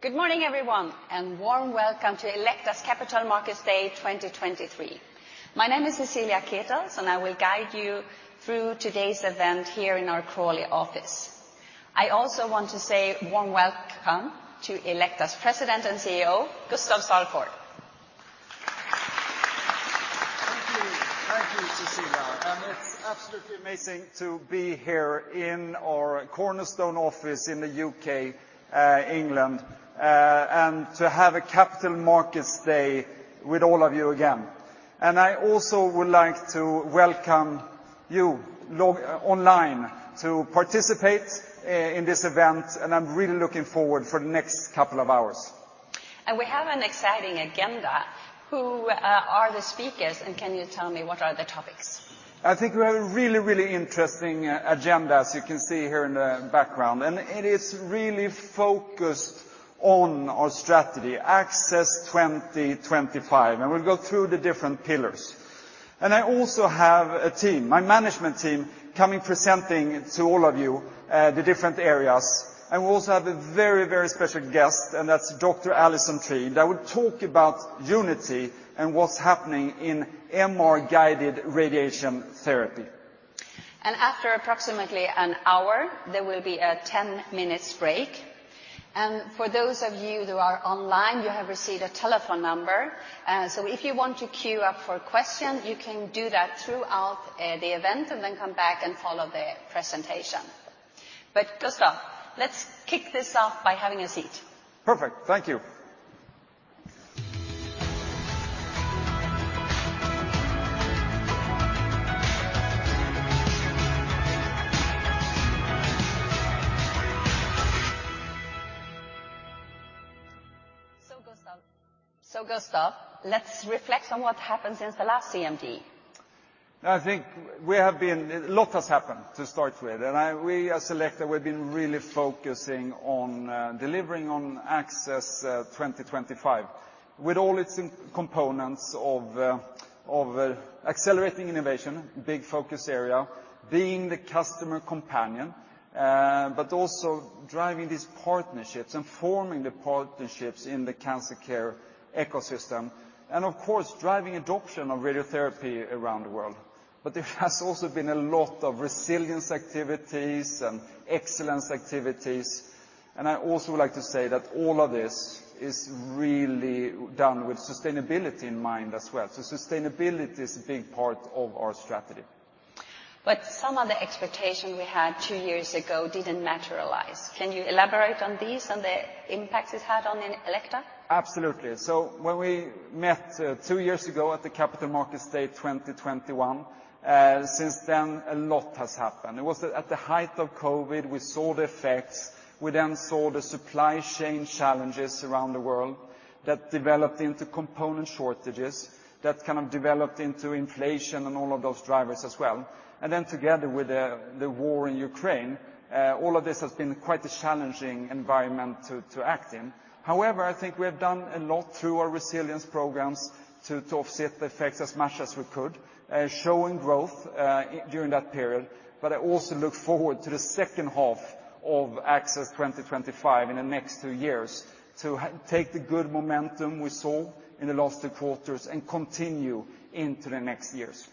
Good morning, everyone, and warm welcome to Elekta's Capital Markets Day 2023. My name is Cecilia Ketels, and I will guide you through today's event here in our Crawley office. I also want to say warm welcome to Elekta's President and CEO, Gustaf Salford. Thank you. Thank you, Cecilia. It's absolutely amazing to be here in our cornerstone office in the U.K., England, and to have a Capital Markets Day with all of you again. I also would like to welcome you online to participate in this event, and I'm really looking forward for the next couple of hours. We have an exciting agenda. Who are the speakers, and can you tell me what are the topics? I think we have a really, really interesting agenda, as you can see here in the background, and it is really focused on our strategy, ACCESS 2025, and we'll go through the different pillars. I also have a team, my management team, coming presenting to all of you, the different areas. We also have a very, very special guest, and that's Dr. Alison Tree, that will talk about Elekta Unity and what's happening in MR-guided radiation therapy. After approximately an hour, there will be a 10 minutes break. For those of you who are online, you have received a telephone number, so if you want to queue up for a question, you can do that throughout the event and then come back and follow the presentation. Gustaf, let's kick this off by having a seat. Perfect. Thank you. Gustaf, let's reflect on what happened since the last CMD. A lot has happened, to start with, we as Elekta, we've been really focusing on delivering on ACCESS 2025, with all its components of accelerating innovation, big focus area, being the customer companion, but also driving these partnerships and forming the partnerships in the cancer care ecosystem, and of course, driving adoption of radiotherapy around the world. There has also been a lot of resilience activities and excellence activities. I also would like to say that all of this is really done with sustainability in mind as well. Sustainability is a big part of our strategy. Some of the expectations we had two years ago didn't materialize. Can you elaborate on these and the impacts it's had on in Elekta? Absolutely. When we met, two years ago at the Capital Markets Day 2021, since then, a lot has happened. It was at the height of COVID, we saw the effects. We then saw the supply chain challenges around the world that developed into component shortages, that kind of developed into inflation and all of those drivers as well. Together with the war in Ukraine, all of this has been quite a challenging environment to act in. However, I think we have done a lot through our resilience programs to offset the effects as much as we could, showing growth during that period. I also look forward to the second half of ACCESS 2025 in the next two years, to take the good momentum we saw in the last two quarters and continue into the next years.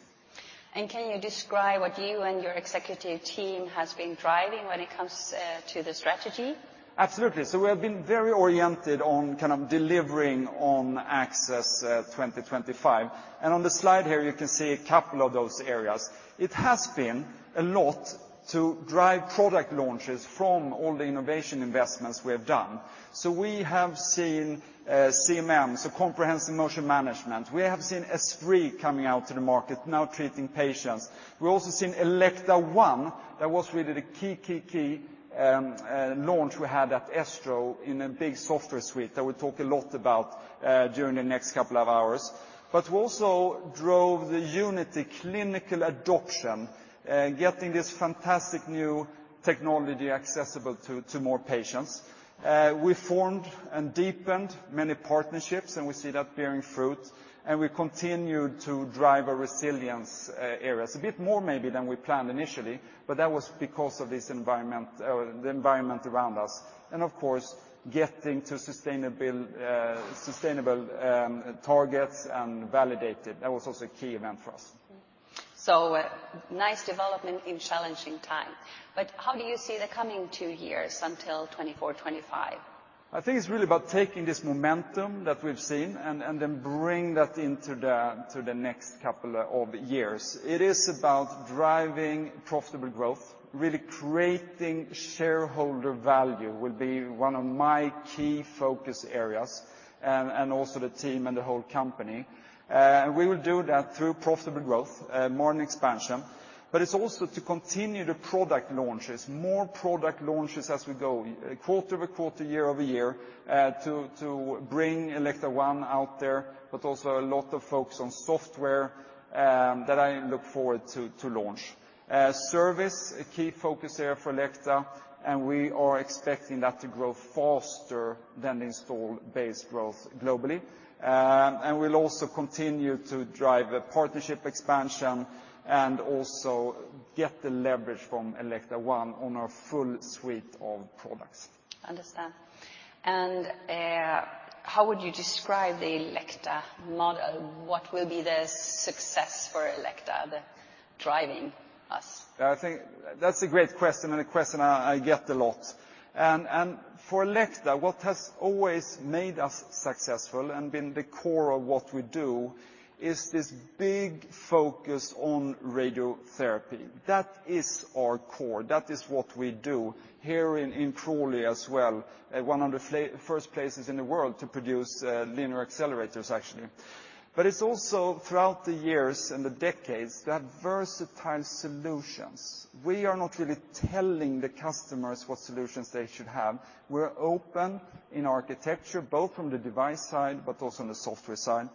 Can you describe what you and your executive team has been driving when it comes to the strategy? Absolutely. We have been very oriented on kind of delivering on ACCESS 2025. On the slide here, you can see a couple of those areas. It has been a lot to drive product launches from all the innovation investments we have done. We have seen CMM, so Comprehensive Motion Management. We have seen S3 coming out to the market, now treating patients. We've also seen Elekta ONE. That was really the key, key launch we had at ESTRO in a big software suite that we'll talk a lot about during the next couple of hours. We also drove the Unity clinical adoption, getting this fantastic new technology accessible to more patients. We formed and deepened many partnerships, and we see that bearing fruit, and we continued to drive our resilience areas. A bit more maybe than we planned initially, but that was because of this environment, or the environment around us. Of course, getting to sustainable, targets and validated. That was also a key event for us. Nice development in challenging time. How do you see the coming two years until 2024, 2025? I think it's really about taking this momentum that we've seen and then bring that into the next couple of years. It is about driving profitable growth. Really creating shareholder value will be one of my key focus areas, and also the team and the whole company. We will do that through profitable growth, more in expansion, but it's also to continue the product launches, more product launches as we go, quarter-over-quarter, year-over-year, to bring Elekta ONE out there, but also a lot of focus on software that I look forward to launch. Service, a key focus area for Elekta, we are expecting that to grow faster than the install base growth globally. We'll also continue to drive a partnership expansion, and also get the leverage from Elekta ONE on our full suite of products. Understand. How would you describe the Elekta model? What will be the success for Elekta, the driving us? I think that's a great question, and a question I get a lot. For Elekta, what has always made us successful and been the core of what we do, is this big focus on radiotherapy. That is our core. That is what we do here in Crawley as well, one of the first places in the world to produce linear accelerators, actually. It's also, throughout the years and the decades, that versatile solutions. We are not really telling the customers what solutions they should have. We're open in architecture, both from the device side, but also on the software side.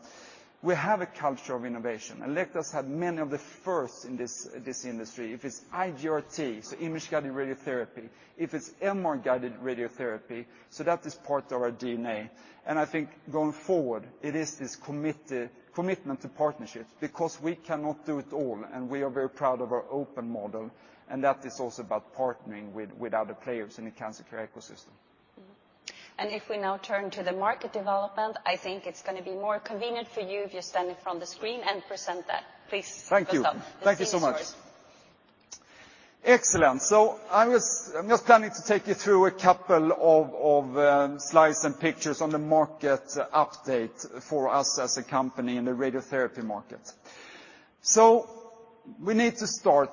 We have a culture of innovation. Elekta's had many of the firsts in this industry. If it's IGRT, image-guided radiotherapy, if it's MR-guided radiotherapy, that is part of our DNA. I think going forward, it is this commitment to partnerships, because we cannot do it all, and we are very proud of our open model, and that is also about partnering with other players in the cancer care ecosystem. If we now turn to the market development, I think it's gonna be more convenient for you if you stand in front of the screen and present that. Please, Gustaf. Thank you. Thank you so much. Please, it's yours. Excellent. I'm just planning to take you through a couple of slides and pictures on the market update for us as a company in the radiotherapy market. We need to start,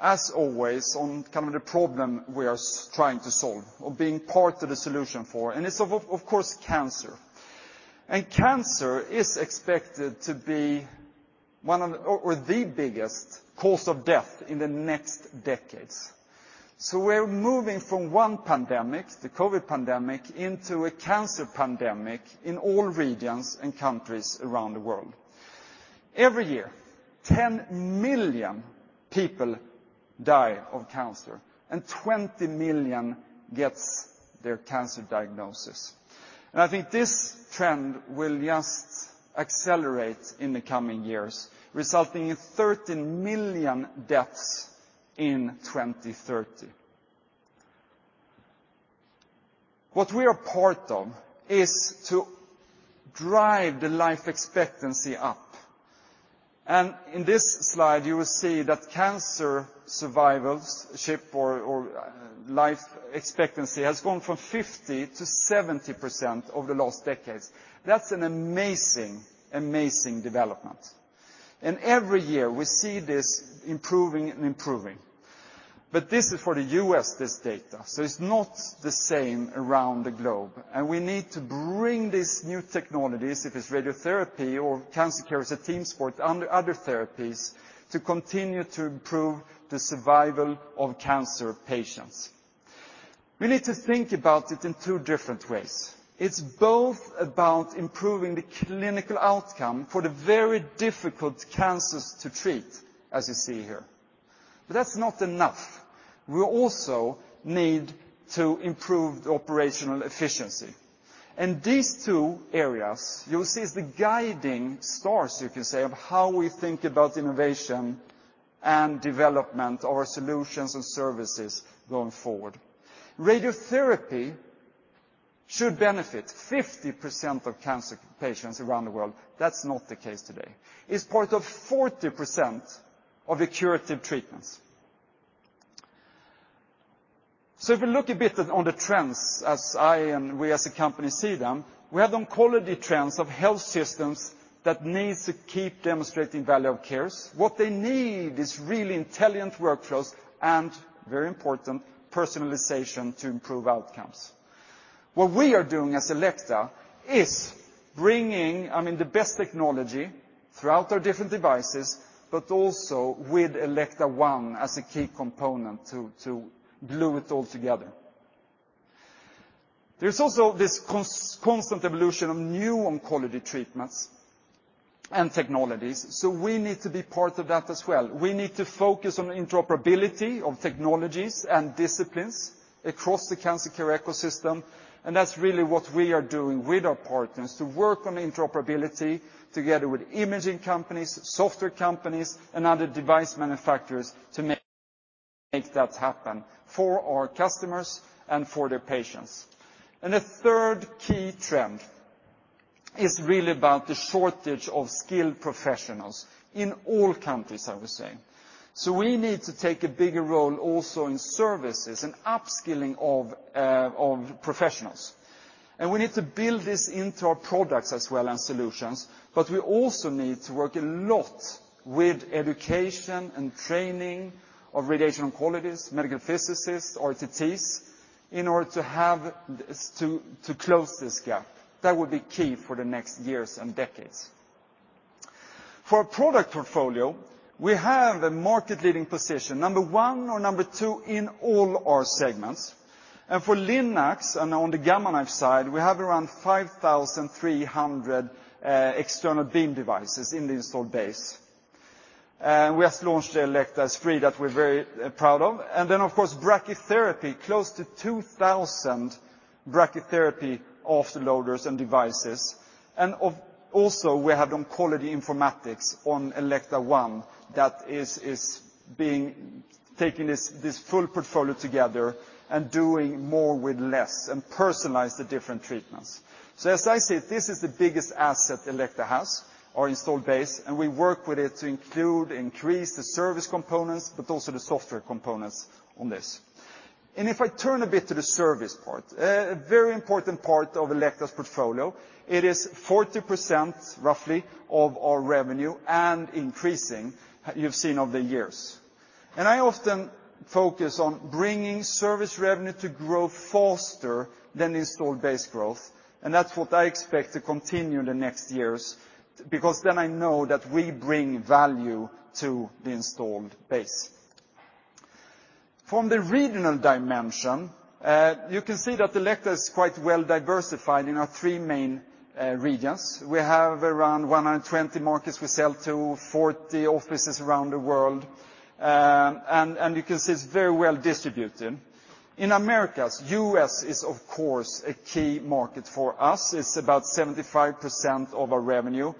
as always, on kind of the problem we are trying to solve, or being part of the solution for, and it's of course, cancer. Cancer is expected to be one of the, or the biggest cause of death in the next decades. We're moving from one pandemic, the COVID pandemic, into a cancer pandemic in all regions and countries around the world. Every year, 10 million people die of cancer, and 20 million gets their cancer diagnosis, and I think this trend will just accelerate in the coming years, resulting in 13 million deaths in 2030. What we are part of is to drive the life expectancy up. In this slide you will see that cancer survivals ship or life expectancy has gone from 50% to 70% over the last decades. That's an amazing development. Every year we see this improving. This is for the U.S., this data, so it's not the same around the globe. We need to bring these new technologies, if it's radiotherapy or cancer care as a team sport, under other therapies, to continue to improve the survival of cancer patients. We need to think about it in two different ways. It's both about improving the clinical outcome for the very difficult cancers to treat, as you see here. That's not enough. We also need to improve the operational efficiency. These two areas, you will see, is the guiding stars, you can say, of how we think about innovation and development of our solutions and services going forward. Radiotherapy should benefit 50% of cancer patients around the world. That's not the case today. It's part of 40% of the curative treatments. If we look a bit on the trends, as I and we as a company see them, we have the oncology trends of health systems that needs to keep demonstrating value of cares. What they need is really intelligent workflows, and very important, personalization to improve outcomes. What we are doing as Elekta is bringing, I mean, the best technology throughout our different devices, but also with Elekta ONE as a key component to glue it all together. There's also this constant evolution of new oncology treatments and technologies. We need to be part of that as well. We need to focus on interoperability of technologies and disciplines across the cancer care ecosystem, and that's really what we are doing with our partners, to work on interoperability together with imaging companies, software companies, and other device manufacturers to make that happen for our customers and for their patients. The third key trend is really about the shortage of skilled professionals in all countries, I would say. We need to take a bigger role also in services and upskilling of professionals. We need to build this into our products as well, and solutions, but we also need to work a lot with education and training of radiation oncologists, medical physicists, RTTs, in order to have to close this gap. That will be key for the next years and decades. For our product portfolio, we have a market-leading position, number one or number two in all our segments. For Linacs, on the Gamma Knife side, we have around 5,300 external beam devices in the installed base. We have launched the Elekta Esprit that we're very proud of. Of course, brachytherapy, close to 2,000 brachytherapy afterloaders and devices. Also, we have on quality informatics on Elekta ONE, that is being taking this full portfolio together and doing more with less, and personalize the different treatments. As I said, this is the biggest asset Elekta has, our installed base, and we work with it to increase the service components, but also the software components on this. If I turn a bit to the service part, a very important part of Elekta's portfolio. It is 40%, roughly, of our revenue and increasing, you've seen over the years. I often focus on bringing service revenue to grow faster than installed base growth, and that's what I expect to continue in the next years, because then I know that we bring value to the installed base. From the regional dimension, you can see that Elekta is quite well diversified in our three main regions. We have around 120 markets, we sell to 40 offices around the world. You can see it's very well distributed. In Americas, U.S. is, of course, a key market for us. It's about 75% of our revenue.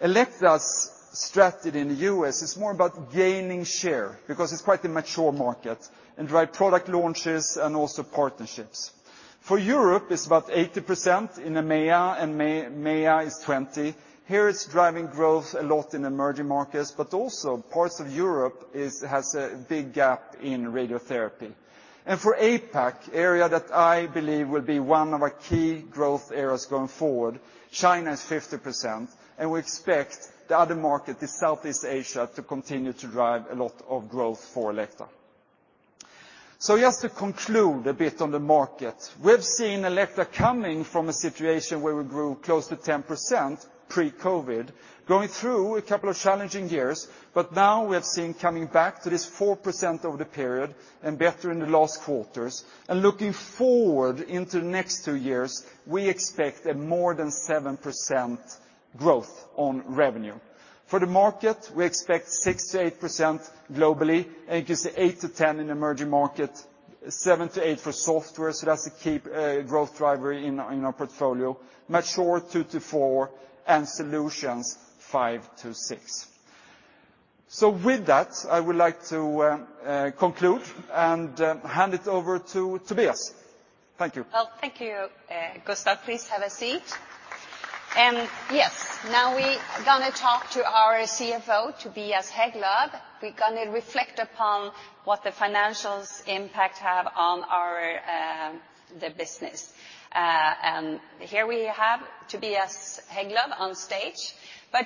Elekta's strategy in the U.S. is more about gaining share, because it's quite a mature market, and the right product launches and also partnerships. Europe, it's about 80% in EMEA, and MEA is 20. Here, it's driving growth a lot in emerging markets, but also parts of Europe has a big gap in radiotherapy. For APAC, area that I believe will be one of our key growth areas going forward, China is 50%, and we expect the other market, the Southeast Asia, to continue to drive a lot of growth for Elekta. Just to conclude a bit on the market, we've seen Elekta coming from a situation where we grew close to 10% pre-COVID, going through a couple of challenging years, but now we have seen coming back to this 4% over the period and better in the last quarters. Looking forward into the next two years, we expect a more than 7% growth on revenue. For the market, we expect 6%-8% globally, you can see 8%-10% in emerging markets, 7%-8% for software, that's a key growth driver in our portfolio. Mature, 2%-4%, and solutions, 5%-6%. With that, I would like to conclude and hand it over to Tobias. Thank you. Well, thank you, Gustaf. Please have a seat. Yes, now we're gonna talk to our CFO, Tobias Hägglöv. We're gonna reflect upon what the financials impact have on our the business. Here we have Tobias Hägglöv on stage.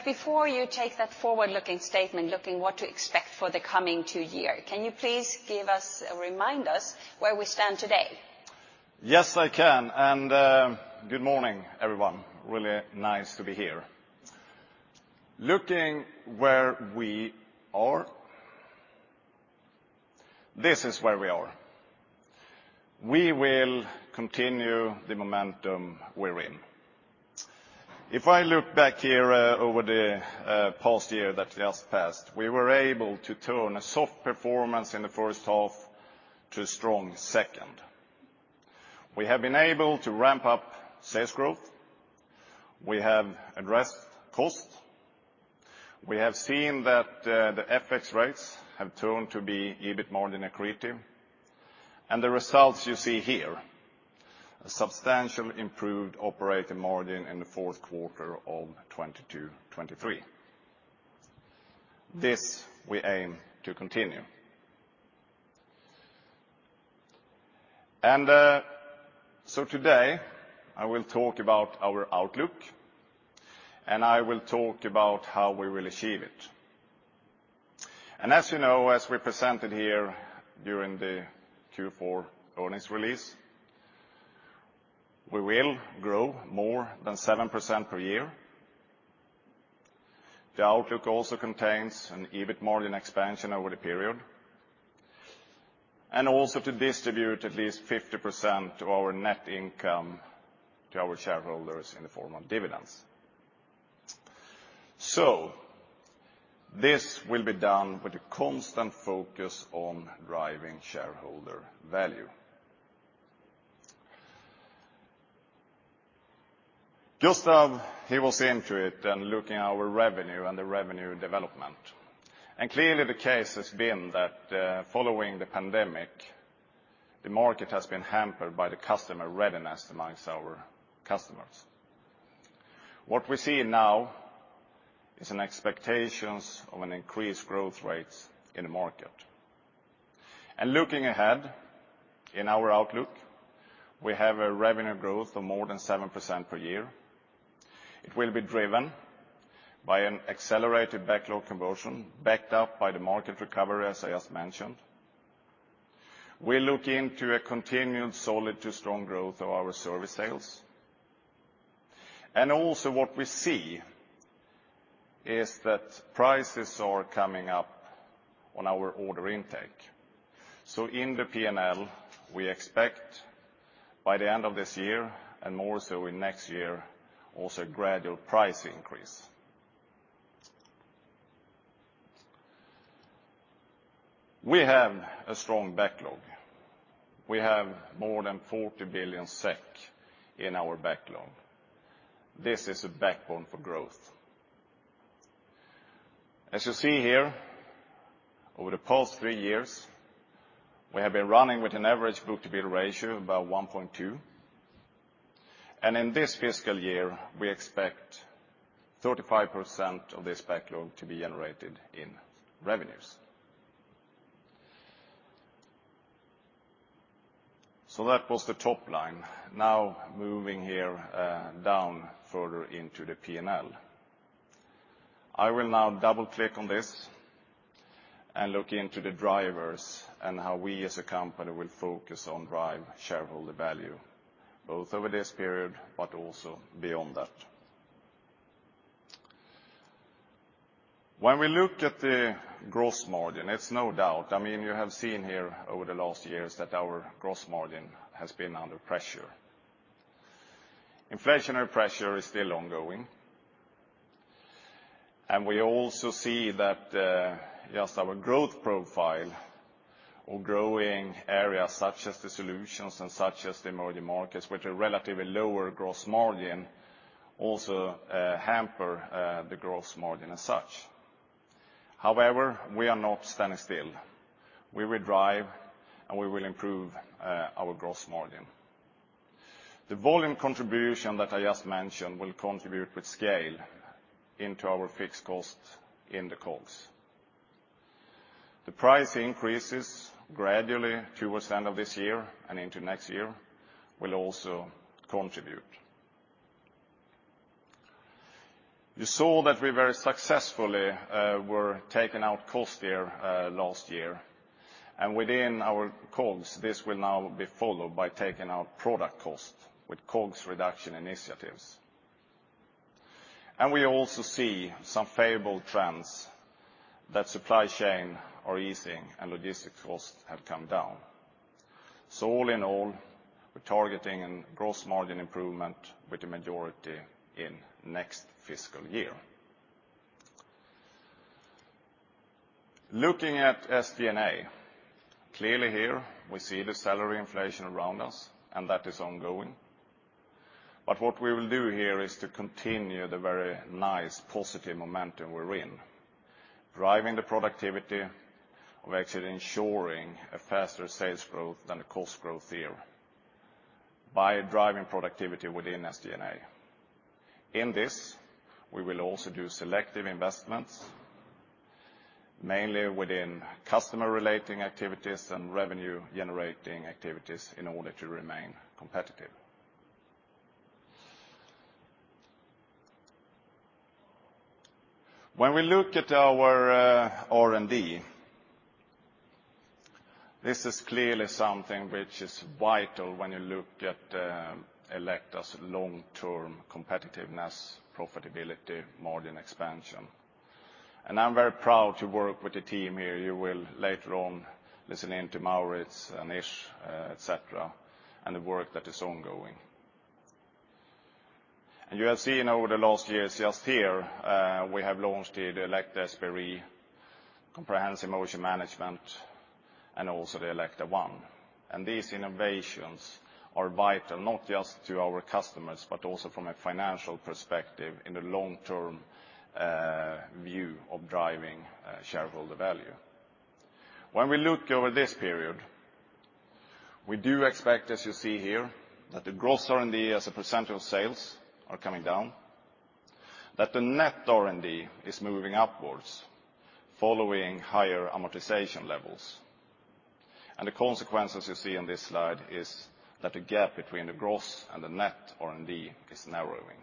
Before you take that forward-looking statement, looking what to expect for the coming two year, can you please give us, remind us where we stand today? Yes, I can. Good morning, everyone. Really nice to be here. Looking where we are, this is where we are. We will continue the momentum we're in. If I look back here, over the past year that just passed, we were able to turn a soft performance in the first half to a strong second. We have been able to ramp up sales growth. We have addressed cost. We have seen that the FX rates have turned to be a bit more than accretive. The results you see here, a substantial improved operating margin in the fourth quarter of 2022, 2023. This, we aim to continue. Today, I will talk about our outlook, and I will talk about how we will achieve it. As you know, as we presented here during the Q4 earnings release, we will grow more than 7% per year. The outlook also contains an EBIT margin expansion over the period, and also to distribute at least 50% of our net income to our shareholders in the form of dividends. This will be done with a constant focus on driving shareholder value. Gustaf, he was into it and looking at our revenue and the revenue development. Clearly, the case has been that, following the pandemic, the market has been hampered by the customer readiness amongst our customers. What we see now is an expectations of an increased growth rate in the market. Looking ahead in our outlook, we have a revenue growth of more than 7% per year. It will be driven by an accelerated backlog conversion, backed up by the market recovery, as I just mentioned. We look into a continued solid to strong growth of our service sales. Also what we see is that prices are coming up on our order intake. In the PNL, we expect by the end of this year, and more so in next year, also a gradual price increase. We have a strong backlog. We have more than 40 billion SEK in our backlog. This is a backbone for growth. As you see here, over the past three years, we have been running with an average book-to-bill ratio of about 1.2, and in this fiscal year, we expect 35% of this backlog to be generated in revenues. That was the top line. Now, moving here, down further into the PNL. I will now double-click on this and look into the drivers, and how we as a company will focus on drive shareholder value, both over this period, but also beyond that. When we look at the gross margin, it's no doubt, I mean, you have seen here over the last years that our gross margin has been under pressure. Inflationary pressure is still ongoing, and we also see that, just our growth profile or growing areas such as the solutions and such as the emerging markets, which are relatively lower gross margin, also, hamper, the gross margin as such. However, we are not standing still. We will drive, and we will improve, our gross margin. The volume contribution that I just mentioned will contribute with scale into our fixed cost in the COGS. The price increases gradually towards the end of this year and into next year will also contribute. You saw that we very successfully were taking out cost here last year. Within our COGS, this will now be followed by taking out product cost with COGS reduction initiatives. We also see some favorable trends that supply chain are easing and logistics costs have come down. All in all, we're targeting a gross margin improvement with the majority in next fiscal year. Looking at SG&A, clearly here, we see the salary inflation around us, and that is ongoing. What we will do here is to continue the very nice, positive momentum we're in, driving the productivity, of actually ensuring a faster sales growth than the cost growth here by driving productivity within SG&A. In this, we will also do selective investments, mainly within customer-relating activities and revenue-generating activities in order to remain competitive. When we look at our R&D, this is clearly something which is vital when you look at Elekta's long-term competitiveness, profitability, margin expansion. I'm very proud to work with the team here. You will later on listen in to Maurits and Nish, et cetera, and the work that is ongoing. You have seen over the last years, just here, we have launched the Elekta Espere, Comprehensive Motion Management, and also the Elekta ONE. These innovations are vital, not just to our customers, but also from a financial perspective in the long-term view of driving shareholder value. When we look over this period, we do expect, as you see here, that the gross R&D as a percent of sales are coming down, that the net R&D is moving upwards, following higher amortization levels. The consequences you see on this slide is that the gap between the gross and the net R&D is narrowing.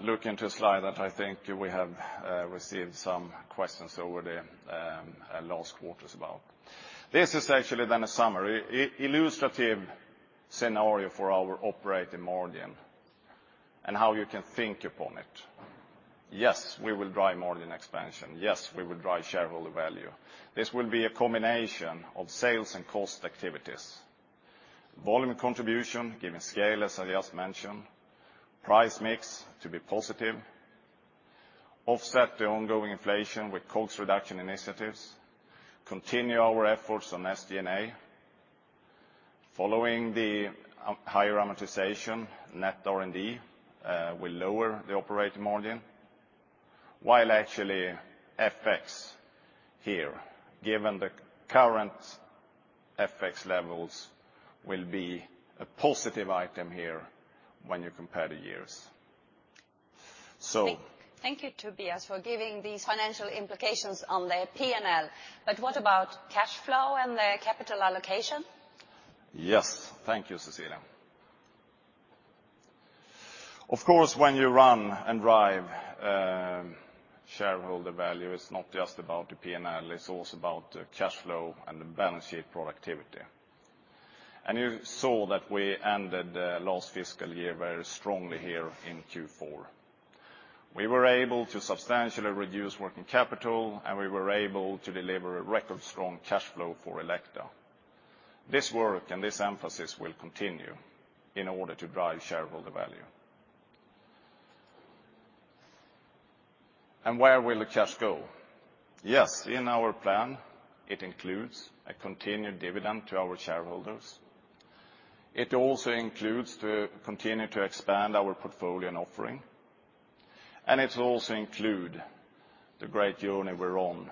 Looking to a slide that I think we have received some questions over the last quarters about. This is actually then a summary, illustrative scenario for our operating margin and how you can think upon it. Yes, we will drive margin expansion. Yes, we will drive shareholder value. This will be a combination of sales and cost activities. Volume contribution, giving scale, as I just mentioned, price mix to be positive, offset the ongoing inflation with COGS reduction initiatives, continue our efforts on SG&A. Following the higher amortization, net R&D will lower the operating margin, while actually FX here, given the current FX levels, will be a positive item here when you compare the years. Thank you, Tobias, for giving these financial implications on the PNL. What about cash flow and the capital allocation? Yes, thank you, Cecilia. Of course, when you run and drive, shareholder value is not just about the P&L, it's also about the cash flow and the balance sheet productivity. You saw that we ended last fiscal year very strongly here in Q4. We were able to substantially reduce working capital, and we were able to deliver a record-strong cash flow for Elekta. This work and this emphasis will continue in order to drive shareholder value. Where will the cash go? Yes, in our plan, it includes a continued dividend to our shareholders. It also includes to continue to expand our portfolio and offering, and it will also include the great journey we're on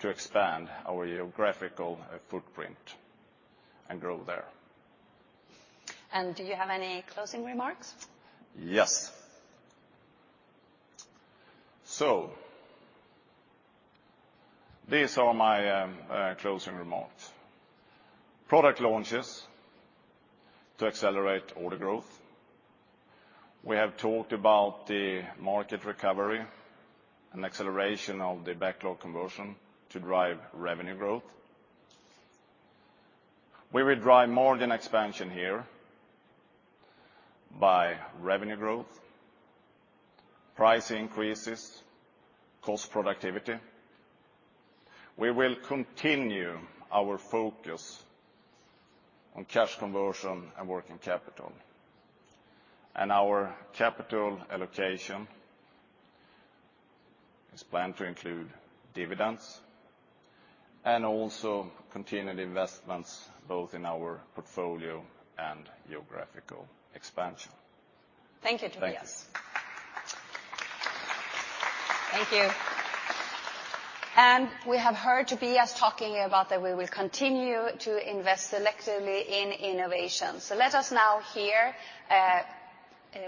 to expand our geographical footprint and grow there. Do you have any closing remarks? Yes. These are my closing remarks. Product launches to accelerate order growth. We have talked about the market recovery and acceleration of the backlog conversion to drive revenue growth. We will drive margin expansion here by revenue growth, price increases, cost productivity. We will continue our focus on cash conversion and working capital. Our capital allocation is planned to include dividends and also continued investments, both in our portfolio and geographical expansion. Thank you, Tobias. Thank you. Thank you. We have heard Tobias talking about that we will continue to invest selectively in innovation. Let us now hear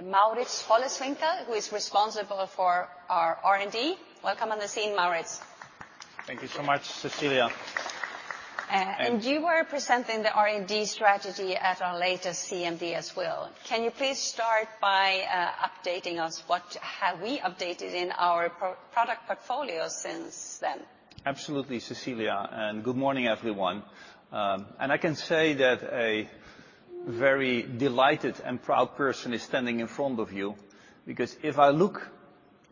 Maurits Wolleswinkel, who is responsible for our R&D. Welcome on the scene, Maurits. Thank you so much, Cecilia. You were presenting the R&D strategy at our latest CMD as well. Can you please start by updating us, what have we updated in our product portfolio since then? Absolutely, Cecilia. Good morning, everyone. I can say that a very delighted and proud person is standing in front of you, because if I look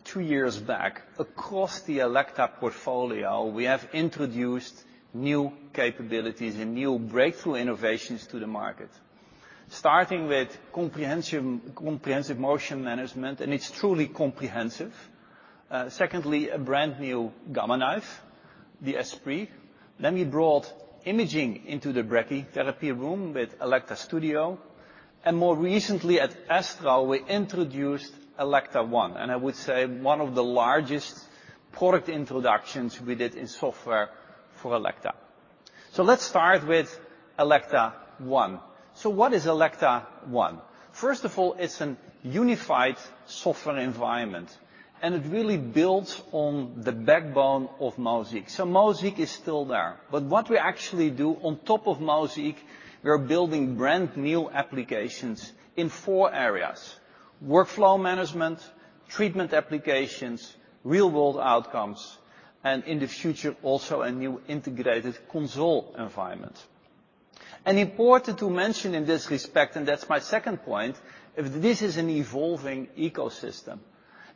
two years back, across the Elekta portfolio, we have introduced new capabilities and new breakthrough innovations to the market. Starting with Comprehensive Motion Management, and it's truly comprehensive. Secondly, a brand-new Gamma Knife, the Esprit. We brought imaging into the brachytherapy room with Elekta Studio, more recently, at ESTRO, we introduced Elekta ONE, and I would say one of the largest product introductions we did in software for Elekta. Let's start with Elekta ONE. What is Elekta ONE? First of all, it's a unified software environment, and it really builds on the backbone of MOSAIQ. MOSAIQ is still there, but what we actually do on top of MOSAIQ, we are building brand-new applications in 4 areas: workflow management, treatment applications, real-world outcomes, and in the future, also a new integrated console environment. Important to mention in this respect, and that's my 2nd point, this is an evolving ecosystem.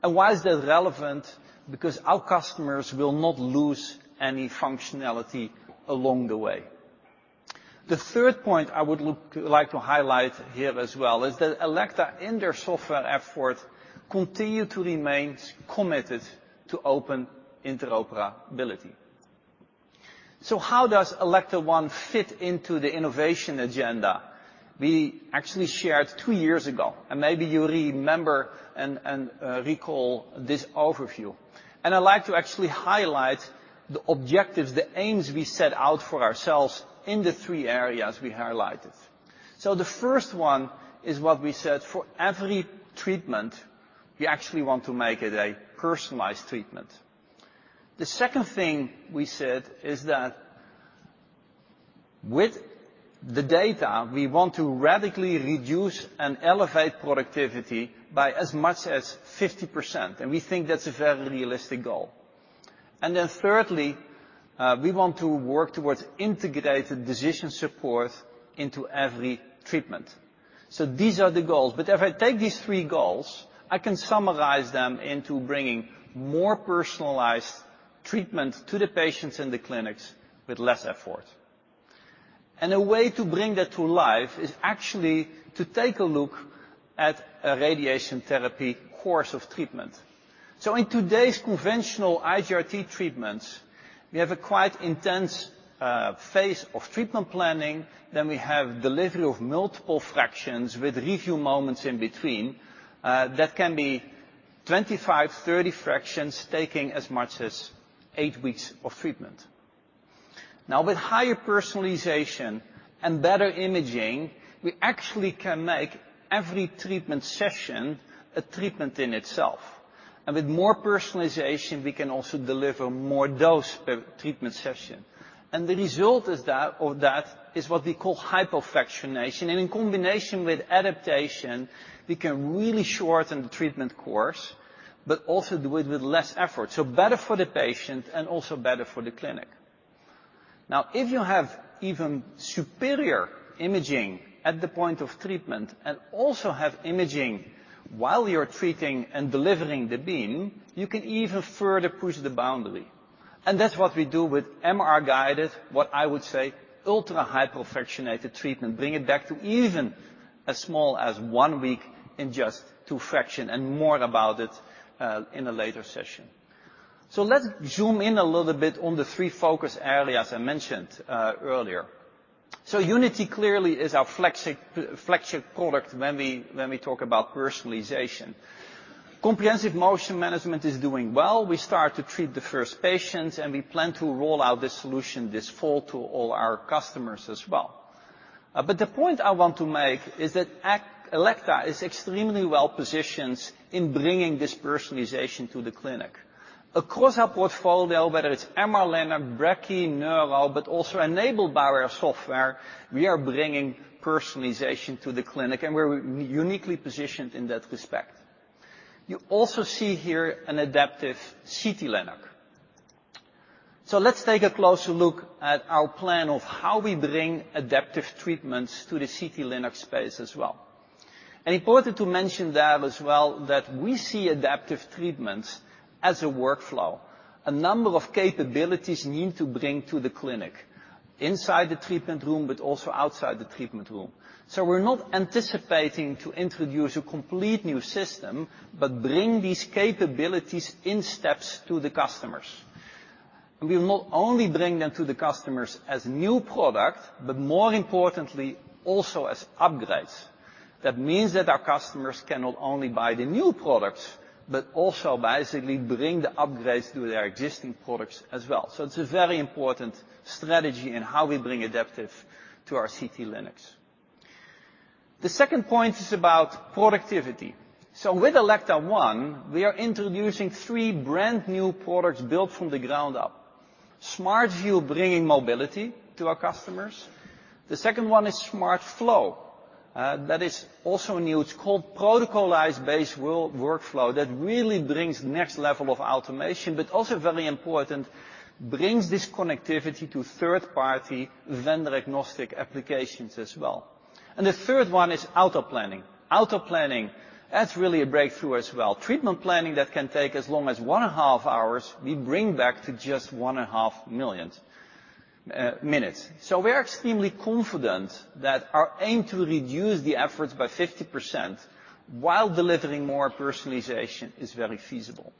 Why is that relevant? Because our customers will not lose any functionality along the way. The 3rd point I would like to highlight here as well is that Elekta, in their software effort, continue to remain committed to open interoperability. How does Elekta ONE fit into the innovation agenda? We actually shared 2 years ago, and maybe you remember and recall this overview. I'd like to actually highlight the objectives, the aims we set out for ourselves in the three areas we highlighted. The first one is what we said: for every treatment, we actually want to make it a personalized treatment. The second thing we said is that with the data, we want to radically reduce and elevate productivity by as much as 50%, and we think that's a very realistic goal. Thirdly, we want to work towards integrated decision support into every treatment. These are the goals. If I take these three goals, I can summarize them into bringing more personalized treatment to the patients in the clinics with less effort. A way to bring that to life is actually to take a look at a radiation therapy course of treatment. In today's conventional IGRT treatments, we have a quite intense phase of treatment planning, then we have delivery of multiple fractions with review moments in between. That can be 25, 30 fractions, taking as much as eight weeks of treatment. With higher personalization and better imaging, we actually can make every treatment session a treatment in itself. With more personalization, we can also deliver more dose per treatment session. The result is what we call hypofractionation, and in combination with adaptation, we can really shorten the treatment course, but also do it with less effort. Better for the patient and also better for the clinic. If you have even superior imaging at the point of treatment, and also have imaging while you're treating and delivering the beam, you can even further push the boundary. That's what we do with MR-guided, what I would say, ultra-hypofractionated treatment, bring it back to even as small as 1 week in just two fractions, and more about it in a later session. Let's zoom in a little bit on the three focus areas I mentioned earlier. Unity clearly is our flagship product when we talk about personalization. Comprehensive Motion Management is doing well. We start to treat the first patients, and we plan to roll out this solution this fall to all our customers as well. The point I want to make is that Elekta is extremely well-positioned in bringing this personalization to the clinic. Across our portfolio, whether it's MR-Linac, brachy, neural, but also enabled by our software, we are bringing personalization to the clinic, and we're uniquely positioned in that respect. You also see here an adaptive CT-Linac. Let's take a closer look at our plan of how we bring adaptive treatments to the CT-Linac space as well. Important to mention there as well, that we see adaptive treatments as a workflow. A number of capabilities we need to bring to the clinic, inside the treatment room, but also outside the treatment room. We're not anticipating to introduce a complete new system, but bring these capabilities in steps to the customers. We will not only bring them to the customers as new product, but more importantly, also as upgrades. That means that our customers can not only buy the new products, but also basically bring the upgrades to their existing products as well. It's a very important strategy in how we bring adaptive to our CT-Linacs. The second point is about productivity. With Elekta ONE, we are introducing three brand-new products built from the ground up. Smart View, bringing mobility to our customers. The second one is Smart Flow, that is also new. It's called protocolized-based workflow that really brings next level of automation, but also very important, brings this connectivity to third-party, vendor-agnostic applications as well. The third one is auto-planning. Auto-planning, that's really a breakthrough as well. Treatment planning that can take as long as one and a half hours, we bring back to just one and a half million minutes. We are extremely confident that our aim to reduce the efforts by 50% while delivering more personalization, is very feasible.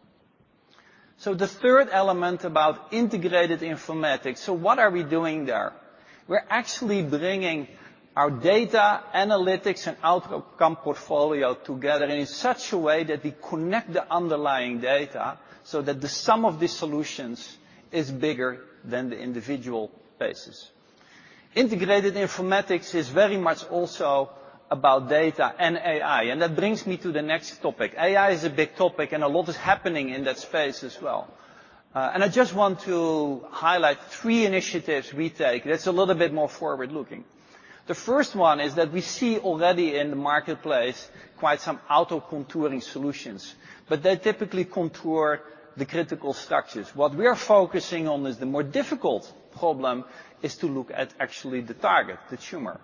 The third element about integrated informatics: what are we doing there? We're actually bringing our data analytics and outcome portfolio together in such a way that we connect the underlying data, so that the sum of the solutions is bigger than the individual bases. Integrated informatics is very much also about data and AI. That brings me to the next topic. AI is a big topic. A lot is happening in that space as well. I just want to highlight three initiatives we take that's a little bit more forward-looking. The first one is that we see already in the marketplace, quite some auto-contouring solutions. They typically contour the critical structures. What we are focusing on is the more difficult problem, is to look at actually the target, the tumor.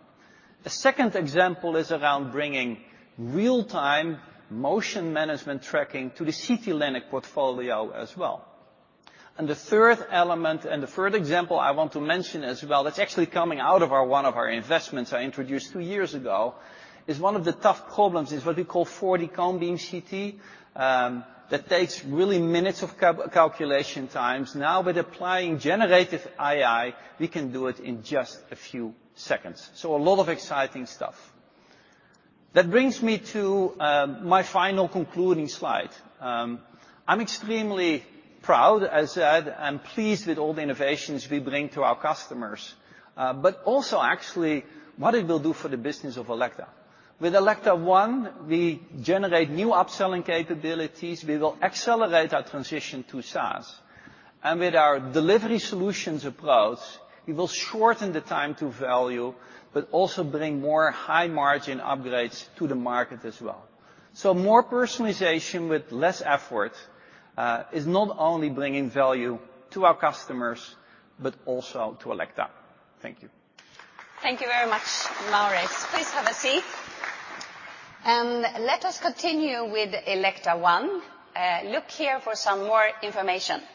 The second example is around bringing real-time motion management tracking to the CT-Linac portfolio as well. The third element, and the third example I want to mention as well, that's actually coming out of one of our investments I introduced two years ago, is one of the tough problems, is what we call 40-beam CT. That takes really minutes of calculation times. Now, with applying generative AI, we can do it in just a few seconds. A lot of exciting stuff. That brings me to my final concluding slide. I'm extremely proud, as said, and pleased with all the innovations we bring to our customers, but also actually what it will do for the business of Elekta. With Elekta ONE, we generate new upselling capabilities. We will accelerate our transition to SaaS, and with our delivery solutions approach, we will shorten the time to value, but also bring more high-margin upgrades to the market as well. More personalization with less effort is not only bringing value to our customers, but also to Elekta. Thank you. Thank you very much, Maurits. Please have a seat. Let us continue with Elekta ONE. Look here for some more information. We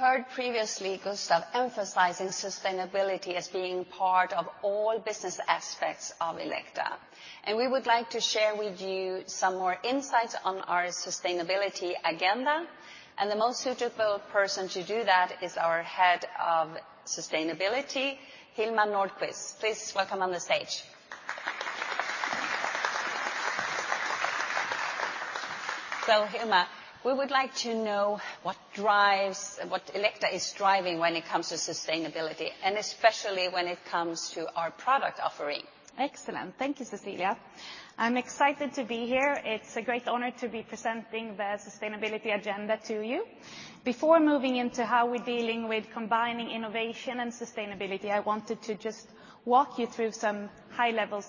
heard previously Gustaf Salford emphasizing sustainability as being part of all business aspects of Elekta. We would like to share with you some more insights on our sustainability agenda. The most suitable person to do that is our Head of Sustainability, Hilma Nordquist. Please, welcome on the stage. Hilma, we would like to know what Elekta is driving when it comes to sustainability, especially when it comes to our product offering. Excellent. Thank you, Cecilia. I'm excited to be here. It's a great honor to be presenting the sustainability agenda to you. Before moving into how we're dealing with combining innovation and sustainability, I wanted to just walk you through some high-level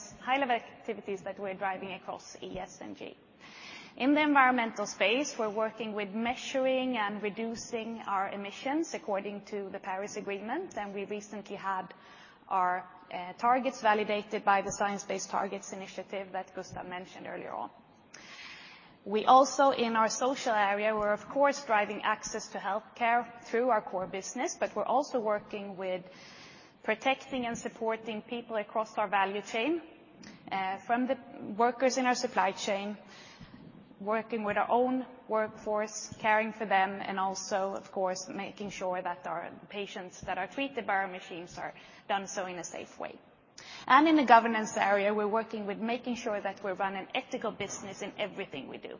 activities that we're driving across ESG. In the environmental space, we're working with measuring and reducing our emissions according to the Paris Agreement, and we recently had our targets validated by the Science Based Targets initiative that Gustaf mentioned earlier on. We also, in our social area, we're of course, driving access to healthcare through our core business, but we're also working with protecting and supporting people across our value chain, from the workers in our supply chain, working with our own workforce, caring for them, and also, of course, making sure that our patients that are treated by our machines are done so in a safe way. In the governance area, we're working with making sure that we run an ethical business in everything we do.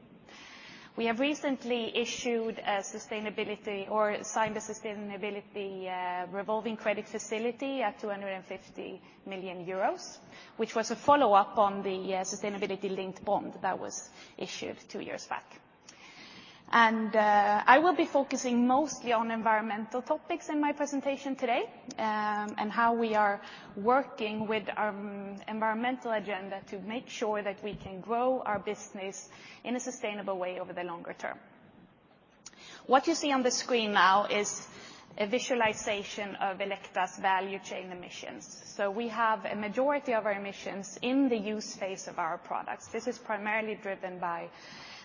We have recently issued a sustainability or signed a sustainability revolving credit facility at 250 million euros, which was a follow-up on the sustainability-linked bond that was issued 2 years back. I will be focusing mostly on environmental topics in my presentation today, and how we are working with our environmental agenda to make sure that we can grow our business in a sustainable way over the longer term. What you see on the screen now is a visualization of Elekta's value chain emissions. We have a majority of our emissions in the use phase of our products. This is primarily driven by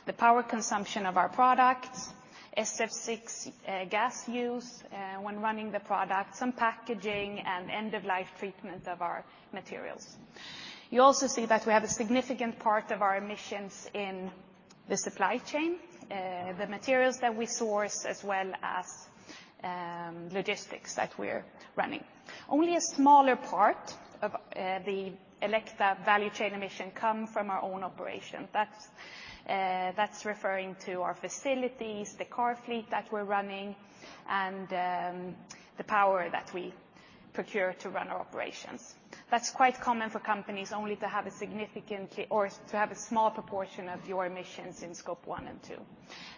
the power consumption of our products, SF6 gas use when running the products, and packaging and end-of-life treatment of our materials. You also see that we have a significant part of our emissions in the supply chain, the materials that we source, as well as logistics that we're running. Only a smaller part of the Elekta value chain emission come from our own operation. That's that's referring to our facilities, the car fleet that we're running, and the power that we procure to run our operations. That's quite common for companies only to have a small proportion of your emissions in Scope 1 and Scope 2.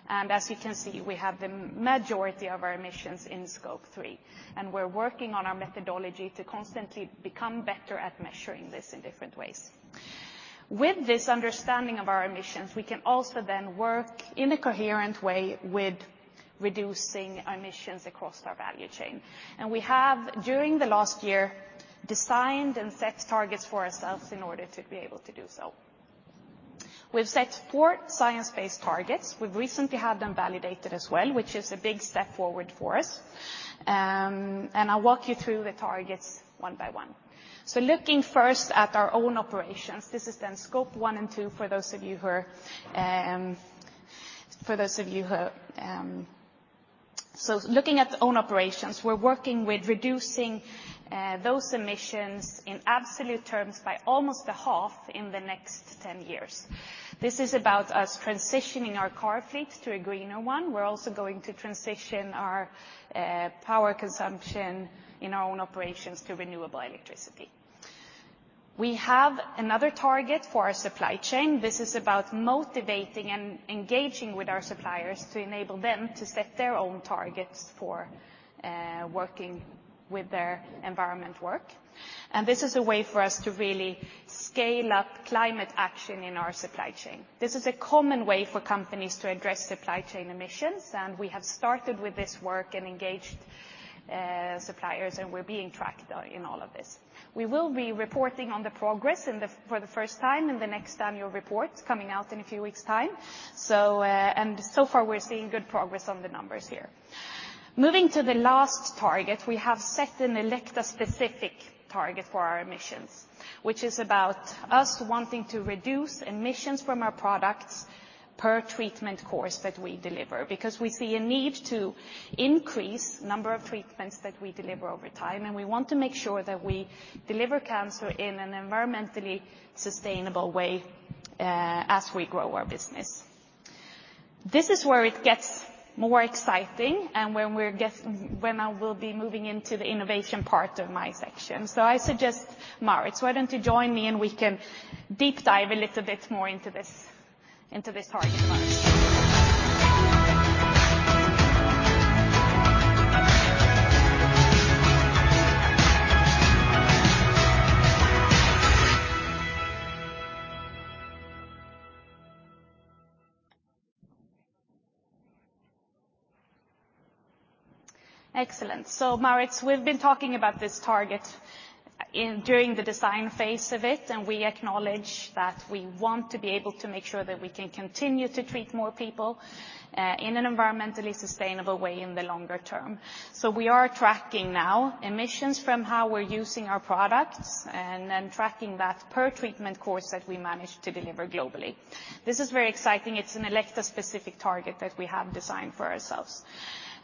As you can see, we have the majority of our emissions in Scope 3, and we're working on our methodology to constantly become better at measuring this in different ways. With this understanding of our emissions, we can also then work in a coherent way with reducing emissions across our value chain. We have, during the last year, designed and set targets for ourselves in order to be able to do so. We've set four science-based targets. We've recently had them validated as well, which is a big step forward for us. I'll walk you through the targets one by one. Looking first at our own operations, this is then Scope 1 and 2. We're working with reducing those emissions in absolute terms by almost a half in the next 10 years. This is about us transitioning our car fleet to a greener one. We're also going to transition our power consumption in our own operations to renewable electricity. We have another target for our supply chain. This is about motivating and engaging with our suppliers to enable them to set their own targets for working with their environment work. This is a way for us to really scale up climate action in our supply chain. This is a common way for companies to address supply chain emissions, we have started with this work and engaged suppliers, and we're being tracked in all of this. We will be reporting on the progress for the first time in the next annual report, coming out in a few weeks' time. So far, we're seeing good progress on the numbers here. Moving to the last target, we have set an Elekta-specific target for our emissions, which is about us wanting to reduce emissions from our products per treatment course that we deliver, because we see a need to increase number of treatments that we deliver over time, and we want to make sure that we deliver cancer in an environmentally sustainable way as we grow our business. This is where it gets more exciting, when I will be moving into the innovation part of my section. I suggest, Maurits, why don't you join me and we can deep dive a little bit more into this target market? Excellent. Maurits, we've been talking about this target during the design phase of it, and we acknowledge that we want to be able to make sure that we can continue to treat more people in an environmentally sustainable way in the longer term. We are tracking now emissions from how we're using our products, and then tracking that per treatment course that we manage to deliver globally. This is very exciting. It's an Elekta-specific target that we have designed for ourselves.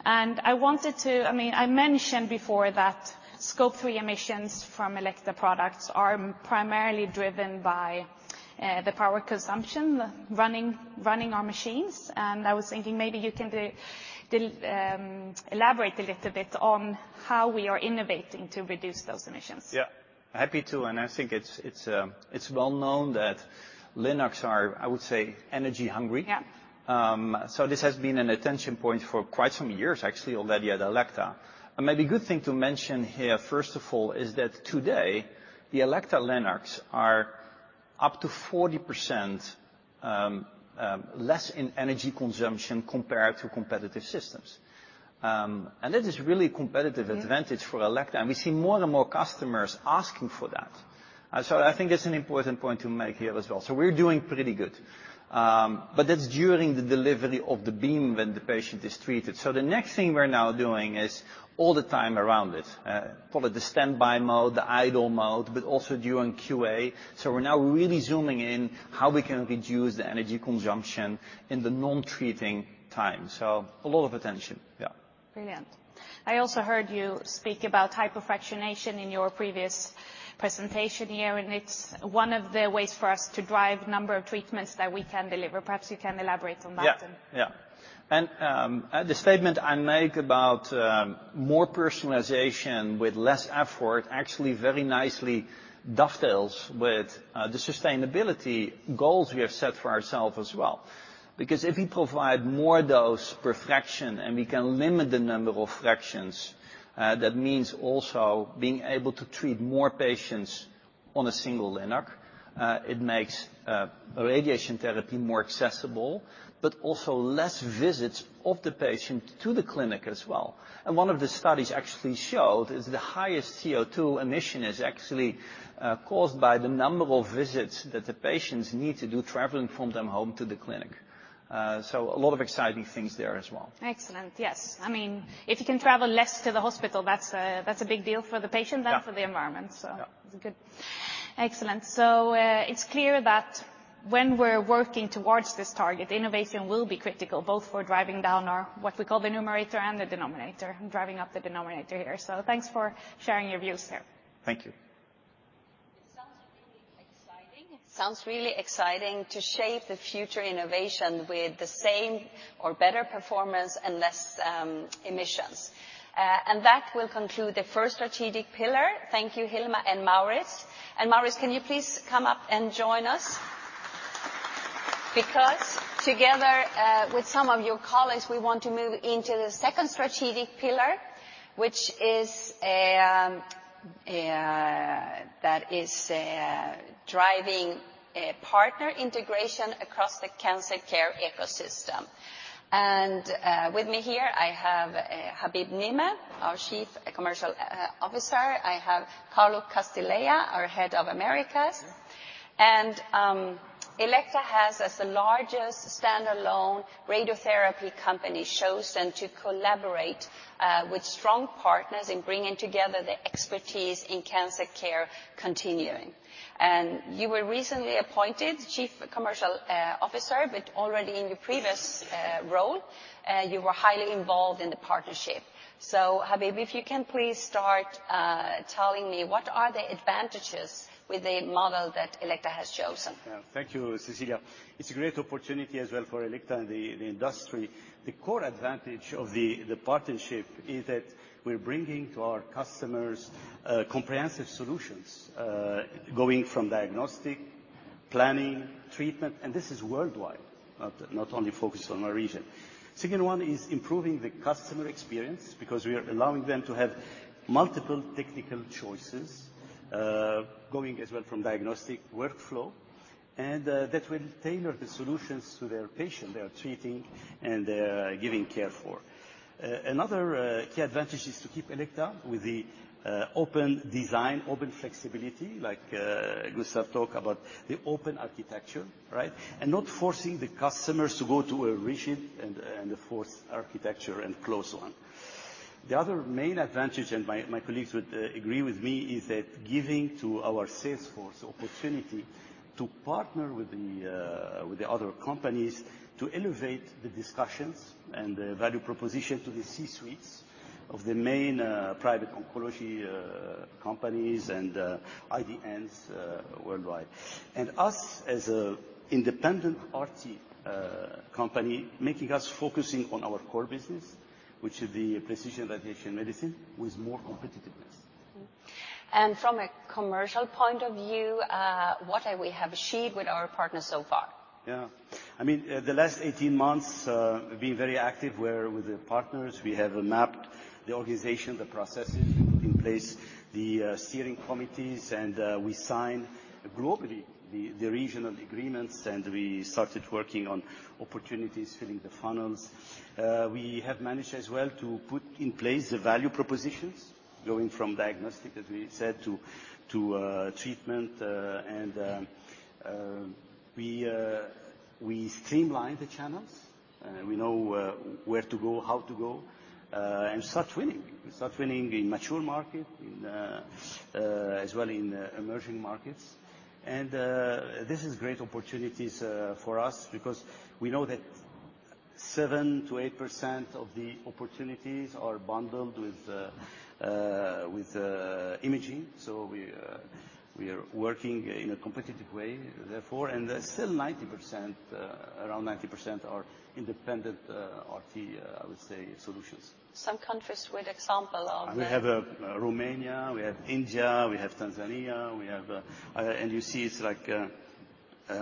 I wanted to... I mean, I mentioned before that Scope 3 emissions from Elekta products are primarily driven by the power consumption, running our machines. I was thinking maybe you can elaborate a little bit on how we are innovating to reduce those emissions. Yeah. Happy to. I think it's well known that Linacs are, I would say, energy hungry. Yeah. This has been an attention point for quite some years, actually, already at Elekta. Maybe good thing to mention here, first of all, is that today, the Elekta Linacs are up to 40% less in energy consumption compared to competitive systems. That is really competitive. advantage for Elekta. We see more and more customers asking for that. I think that's an important point to make here as well. We're doing pretty good. But that's during the delivery of the beam when the patient is treated. The next thing we're now doing is all the time around it, call it the standby mode, the idle mode, but also during QA. We're now really zooming in how we can reduce the energy consumption in the non-treating time. A lot of attention, yeah. Brilliant. I also heard you speak about hypofractionation in your previous presentation here. It's one of the ways for us to drive number of treatments that we can deliver. Perhaps you can elaborate on that. Yeah, yeah. The statement I make about more personalization with less effort actually very nicely dovetails with the sustainability goals we have set for ourselves as well. If we provide more dose per fraction and we can limit the number of fractions, that means also being able to treat more patients on a single Linac. It makes radiation therapy more accessible, but also less visits of the patient to the clinic as well. One of the studies actually showed is the highest CO2 emission is actually caused by the number of visits that the patients need to do traveling from them home to the clinic. A lot of exciting things there as well. Excellent. Yes. I mean, if you can travel less to the hospital, that's a big deal for the patient Yeah and for the environment. Yeah. It's good. Excellent. It's clear that when we're working towards this target, innovation will be critical, both for driving down our, what we call the numerator and the denominator, and driving up the denominator here. Thanks for sharing your views here. Thank you. It sounds really exciting. Sounds really exciting to shape the future innovation with the same or better performance and less emissions. That will conclude the first strategic pillar. Thank you, Hilma and Maurits. Maurits, can you please come up and join us? Because together, with some of your colleagues, we want to move into the second strategic pillar, which is that is driving a partner integration across the cancer care ecosystem. With me here, I have Habib Nehme, our Chief Commercial Officer. I have Carlos Castilleja, our Head of Americas. Elekta has, as the largest standalone radiotherapy company, chosen to collaborate with strong partners in bringing together the expertise in cancer care continuing. You were recently appointed Chief Commercial Officer, but already in your previous role, you were highly involved in the partnership. Habib, if you can please start telling me what are the advantages with the model that Elekta has chosen? Yeah. Thank you, Cecilia. It's a great opportunity as well for Elekta and the industry. The core advantage of the partnership is that we're bringing to our customers, comprehensive solutions, going from diagnostic, planning, treatment, and this is worldwide, not only focused on our region. Second one is improving the customer experience, because we are allowing them to have multiple technical choices, going as well from diagnostic workflow, and that will tailor the solutions to their patient they are treating and giving care for. Another key advantage is to keep Elekta with the open design, open flexibility, like Gustaf talk about the open architecture, right? Not forcing the customers to go to a rigid and a forced architecture and closed one. The other main advantage, and my colleagues would agree with me, is that giving to our sales force opportunity to partner with the other companies to elevate the discussions and the value proposition to the C-suites of the main private oncology companies and IDNs worldwide. Us, as an independent RT company, making us focusing on our core business, which is the precision radiation medicine with more competitiveness. From a commercial point of view, what have we achieved with our partners so far? I mean, the last 18 months have been very active, where with the partners, we have mapped the organization, the processes in place, the steering committees, and we sign globally, the regional agreements, and we started working on opportunities, filling the funnels. We have managed as well to put in place the value propositions, going from diagnostic, as we said, to treatment. And we streamline the channels, and we know where to go, how to go, and start winning. We start winning in mature market, in as well in emerging markets. This is great opportunities for us, because we know that 7%-8% of the opportunities are bundled with imaging. We are working in a competitive way, therefore, and still 90%, around 90% are independent RT, I would say, solutions. Some countries with example of the We have Romania, we have India, we have Tanzania, we have. You see, it's like a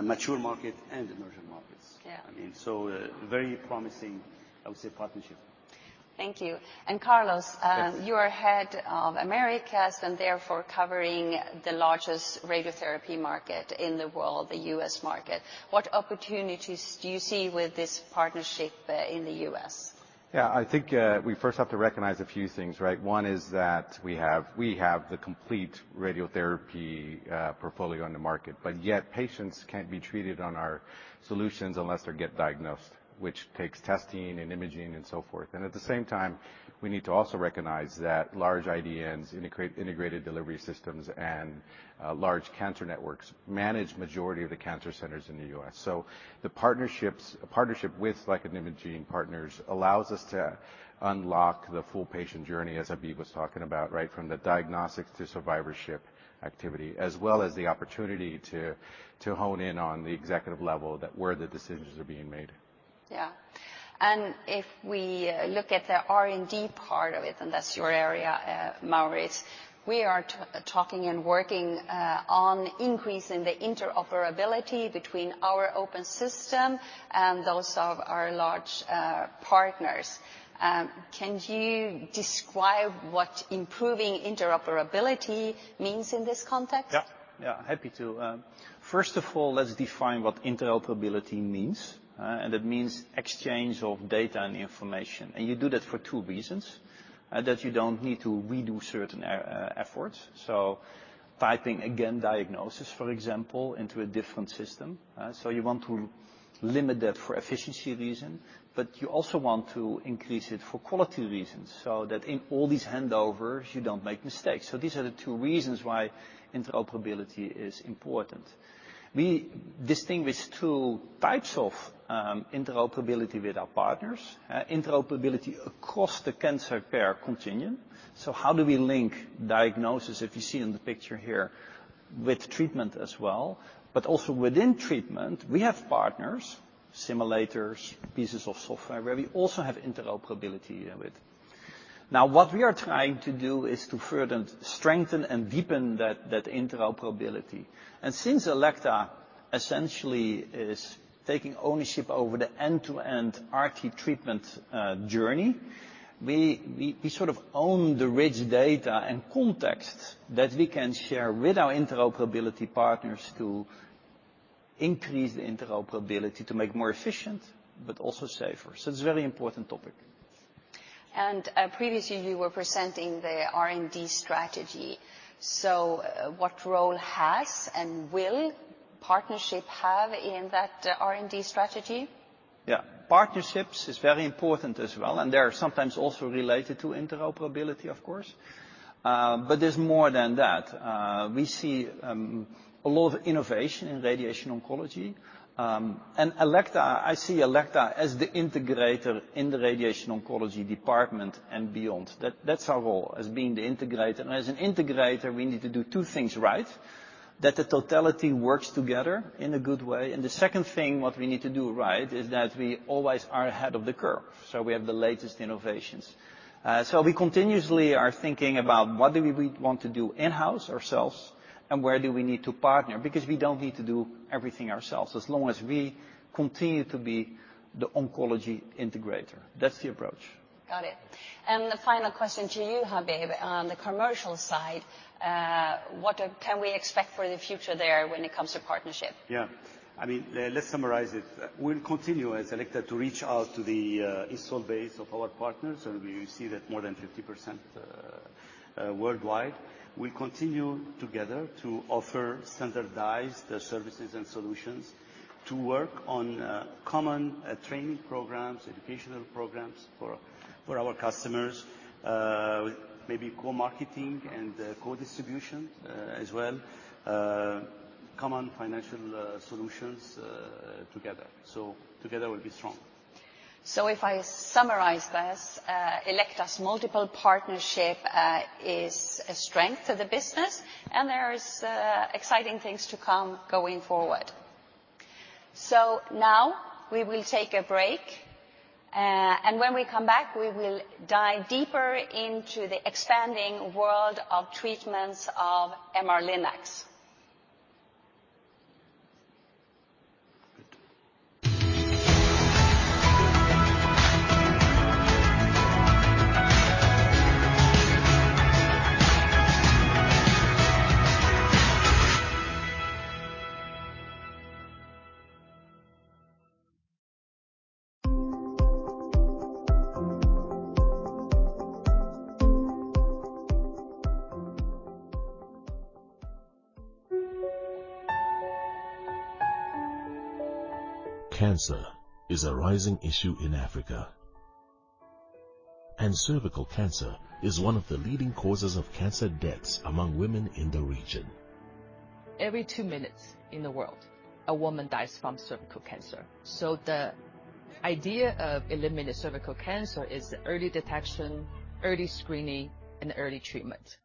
mature market and emerging markets. Yeah. I mean, very promising, I would say, partnership. Thank you. Carlos. Yes. You are head of Americas, and therefore, covering the largest radiotherapy market in the world, the U.S. market. What opportunities do you see with this partnership, in the U.S.? I think we first have to recognize a few things, right? One is that we have the complete radiotherapy portfolio on the market, but yet patients can't be treated on our solutions unless they get diagnosed, which takes testing and imaging, and so forth. At the same time, we need to also recognize that large IDNs, integrated delivery systems and large cancer networks, manage majority of the cancer centers in the U.S. The partnerships, a partnership with like-minded imaging partners allows us to unlock the full patient journey, as Habib was talking about, right? From the diagnostics to survivorship activity, as well as the opportunity to hone in on the executive level that where the decisions are being made. Yeah. If we look at the R&D part of it, and that's your area, Maurits, we are talking and working on increasing the interoperability between our open system and those of our large partners. Can you describe what improving interoperability means in this context? Yeah. Happy to. First of all, let's define what interoperability means, and it means exchange of data and information. You do that for two reasons, that you don't need to redo certain efforts. Typing again, diagnosis, for example, into a different system, so you want to limit that for efficiency reason, but you also want to increase it for quality reasons, so that in all these handovers, you don't make mistakes. These are the two reasons why interoperability is important. We distinguish two types of interoperability with our partners, interoperability across the cancer care continuum. How do we link diagnosis, if you see in the picture here, with treatment as well? Also within treatment, we have partners, simulators, pieces of software, where we also have interoperability with. What we are trying to do is to further strengthen and deepen that interoperability. Since Elekta essentially is taking ownership over the end-to-end RT treatment journey, we sort of own the rich data and context that we can share with our interoperability partners to increase the interoperability, to make more efficient but also safer. It's a very important topic. Previously, you were presenting the R&D strategy. What role has and will partnership have in that R&D strategy? Partnerships is very important as well, and they are sometimes also related to interoperability, of course. There's more than that. We see a lot of innovation in radiation oncology. Elekta, I see Elekta as the integrator in the radiation oncology department and beyond. That's our role, as being the integrator. As an integrator, we need to do two things right: that the totality works together in a good way, and the second thing what we need to do right is that we always are ahead of the curve, so we have the latest innovations. We continuously are thinking about what do we want to do in-house ourselves and where do we need to partner, because we don't need to do everything ourselves, as long as we continue to be the oncology integrator. That's the approach. Got it. The final question to you, Habib. On the commercial side, what can we expect for the future there when it comes to partnership? Yeah. I mean, let's summarize it. We'll continue, as Elekta, to reach out to the install base of our partners. We see that more than 50% worldwide. We continue together to offer standardized services and solutions to work on common training programs, educational programs for our customers. Maybe co-marketing and co-distribution as well. Common financial solutions together. Together we'll be strong. If I summarize this, Elekta's multiple partnership is a strength to the business, and there is exciting things to come going forward. Now we will take a break, and when we come back, we will dive deeper into the expanding world of treatments of MR-Linacs. Cancer is a rising issue in Africa, and cervical cancer is one of the leading causes of cancer deaths among women in the region. Every two minutes in the world, a woman dies from cervical cancer, so the idea of eliminating cervical cancer is early detection, early screening, and early treatment.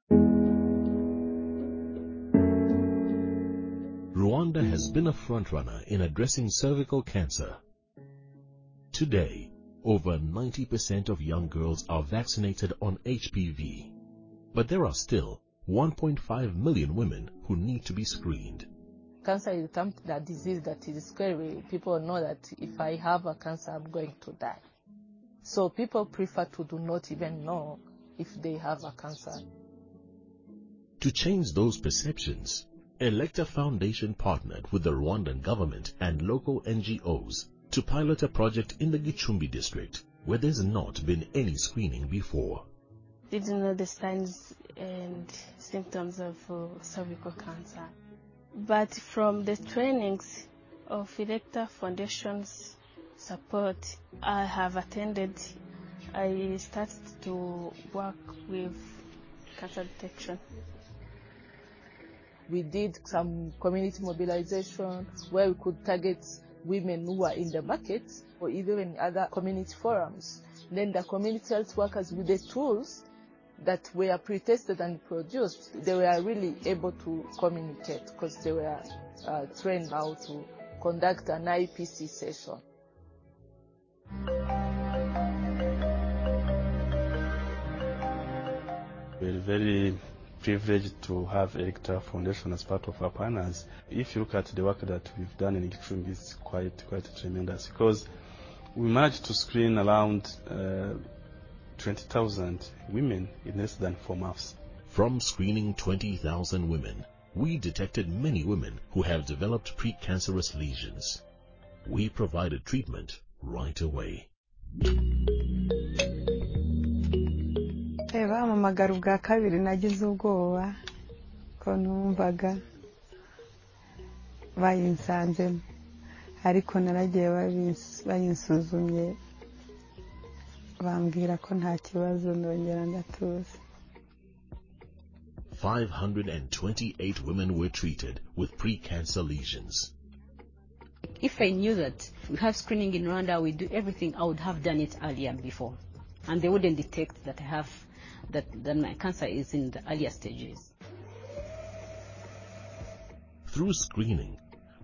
Rwanda has been a front runner in addressing cervical cancer. Today, over 90% of young girls are vaccinated on HPV, but there are still 1.5 million women who need to be screened. Cancer is a disease that is scary. People know that, "If I have a cancer, I'm going to die." People prefer to do not even know if they have a cancer. To change those perceptions, Elekta Foundation partnered with the Rwandan government and local NGOs to pilot a project in the Gicumbi district, where there's not been any screening before. Didn't know the signs and symptoms of cervical cancer. From the trainings of Elekta Foundation's support I have attended, I started to work with cancer detection. We did some community mobilization, where we could target women who are in the market or even in other community forums. The community health workers, with the tools that were pre-tested and produced, they were really able to communicate 'cause they were trained how to conduct an IPC session. We're very privileged to have Elekta Foundation as part of our partners. If you look at the work that we've done in Gicumbi, it's quite tremendous because we managed to screen around, 20,000 women in less than four months. From screening 20,000 women, we detected many women who have developed precancerous lesions. We provided treatment right away. 528 women were treated with pre-cancer lesions. If I knew that we have screening in Rwanda, we do everything, I would have done it earlier before, they wouldn't detect that my cancer is in the earlier stages. Through screening,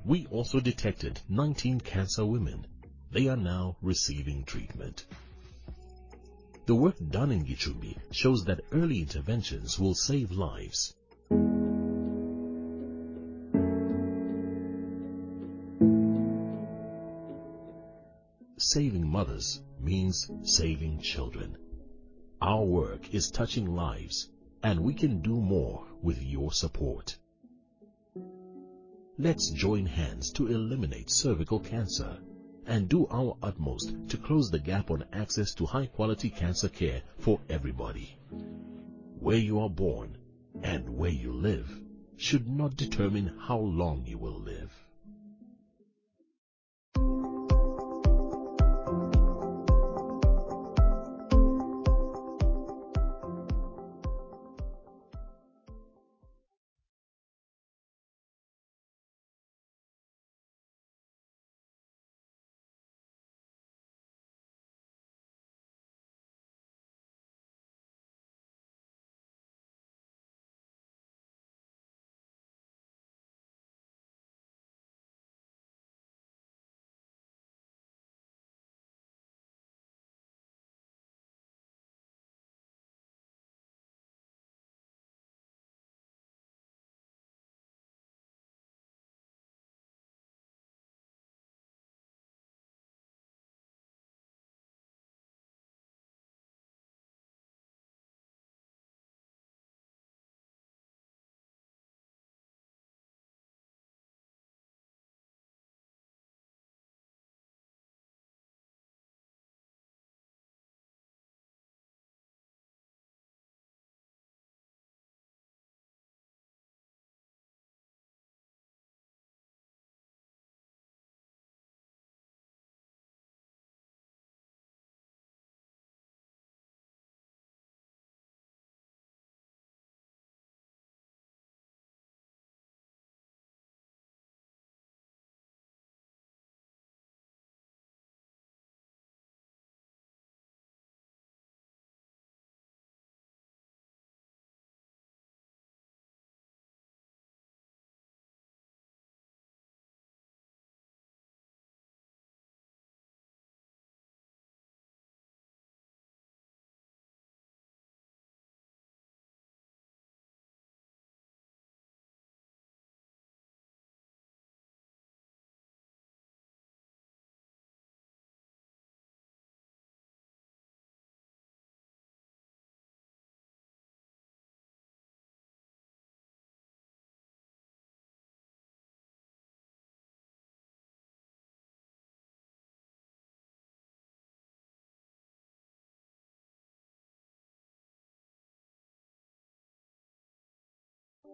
we also detected 19 cancer women. They are now receiving treatment. The work done in Gicumbi shows that early interventions will save lives. Saving mothers means saving children. Our work is touching lives, and we can do more with your support. Let's join hands to eliminate cervical cancer and do our utmost to close the gap on access to high-quality cancer care for everybody. Where you are born and where you live should not determine how long you will live.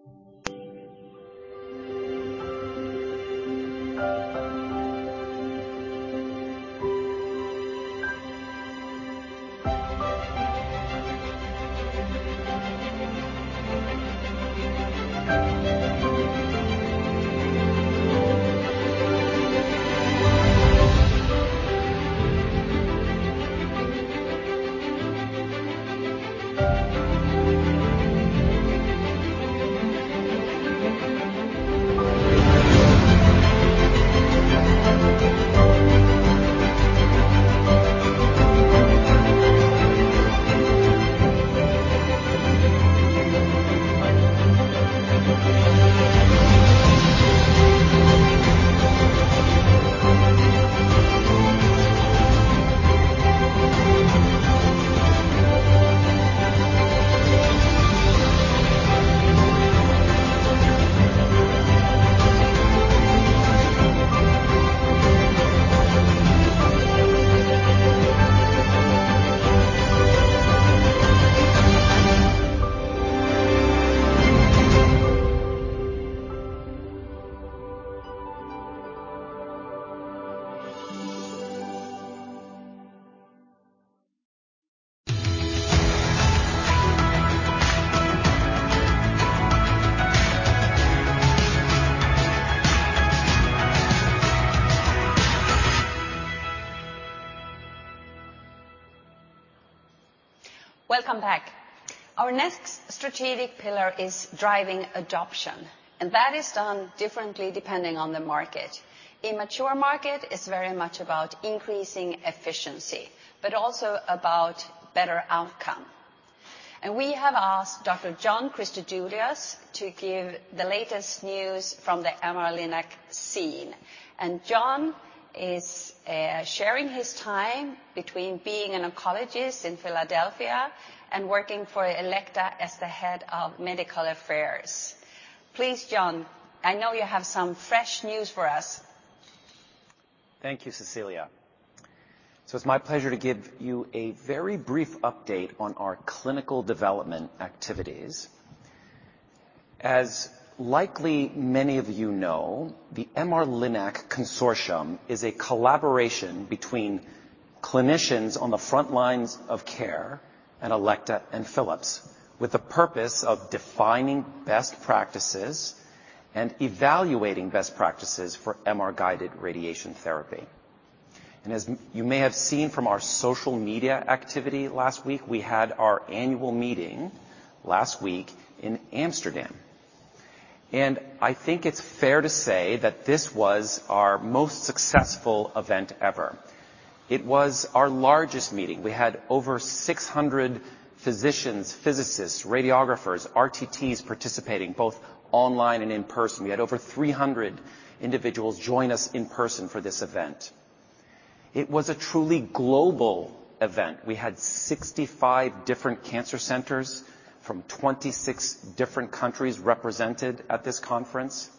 Welcome back. Our next strategic pillar is driving adoption. That is done differently depending on the market. Immature market is very much about increasing efficiency, but also about better outcome. We have asked Dr. John Christodouleas to give the latest news from the MR-Linac scene. John is sharing his time between being an oncologist in Philadelphia and working for Elekta as the Head of Medical Affairs. Please, John, I know you have some fresh news for us. Thank you, Cecilia. It's my pleasure to give you a very brief update on our clinical development activities. As likely many of you know, the MR-Linac Consortium is a collaboration between clinicians on the front lines of care and Elekta and Philips, with the purpose of defining best practices and evaluating best practices for MR-guided radiation therapy. As you may have seen from our social media activity last week, we had our annual meeting last week in Amsterdam, and I think it's fair to say that this was our most successful event ever. It was our largest meeting. We had over 600 physicians, physicists, radiographers, RTTs participating both online and in person. We had over 300 individuals join us in person for this event. It was a truly global event. We had 65 different cancer centers from 26 different countries represented at this conference.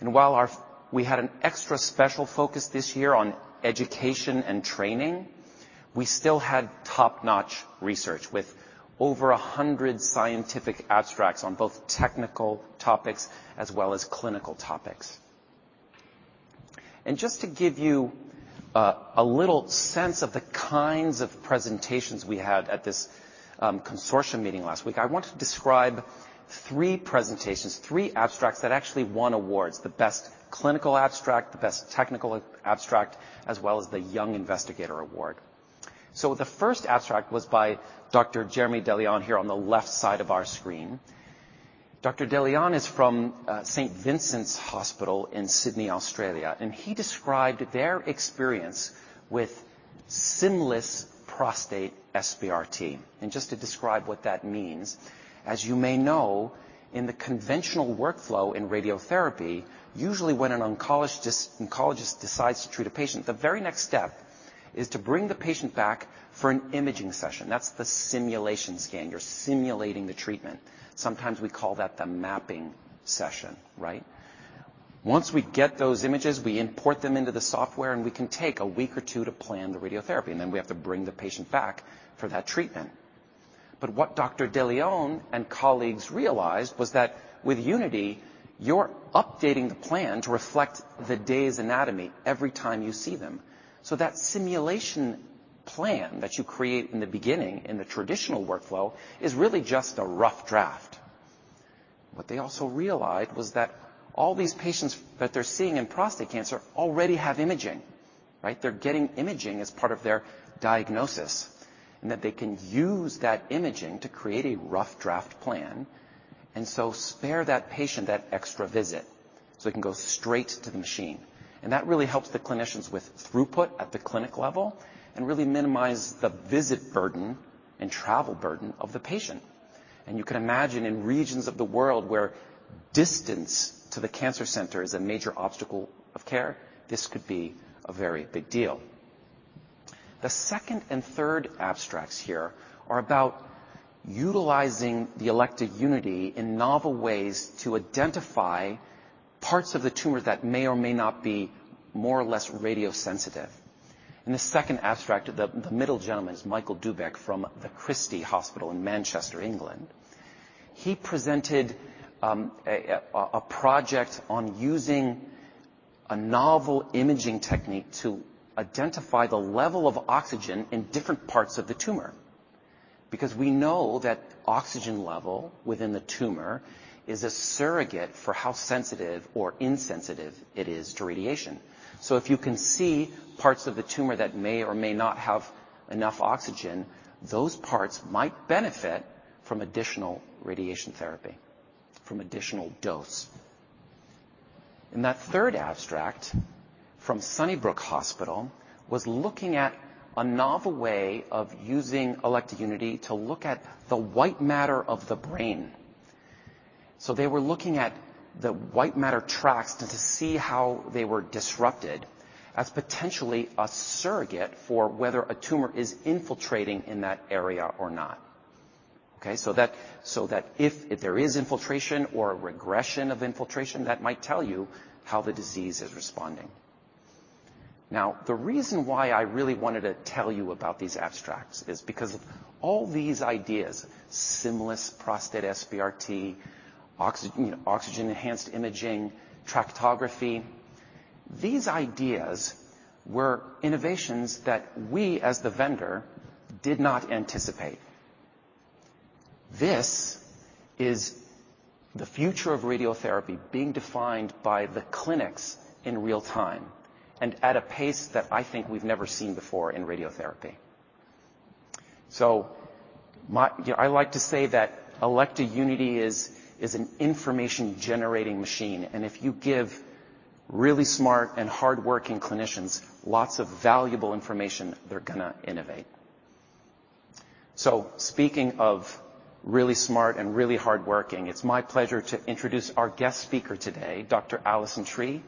While we had an extra special focus this year on education and training, we still had top-notch research with over 100 scientific abstracts on both technical topics as well as clinical topics. Just to give you a little sense of the kinds of presentations we had at this consortium meeting last week, I want to describe three presentations, three abstracts that actually won awards: the best clinical abstract, the best technical abstract, as well as the Young Investigator Award. The first abstract was by Dr. Jeremy De Leon, here on the left side of our screen. Dr. De Leon is from St Vincent's Hospital in Sydney, Australia, and he described their experience with sim-less prostate SBRT. Just to describe what that means, as you may know, in the conventional workflow in radiotherapy, usually when an oncologist decides to treat a patient, the very next step is to bring the patient back for an imaging session. That's the simulation scan. You're simulating the treatment. Sometimes we call that the mapping session, right? Once we get those images, we import them into the software, and we can take a week or two to plan the radiotherapy, and then we have to bring the patient back for that treatment. What Dr. De Leon and colleagues realized was that with Unity, you're updating the plan to reflect the day's anatomy every time you see them. That simulation plan that you create in the beginning in the traditional workflow is really just a rough draft. What they also realized was that all these patients that they're seeing in prostate cancer already have imaging, right? They're getting imaging as part of their diagnosis, and that they can use that imaging to create a rough draft plan and so spare that patient that extra visit, so they can go straight to the machine. That really helps the clinicians with throughput at the clinic level and really minimize the visit burden and travel burden of the patient. You can imagine in regions of the world where distance to the cancer center is a major obstacle of care, this could be a very big deal. The second and third abstracts here are about utilizing the Elekta Unity in novel ways to identify parts of the tumor that may or may not be more or less radiosensitive. In the second abstract, the middle gentleman is Michael Dubec from The Christie in Manchester, England. He presented a project on using a novel imaging technique to identify the level of oxygen in different parts of the tumor. Because we know that oxygen level within the tumor is a surrogate for how sensitive or insensitive it is to radiation. If you can see parts of the tumor that may or may not have enough oxygen, those parts might benefit from additional radiation therapy, from additional dose. In that 3rd abstract from Sunnybrook Hospital, was looking at a novel way of using Elekta Unity to look at the white matter of the brain. They were looking at the white matter tracts to see how they were disrupted as potentially a surrogate for whether a tumor is infiltrating in that area or not, okay? That if there is infiltration or regression of infiltration, that might tell you how the disease is responding. The reason why I really wanted to tell you about these abstracts is because all these ideas, sim-less, prostate SBRT, oxygen, you know, oxygen enhanced imaging, tractography, these ideas were innovations that we, as the vendor, did not anticipate. This is the future of radiotherapy being defined by the clinics in real time and at a pace that I think we've never seen before in radiotherapy. You know, I like to say that Elekta Unity is an information-generating machine, and if you give really smart and hardworking clinicians lots of valuable information, they're going to innovate. Speaking of really smart and really hardworking, it's my pleasure to introduce our guest speaker today, Dr. Alison Tree.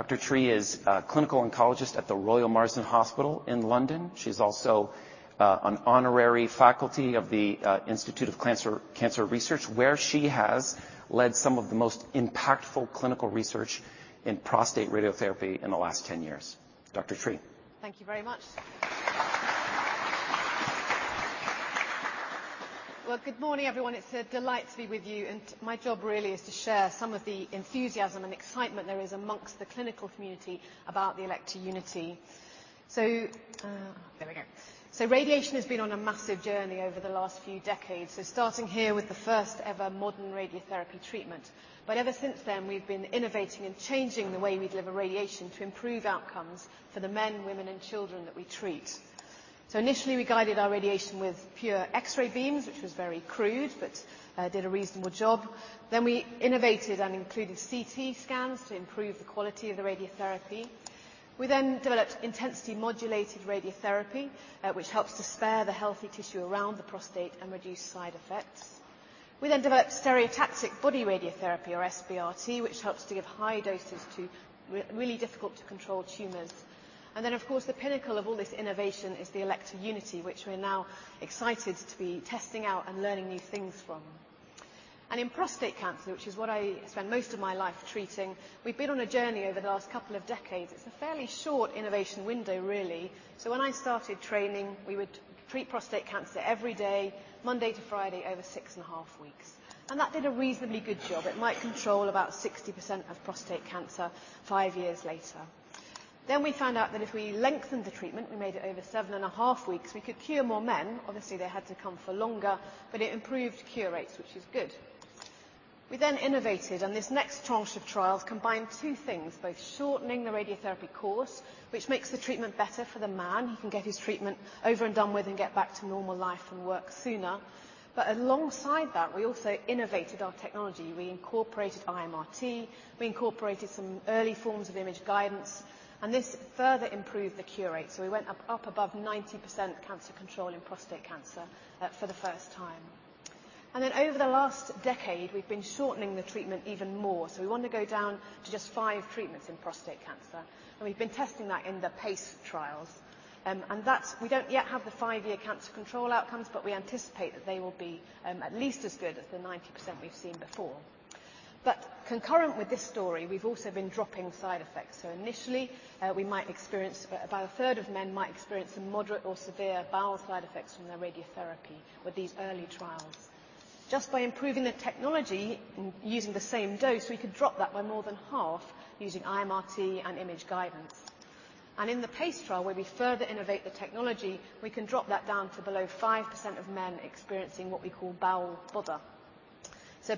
Tree is a clinical oncologist at The Royal Marsden NHS Foundation Trust in London. She's also an honorary faculty of The Institute of Cancer Research, London, where she has led some of the most impactful clinical research in prostate radiotherapy in the last 10 years. Dr. Tree? Thank you very much. Good morning, everyone. It's a delight to be with you, and my job really is to share some of the enthusiasm and excitement there is amongst the clinical community about the Elekta Unity. There we go. Radiation has been on a massive journey over the last few decades. Starting here with the first ever modern radiotherapy treatment. Ever since then, we've been innovating and changing the way we deliver radiation to improve outcomes for the men, women, and children that we treat. Initially, we guided our radiation with pure X-ray beams, which was very crude, but did a reasonable job. We innovated and included CT scans to improve the quality of the radiotherapy. We then developed intensity modulated radiotherapy, which helps to spare the healthy tissue around the prostate and reduce side effects. We developed stereotactic body radiotherapy or SBRT, which helps to give high doses to really difficult to control tumors. Of course, the pinnacle of all this innovation is the Elekta Unity, which we're now excited to be testing out and learning new things from. In prostate cancer, which is what I spend most of my life treating, we've been on a journey over the last couple of decades. It's a fairly short innovation window, really. When I started training, we would treat prostate cancer every day, Monday to Friday, over six and a half weeks, and that did a reasonably good job. It might control about 60% of prostate cancer five years later. We found out that if we lengthened the treatment, we made it over seven and a half weeks, we could cure more men. Obviously, they had to come for longer, but it improved cure rates, which is good. We then innovated, and this next tranche of trials combined two things: both shortening the radiotherapy course, which makes the treatment better for the man. He can get his treatment over and done with and get back to normal life and work sooner. Alongside that, we also innovated our technology. We incorporated IMRT, we incorporated some early forms of image guidance, and this further improved the cure rate, so we went up above 90% cancer control in prostate cancer for the first time. Over the last decade, we've been shortening the treatment even more, so we want to go down to just five treatments in prostate cancer, and we've been testing that in the PACE trials. That's we don't yet have the five-year cancer control outcomes, but we anticipate that they will be at least as good as the 90% we've seen before. Concurrent with this story, we've also been dropping side effects. Initially, we might experience about a third of men might experience some moderate or severe bowel side effects from their radiotherapy with these early trials. Just by improving the technology and using the same dose, we could drop that by more than half using IMRT and image guidance. In the PACE trial, where we further innovate the technology, we can drop that down to below 5% of men experiencing what we call bowel bother.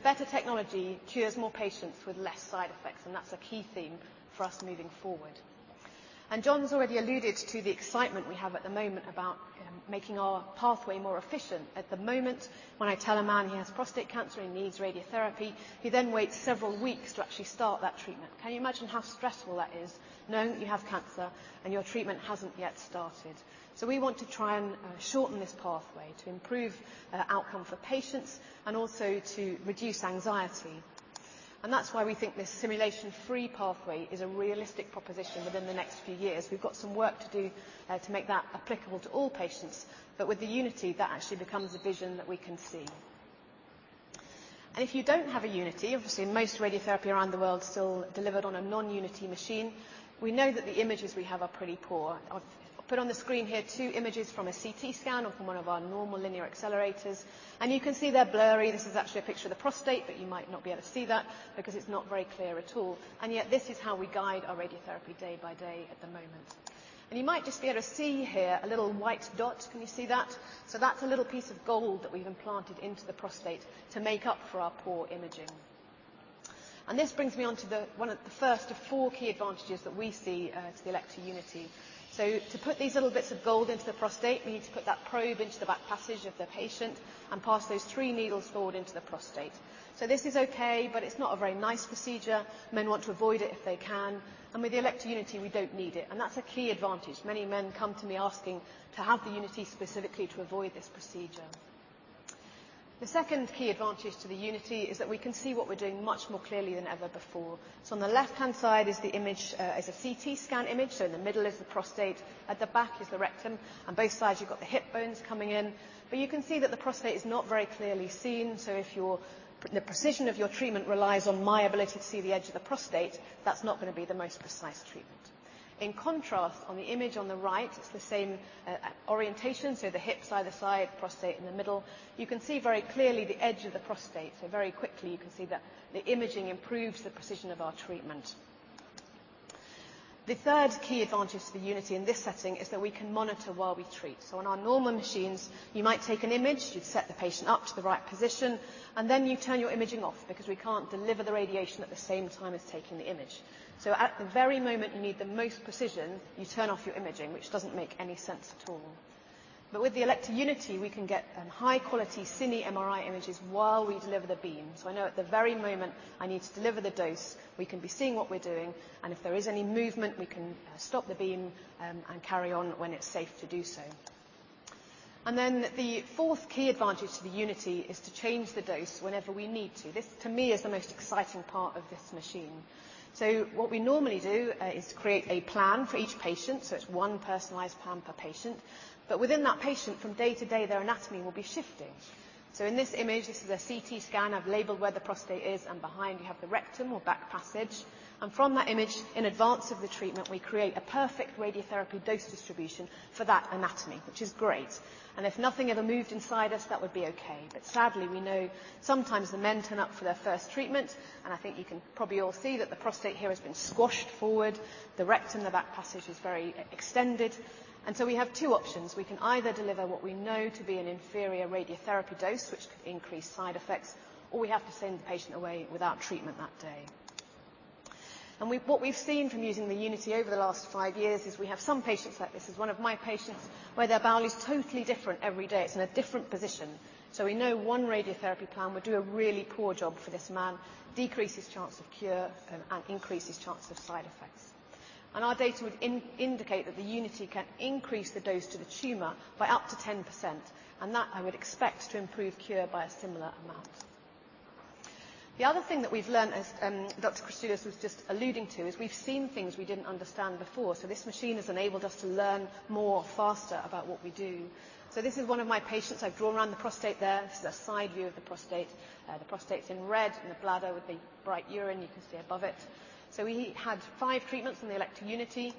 Better technology cures more patients with less side effects, and that's a key theme for us moving forward. John's already alluded to the excitement we have at the moment about making our pathway more efficient. At the moment, when I tell a man he has prostate cancer, he needs radiotherapy, he then waits several weeks to actually start that treatment. Can you imagine how stressful that is, knowing that you have cancer and your treatment hasn't yet started? We want to try and shorten this pathway to improve outcome for patients and also to reduce anxiety. That's why we think this simulation-free pathway is a realistic proposition within the next few years. We've got some work to do to make that applicable to all patients, but with the Elekta Unity, that actually becomes a vision that we can see. If you don't have a Unity, obviously most radiotherapy around the world still delivered on a non-Unity machine, we know that the images we have are pretty poor. I've put on the screen here two images from a CT scan or from one of our normal linear accelerators, and you can see they're blurry. This is actually a picture of the prostate, but you might not be able to see that because it's not very clear at all, and yet this is how we guide our radiotherapy day by day at the moment. You might just be able to see here a little white dot. Can you see that? That's a little piece of gold that we've implanted into the prostate to make up for our poor imaging. This brings me on to the one of the first of four key advantages that we see to the Elekta Unity. To put these little bits of gold into the prostate, we need to put that probe into the back passage of the patient and pass those three needles forward into the prostate. This is okay, but it's not a very nice procedure. Men want to avoid it if they can, and with the Elekta Unity, we don't need it, and that's a key advantage. Many men come to me asking to have the Unity specifically to avoid this procedure. The second key advantage to the Unity is that we can see what we're doing much more clearly than ever before. On the left-hand side is the image, is a CT scan image, so in the middle is the prostate, at the back is the rectum, and both sides, you've got the hip bones coming in. You can see that the prostate is not very clearly seen, so if your, the precision of your treatment relies on my ability to see the edge of the prostate, that's not going to be the most precise treatment. In contrast, on the image on the right, it's the same orientation, so the hips either side, prostate in the middle. You can see very clearly the edge of the prostate, so very quickly you can see that the imaging improves the precision of our treatment. The third key advantage to the Unity in this setting is that we can monitor while we treat. On our normal machines, you might take an image, you'd set the patient up to the right position, and then you turn your imaging off because we can't deliver the radiation at the same time as taking the image. At the very moment you need the most precision, you turn off your imaging, which doesn't make any sense at all. With the Elekta Unity, we can get high-quality cine MRI images while we deliver the beam. I know at the very moment I need to deliver the dose, we can be seeing what we're doing, and if there is any movement, we can stop the beam and carry on when it's safe to do so. The fourth key advantage to the Unity is to change the dose whenever we need to. This, to me, is the most exciting part of this machine. What we normally do, is create a plan for each patient, so it's one personalized plan per patient, but within that patient, from day to day, their anatomy will be shifting. In this image, this is a CT scan. I've labeled where the prostate is, and behind we have the rectum or back passage. From that image, in advance of the treatment, we create a perfect radiotherapy dose distribution for that anatomy, which is great. If nothing ever moved inside us, that would be okay. Sadly, we know sometimes the men turn up for their first treatment, I think you can probably all see that the prostate here has been squashed forward, the rectum, the back passage is very extended, we have two options: We can either deliver what we know to be an inferior radiotherapy dose, which could increase side effects, or we have to send the patient away without treatment that day. We've what we've seen from using the Unity over the last five years is we have some patients, like this is one of my patients, where their bowel is totally different every day. It's in a different position. We know one radiotherapy plan would do a really poor job for this man, decrease his chance of cure, and increase his chance of side effects. Our data would indicate that the Unity can increase the dose to the tumor by up to 10%, and that I would expect to improve cure by a similar amount. The other thing that we've learned, as Dr. Christodouleas was just alluding to, is we've seen things we didn't understand before. This machine has enabled us to learn more faster about what we do. This is one of my patients. I've drawn around the prostate there. This is a side view of the prostate. The prostate's in red, and the bladder with the bright urine, you can see above it. He had five treatments in the Elekta Unity,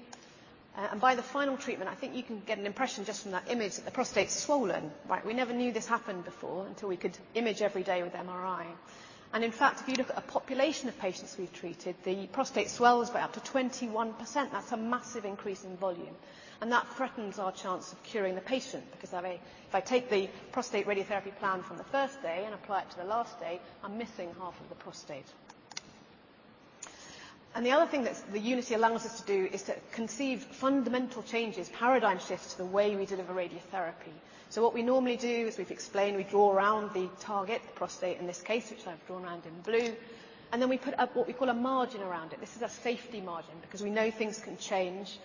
and by the final treatment, I think you can get an impression just from that image that the prostate's swollen, right? We never knew this happened before until we could image every day with MRI. In fact, if you look at a population of patients we've treated, the prostate swells by up to 21%. That's a massive increase in volume, and that threatens our chance of curing the patient because if I take the prostate radiotherapy plan from the first day and apply it to the last day, I'm missing half of the prostate. The other thing that's the Unity allows us to do is to conceive fundamental changes, paradigm shifts to the way we deliver radiotherapy. What we normally do is, we've explained, we draw around the target, the prostate in this case, which I've drawn around in blue, and then we put up what we call a margin around it. This is a safety margin because we know things can change.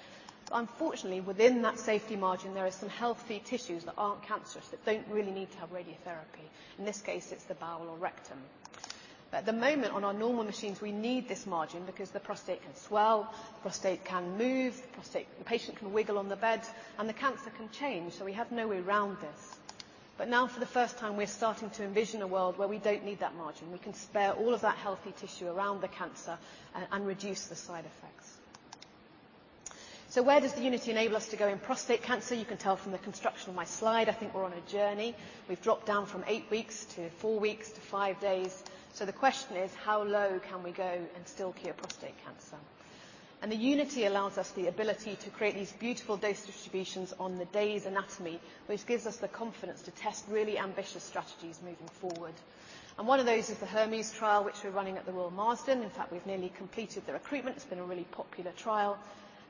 Unfortunately, within that safety margin, there are some healthy tissues that aren't cancerous, that don't really need to have radiotherapy. In this case, it's the bowel or rectum. At the moment, on our normal machines, we need this margin because the prostate can swell, the prostate can move. The patient can wiggle on the bed, and the cancer can change. We have no way around this. Now, for the first time, we're starting to envision a world where we don't need that margin. We can spare all of that healthy tissue around the cancer and reduce the side effects. Where does the Unity enable us to go in prostate cancer? You can tell from the construction of my slide, I think we're on a journey. We've dropped down from 8 weeks to 4 weeks to 5 days. The question is: How low can we go and still cure prostate cancer? The Unity allows us the ability to create these beautiful dose distributions on the day's anatomy, which gives us the confidence to test really ambitious strategies moving forward. One of those is the HERMES trial, which we're running at The Royal Marsden. In fact, we've nearly completed the recruitment. It's been a really popular trial.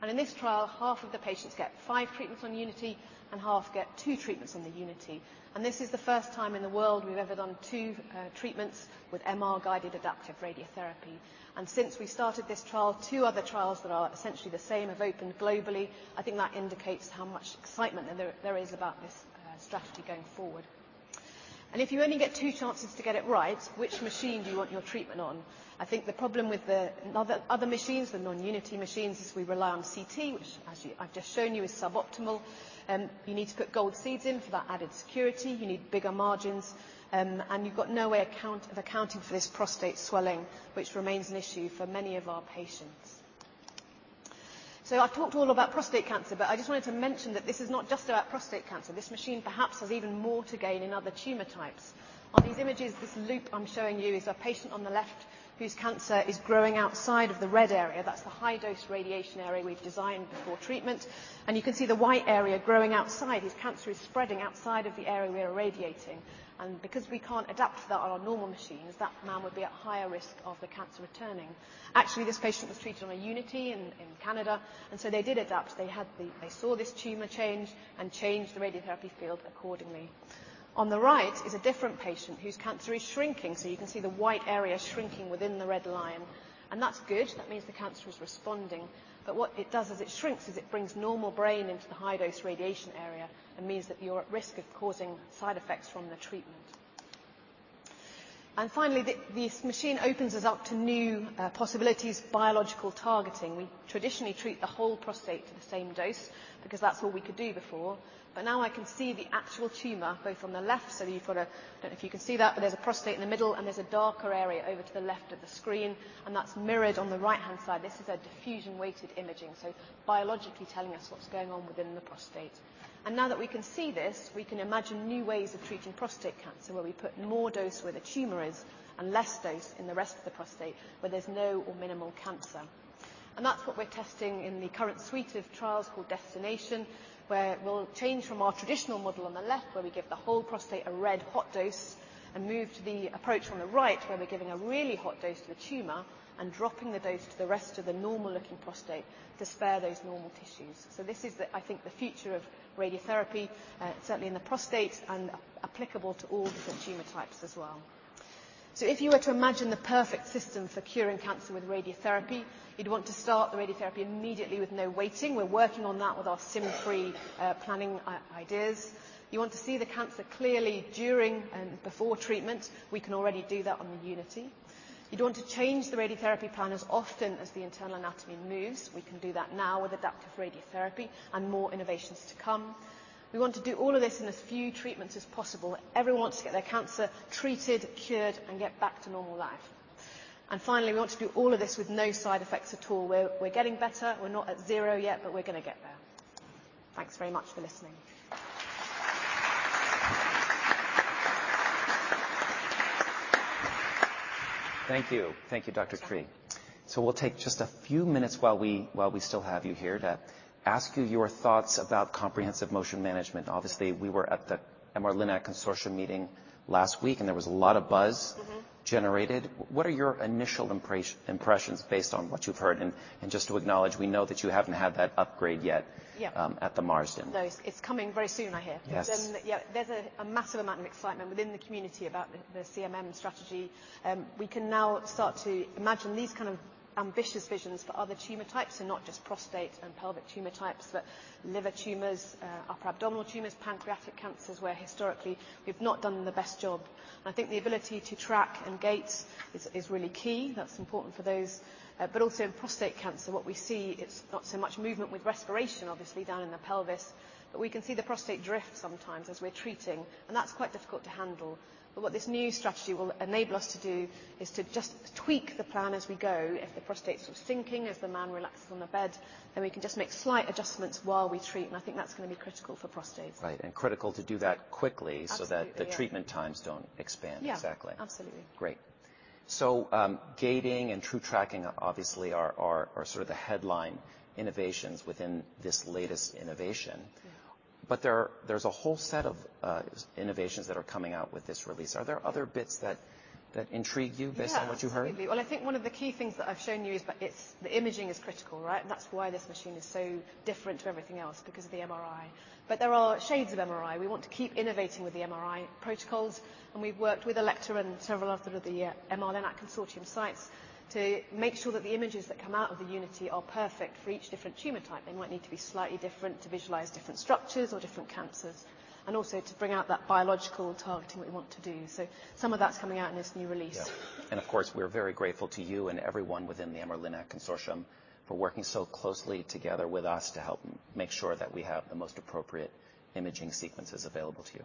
In this trial, half of the patients get five treatments on Unity, and half get two treatments on the Unity. This is the first time in the world we've ever done two treatments with MR-guided adaptive radiotherapy. Since we started this trial, two other trials that are essentially the same have opened globally. I think that indicates how much excitement there is about this strategy going forward. If you only get two chances to get it right, which machine do you want your treatment on? I think the problem with the other machines, the non-Unity machines, is we rely on CT, which as you, I've just shown you, is suboptimal. You need to put gold seeds in for that added security. You need bigger margins, and you've got no way account of accounting for this prostate swelling, which remains an issue for many of our patients. I've talked all about prostate cancer, but I just wanted to mention that this is not just about prostate cancer. This machine perhaps has even more to gain in other tumor types. On these images, this loop I'm showing you is a patient on the left whose cancer is growing outside of the red area. That's the high dose radiation area we've designed before treatment, and you can see the white area growing outside. His cancer is spreading outside of the area we are radiating, and because we can't adapt that on our normal machines, that man would be at higher risk of the cancer returning. Actually, this patient was treated on a Unity in Canada, and so they did adapt. They saw this tumor change and changed the radiotherapy field accordingly. On the right is a different patient whose cancer is shrinking, so you can see the white area shrinking within the red line, and that's good. That means the cancer is responding. What it does as it shrinks is it brings normal brain into the high dose radiation area and means that you're at risk of causing side effects from the treatment. Finally, this machine opens us up to new possibilities, biological targeting. We traditionally treat the whole prostate to the same dose because that's all we could do before, but now I can see the actual tumor both on the left, so you've got I don't know if you can see that, but there's a prostate in the middle, and there's a darker area over to the left of the screen, and that's mirrored on the right-hand side. This is a diffusion-weighted imaging, so biologically telling us what's going on within the prostate. Now that we can see this, we can imagine new ways of treating prostate cancer, where we put more dose where the tumor is and less dose in the rest of the prostate, where there's no or minimal cancer. That's what we're testing in the current suite of trials called DESTINATION, where we'll change from our traditional model on the left, where we give the whole prostate a red hot dose, and move to the approach on the right, where we're giving a really hot dose to the tumor and dropping the dose to the rest of the normal-looking prostate to spare those normal tissues. This is the, I think, the future of radiotherapy, certainly in the prostate and applicable to all different tumor types as well. If you were to imagine the perfect system for curing cancer with radiotherapy, you'd want to start the radiotherapy immediately with no waiting. We're working on that with our sim-free planning ideas. You want to see the cancer clearly during and before treatment. We can already do that on the Unity. You'd want to change the radiotherapy plan as often as the internal anatomy moves. We can do that now with adaptive radiotherapy and more innovations to come. We want to do all of this in as few treatments as possible. Everyone wants to get their cancer treated, cured and get back to normal life. Finally, we want to do all of this with no side effects at all. We're getting better. We're not at zero yet, but we're going to get there. Thanks very much for listening. Thank you. Thank you, Dr. Tree. Sure. we'll take just a few minutes while we still have you here, to ask you your thoughts about Comprehensive Motion Management. Yeah. Obviously, we were at the MR-Linac Consortium meeting last week. There was a lot of buzz generated. What are your initial impressions based on what you've heard? Just to acknowledge, we know that you haven't had that upgrade yet. Yeah. at The Marsden. No, it's coming very soon, I hear. Yes. Yeah, there's a massive amount of excitement within the community about the CMM strategy. We can now start to imagine these kind of ambitious visions for other tumor types and not just prostate and pelvic tumor types, but liver tumors, upper abdominal tumors, pancreatic cancers, where historically we've not done the best job. I think the ability to track and gate is really key. That's important for those. Also in prostate cancer, what we see, it's not so much movement with respiration, obviously, down in the pelvis, but we can see the prostate drift sometimes as we're treating, and that's quite difficult to handle. What this new strategy will enable us to do is to just tweak the plan as we go. If the prostate's sort of sinking as the man relaxes on the bed, we can just make slight adjustments while we treat. I think that's gonna be critical for prostate. Right, critical to do that quickly. Absolutely, yeah. that the treatment times don't expand. Yeah. Exactly. Absolutely. Great. gating and true tracking obviously are sort of the headline innovations within this latest innovation. Yeah. There are, there's a whole set of, innovations that are coming out with this release. Are there other bits that intrigue you based on what you heard? Absolutely. I think one of the key things that I've shown you is, but it's the imaging is critical, right? That's why this machine is so different to everything else, because of the MRI. There are shades of MRI. We want to keep innovating with the MRI protocols, and we've worked with Elekta and several of the MR-Linac Consortium sites to make sure that the images that come out of the Unity are perfect for each different tumor type. They might need to be slightly different to visualize different structures or different cancers, and also to bring out that biological targeting that we want to do. Some of that's coming out in this new release. Yeah. Of course, we're very grateful to you and everyone within the MR-Linac Consortium for working so closely together with us to help make sure that we have the most appropriate imaging sequences available to you.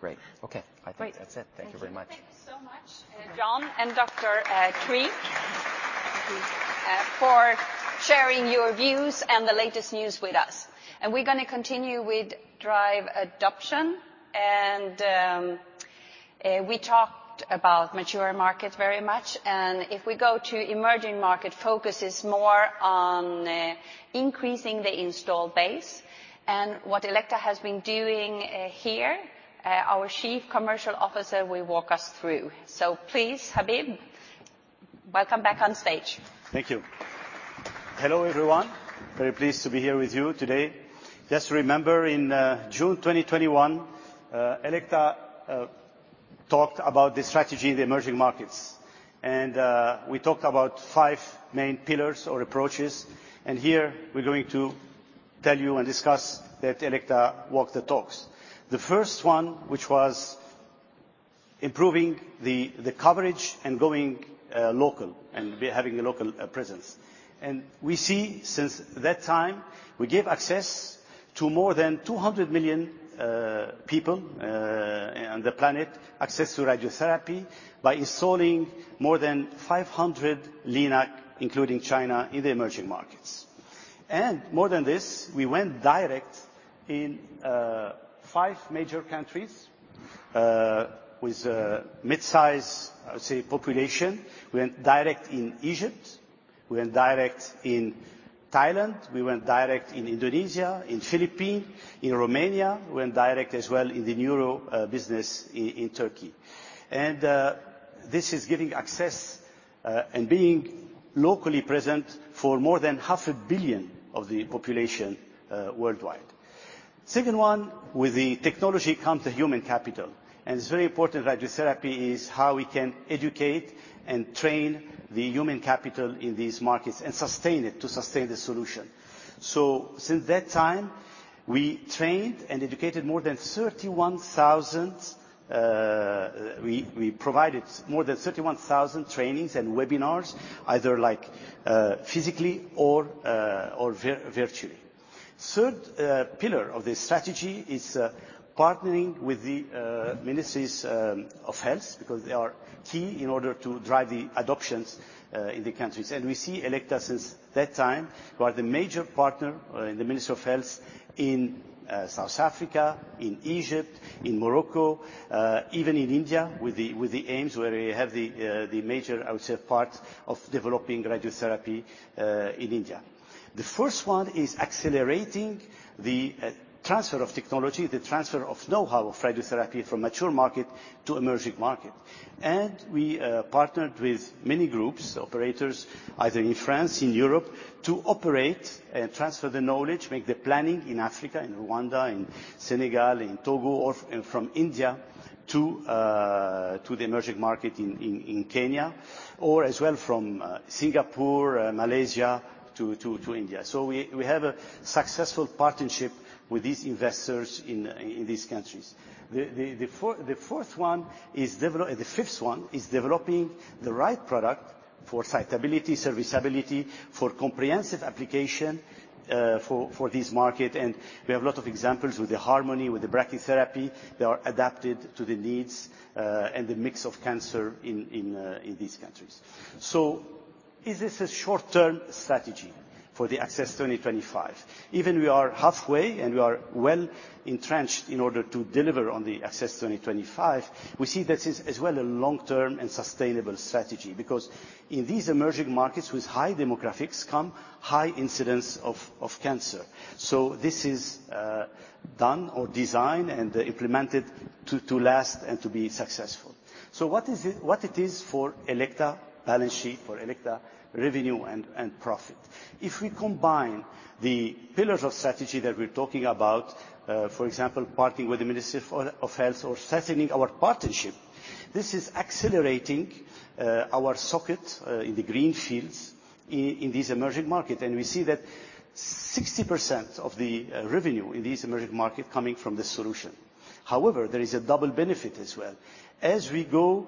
Great. Great. Okay. Great. I think that's it. Thank you very much. Thank you so much, John and Dr. Tree for sharing your views and the latest news with us. We're gonna continue with drive adoption, and we talked about mature market very much. If we go to emerging market, focus is more on increasing the install base and what Elekta has been doing here. Our Chief Commercial Officer will walk us through. Please, Habib, welcome back on stage. Thank you. Hello, everyone. Very pleased to be here with you today. Just remember, in June 2021, Elekta talked about the strategy in the emerging markets, and we talked about 5 main pillars or approaches. Here we're going to tell you and discuss that Elekta walked the talks. The first one, which was improving the coverage and going local and having a local presence. We see since that time, we gave access to more than 200 million people on the planet, access to radiotherapy by installing more than 500 Linac, including China, in the emerging markets. More than this, we went direct in 5 major countries with a mid-size, I would say, population. We went direct in Egypt, we went direct in Thailand, we went direct in Indonesia, in Philippines, in Romania. We went direct as well in the neuro business in Turkey. This is giving access and being locally present for more than half a billion of the population worldwide. Second one, with the technology come the human capital, and it's very important, radiotherapy is how we can educate and train the human capital in these markets and sustain it to sustain the solution. Since that time, we trained and educated more than 31,000. We provided more than 31,000 trainings and webinars, either physically or virtually. Third pillar of this strategy is partnering with the ministries of health, because they are key in order to drive the adoptions in the countries. We see Elekta since that time, who are the major partner, in the Ministry of Health in South Africa, in Egypt, in Morocco, even in India, with the aims, where we have the major, I would say, part of developing radiotherapy, in India. The first one is accelerating the transfer of technology, the transfer of know-how of radiotherapy from mature market to emerging market. We partnered with many groups, operators, either in France, in Europe, to operate and transfer the knowledge, make the planning in Africa, in Rwanda, in Senegal, in Togo, or from India to the emerging market in Kenya, or as well from Singapore, Malaysia, to India. We have a successful partnership with these investors in these countries. The fifth one is developing the right product for site ability, service ability, for comprehensive application, for this market. We have a lot of examples with the Harmony, with the brachytherapy. They are adapted to the needs and the mix of cancer in these countries. Is this a short-term strategy for the ACCESS 2025? Even we are halfway, and we are well entrenched in order to deliver on the ACCESS 2025, we see this is as well, a long-term and sustainable strategy, because in these emerging markets, with high demographics come high incidence of cancer. This is done or designed and implemented to last and to be successful. What it is for Elekta balance sheet, for Elekta revenue and profit? If we combine the pillars of strategy that we're talking about, for example, partnering with the Ministry of Health or strengthening our partnership, this is accelerating, our socket, in the green fields in this emerging market. We see that 60% of the revenue in these emerging market coming from this solution. However, there is a double benefit as well. As we go,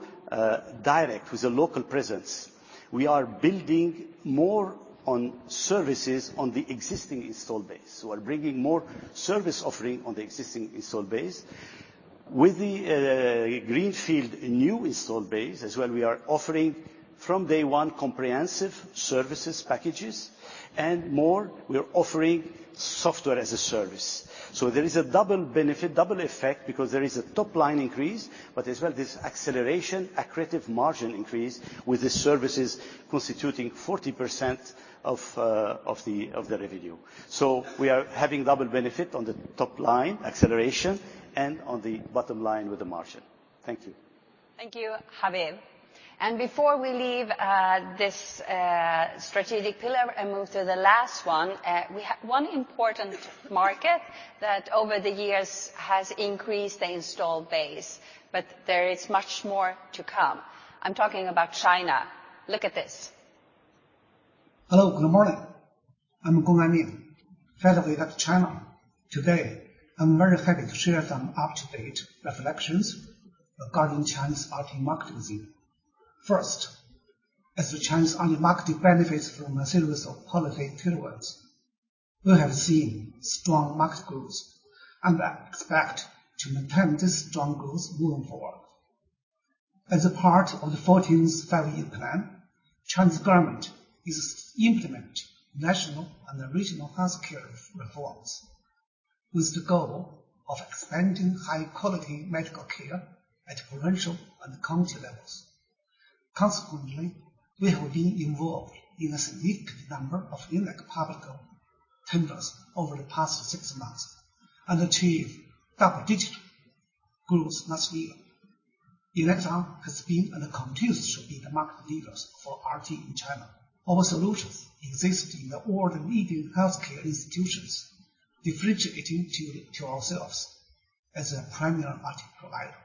direct with a local presence, we are building more on services on the existing install base. We're bringing more service offering on the existing install base. With the greenfield new installed base as well, we are offering, from day one, comprehensive services packages, and more, we are offering Software as a Service. There is a double benefit, double effect, because there is a top line increase, but as well, this acceleration, accretive margin increase, with the services constituting 40% of the revenue. We are having double benefit on the top line, acceleration, and on the bottom line with the margin. Thank you. Thank you, Habib. Before we leave, this, strategic pillar and move to the last one, we have one important market that over the years has increased the installed base, but there is much more to come. I'm talking about China. Look at this. Hello, good morning. I'm Gong Anming, head of Elekta China. Today, I'm very happy to share some up-to-date reflections regarding China's RT market. First, as the China's RT market benefits from a series of policy tailwinds, we have seen strong market growth, and I expect to maintain this strong growth moving forward. As a part of the 14th Five-Year Plan, China's government is implement national and regional healthcare reforms, with the goal of expanding high-quality medical care at provincial and county levels. Consequently, we have been involved in a significant number of unique public tenders over the past 6 months, and achieved double-digit growth last year. Elekta has been and continues to be the market leaders for RT in China. Our solutions exist in the all leading healthcare institutions, differentiating to ourselves as a primary market provider.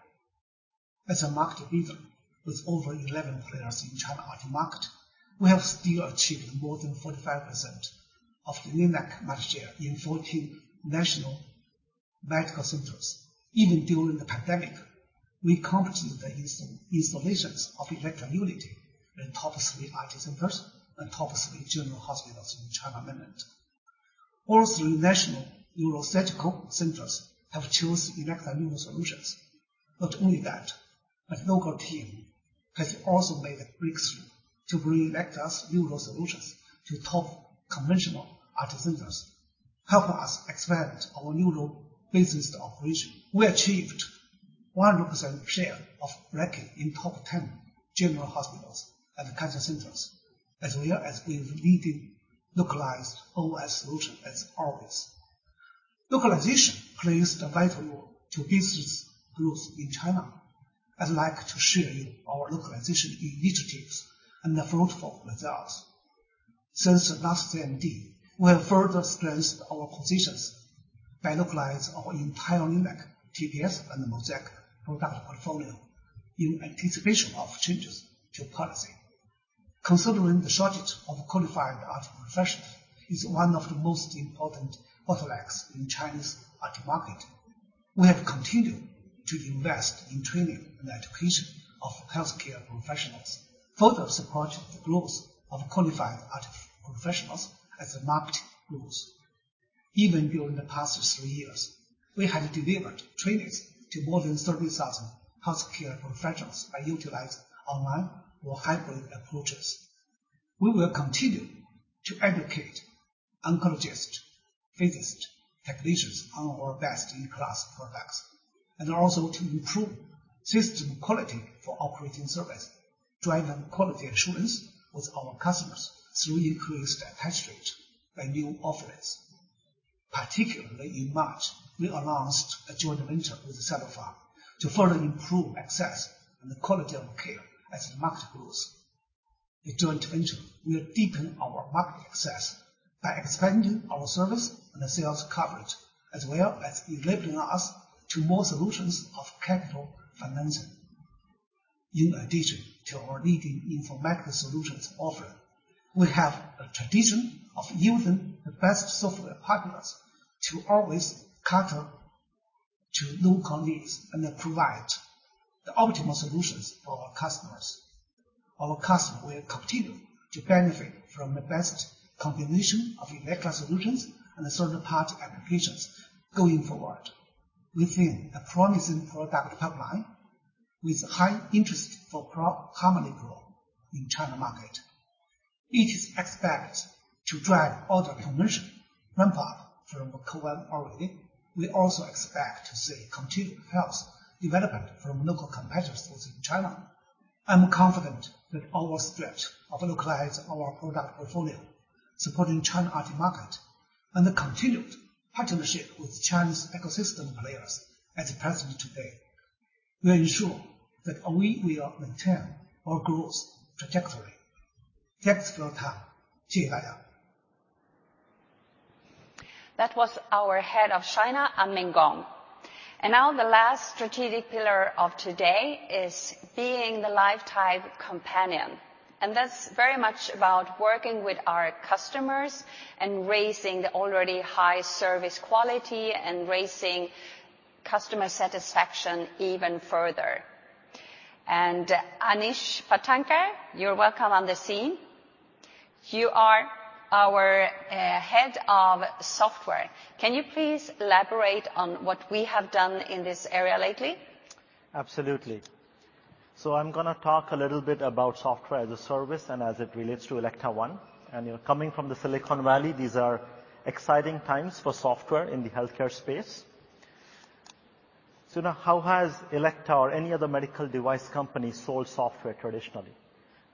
As a market leader, with over 11 players in China RT market, we have still achieved more than 45% of the Linac market share in 14 national medical centers. Even during the pandemic, we completed the installations of Elekta Unity in top 3 RT centers and top 3 general hospitals in China mainland. All 3 national neurosurgical centers have chose Elekta neuro solutions. Not only that, local team has also made a breakthrough to bring Elekta's neuro solutions to top conventional RT centers, helping us expand our neuro business operation. We achieved 100% share of ranking in top 10 general hospitals and cancer centers, as well as being leading localized OS solution as always. Localization plays the vital role to business growth in China. I'd like to share you our localization initiatives and the fruitful results. Since the last CMD, we have further strengthened our positions by localize our entire Linac, TDS, and MOSAIQ product portfolio in anticipation of changes to policy. Considering the shortage of qualified RT professionals is one of the most important bottlenecks in China's RT market, we have continued to invest in training and education of healthcare professionals, further supporting the growth of qualified RT professionals as the market grows. Even during the past three years, we have delivered trainings to more than 30,000 healthcare professionals by utilizing online or hybrid approaches. We will continue to educate oncologists, physicists, technicians on our best-in-class products, and also to improve system quality for operating service, driving quality assurance with our customers through increased attach rate by new offerings. Particularly in March, we announced a joint venture with Sinopharm to further improve access and the quality of care as the market grows. The joint venture will deepen our market access by expanding our service and the sales coverage, as well as enabling us to more solutions of capital financing. In addition to our leading informatics solutions offering, we have a tradition of using the best software partners to always cater to local needs and then provide the optimal solutions for our customers. Our customer will continue to benefit from the best combination of Elekta solutions and third-party applications going forward. We have a promising product pipeline with high interest for pro- Harmony growth in China market. It is expected to drive order conversion ramp up from COVID already. We also expect to see continued health development from local competitors within China. I'm confident that our strength of localize our product portfolio, supporting China RT market, and the continued partnership with Chinese ecosystem players as present today, will ensure that we will maintain our growth trajectory. Thanks for your time. See you later. That was our Head of China, Anming Gong. Now the last strategic pillar of today is being the lifetime companion, and that's very much about working with our customers and raising the already high service quality, and raising customer satisfaction even further. Anish Patankar, you're welcome on the scene. You are our Head of Software. Can you please elaborate on what we have done in this area lately? Absolutely. I'm gonna talk a little bit about software as a service, and as it relates to Elekta ONE. You know, coming from the Silicon Valley, these are exciting times for software in the healthcare space. How has Elekta or any other medical device company sold software traditionally?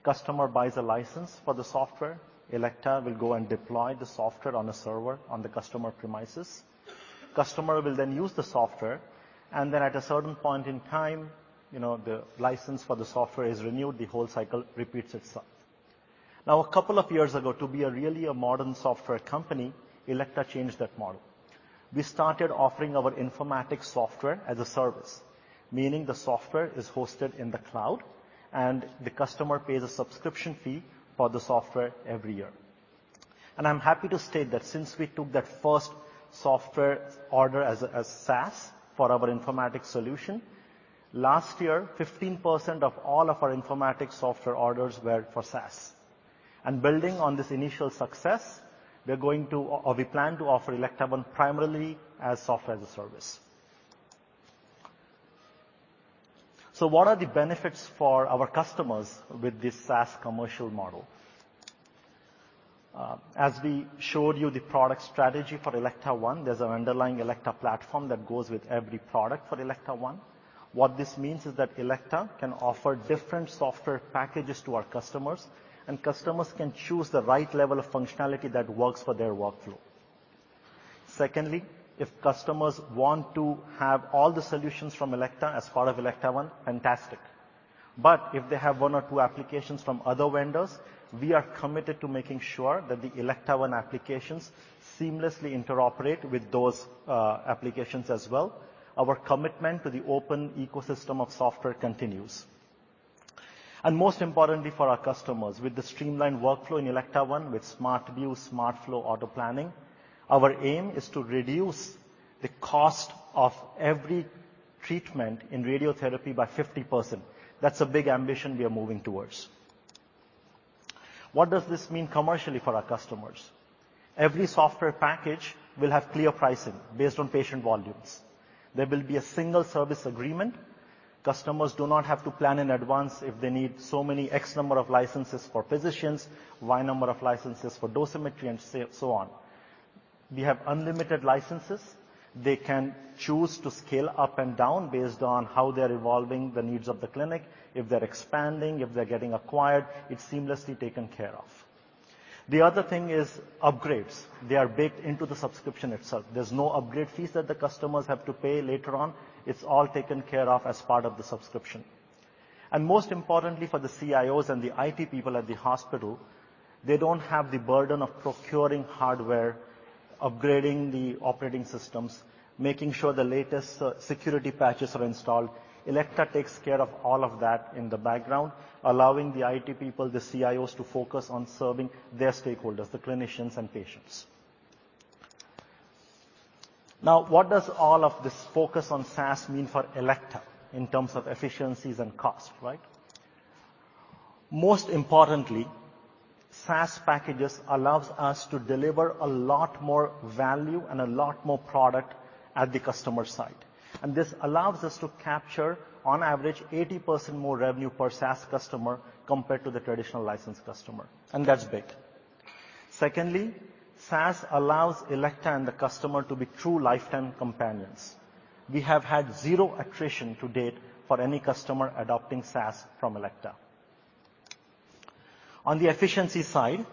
Customer buys a license for the software. Elekta will go and deploy the software on a server on the customer premises. Customer will then use the software, and then at a certain point in time, you know, the license for the software is renewed, the whole cycle repeats itself. A couple of years ago, to be a really a modern software company, Elekta changed that model. We started offering our informatics software as a service, meaning the software is hosted in the cloud, and the customer pays a subscription fee for the software every year. I'm happy to state that since we took that first software order as SaaS for our informatics solution, last year, 15% of all of our informatics software orders were for SaaS. Building on this initial success, we plan to offer Elekta ONE primarily as software as a service. What are the benefits for our customers with this SaaS commercial model? As we showed you, the product strategy for Elekta ONE, there's an underlying Elekta platform that goes with every product for Elekta ONE. What this means is that Elekta can offer different software packages to our customers, and customers can choose the right level of functionality that works for their workflow. Secondly, if customers want to have all the solutions from Elekta as part of Elekta ONE, fantastic. If they have 1 or 2 applications from other vendors, we are committed to making sure that the Elekta ONE applications seamlessly interoperate with those applications as well. Our commitment to the open ecosystem of software continues. Most importantly for our customers, with the streamlined workflow in Elekta ONE, with Smart View, Smart Flow, auto-planning, our aim is to reduce the cost of every treatment in radiotherapy by 50%. That's a big ambition we are moving towards. What does this mean commercially for our customers? Every software package will have clear pricing based on patient volumes. There will be a single service agreement. Customers do not have to plan in advance if they need so many X number of licenses for physicians, Y number of licenses for dosimetry, and so on. We have unlimited licenses. They can choose to scale up and down based on how they're evolving the needs of the clinic. If they're expanding, if they're getting acquired, it's seamlessly taken care of. The other thing is upgrades. They are baked into the subscription itself. There's no upgrade fees that the customers have to pay later on. It's all taken care of as part of the subscription. Most importantly, for the CIOs and the IT people at the hospital, they don't have the burden of procuring hardware, upgrading the operating systems, making sure the latest security patches are installed. Elekta takes care of all of that in the background, allowing the IT people, the CIOs, to focus on serving their stakeholders, the clinicians, and patients. What does all of this focus on SaaS mean for Elekta in terms of efficiencies and cost, right? Most importantly, SaaS packages allows us to deliver a lot more value and a lot more product at the customer site. This allows us to capture, on average, 80% more revenue per SaaS customer compared to the traditional licensed customer, and that's big. Secondly, SaaS allows Elekta and the customer to be true lifetime companions. We have had 0 attrition to date for any customer adopting SaaS from Elekta. On the efficiency side,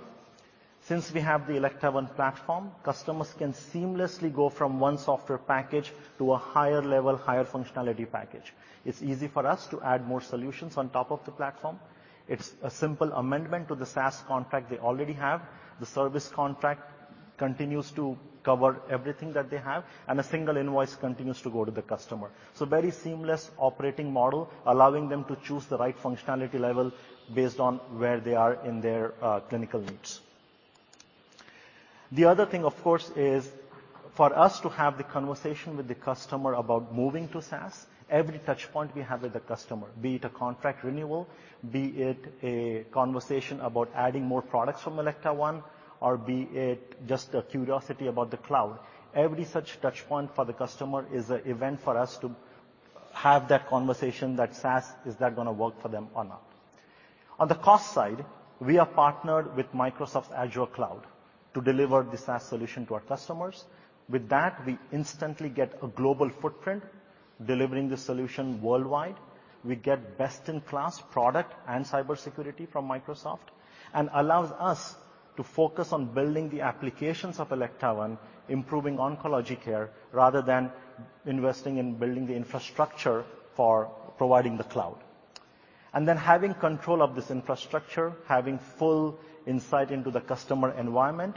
since we have the Elekta ONE platform, customers can seamlessly go from 1 software package to a higher level, higher functionality package. It's easy for us to add more solutions on top of the platform. It's a simple amendment to the SaaS contract they already have. The service contract continues to cover everything that they have, and a single invoice continues to go to the customer. Very seamless operating model, allowing them to choose the right functionality level based on where they are in their clinical needs. The other thing, of course, is for us to have the conversation with the customer about moving to SaaS, every touch point we have with the customer, be it a contract renewal, be it a conversation about adding more products from Elekta ONE, or be it just a curiosity about the cloud. Every such touch point for the customer is an event for us to have that conversation, that SaaS, is that gonna work for them or not? On the cost side, we are partnered with Microsoft's Microsoft Azure to deliver the SaaS solution to our customers. With that, we instantly get a global footprint, delivering the solution worldwide. We get best-in-class product and cybersecurity from Microsoft, and allows us to focus on building the applications of Elekta ONE, improving oncology care, rather than investing in building the infrastructure for providing the cloud. Having control of this infrastructure, having full insight into the customer environment,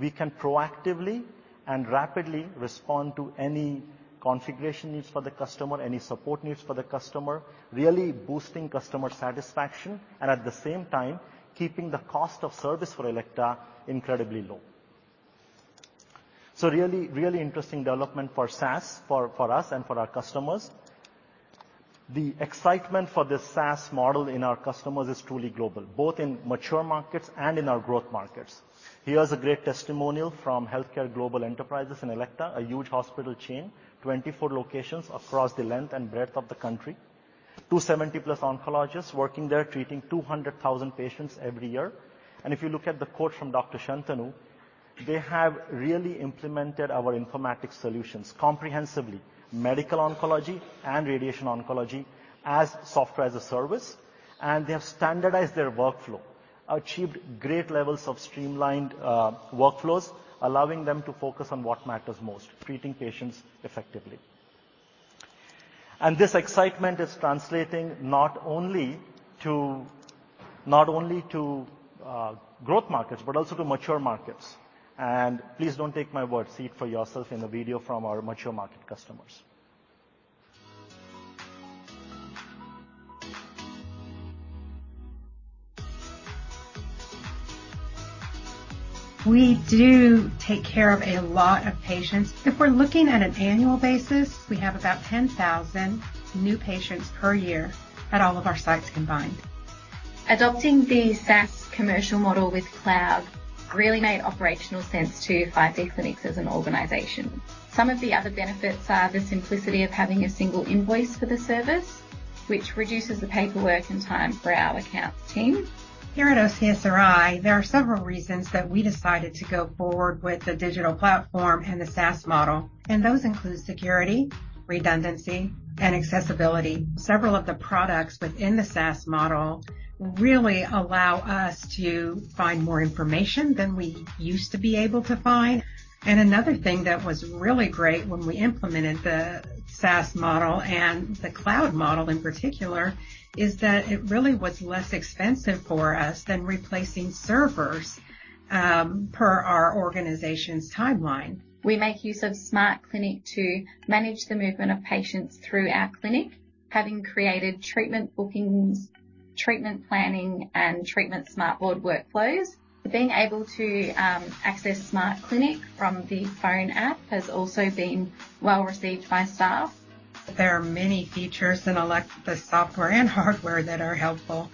we can proactively and rapidly respond to any configuration needs for the customer, any support needs for the customer, really boosting customer satisfaction, and at the same time, keeping the cost of service for Elekta incredibly low. Really, really interesting development for SaaS, for us and for our customers. The excitement for this SaaS model in our customers is truly global, both in mature markets and in our growth markets. Here's a great testimonial from HealthCare Global Enterprises in Elekta, a huge hospital chain, 24 locations across the length and breadth of the country. 2 70-plus oncologists working there, treating 200,000 patients every year. If you look at the quote from Dr. Shantanu, they have really implemented our informatics solutions comprehensively, medical oncology and radiation oncology, as software as a service. They have standardized their workflow, achieved great levels of streamlined workflows, allowing them to focus on what matters most, treating patients effectively. This excitement is translating not only to growth markets, but also to mature markets. Please don't take my word, see it for yourself in a video from our mature market customers. We do take care of a lot of patients. If we're looking at an annual basis, we have about 10,000 new patients per year at all of our sites combined. Adopting the SaaS commercial model with cloud really made operational sense to 5D Clinics as an organization. Some of the other benefits are the simplicity of having a single invoice for the service, which reduces the paperwork and time for our accounts team. Here at OCSRI, there are several reasons that we decided to go forward with the digital platform and the SaaS model. Those include security, redundancy, and accessibility. Several of the products within the SaaS model really allow us to find more information than we used to be able to find. Another thing that was really great when we implemented the SaaS model and the cloud model, in particular, is that it really was less expensive for us than replacing servers per our organization's timeline. We make use of MOSAIQ SmartClinic to manage the movement of patients through our clinic. Having created treatment bookings, treatment planning, and treatment smart board workflows, being able to access MOSAIQ SmartClinic from the phone app has also been well received by staff. There are many features in Elekta software and hardware that are helpful.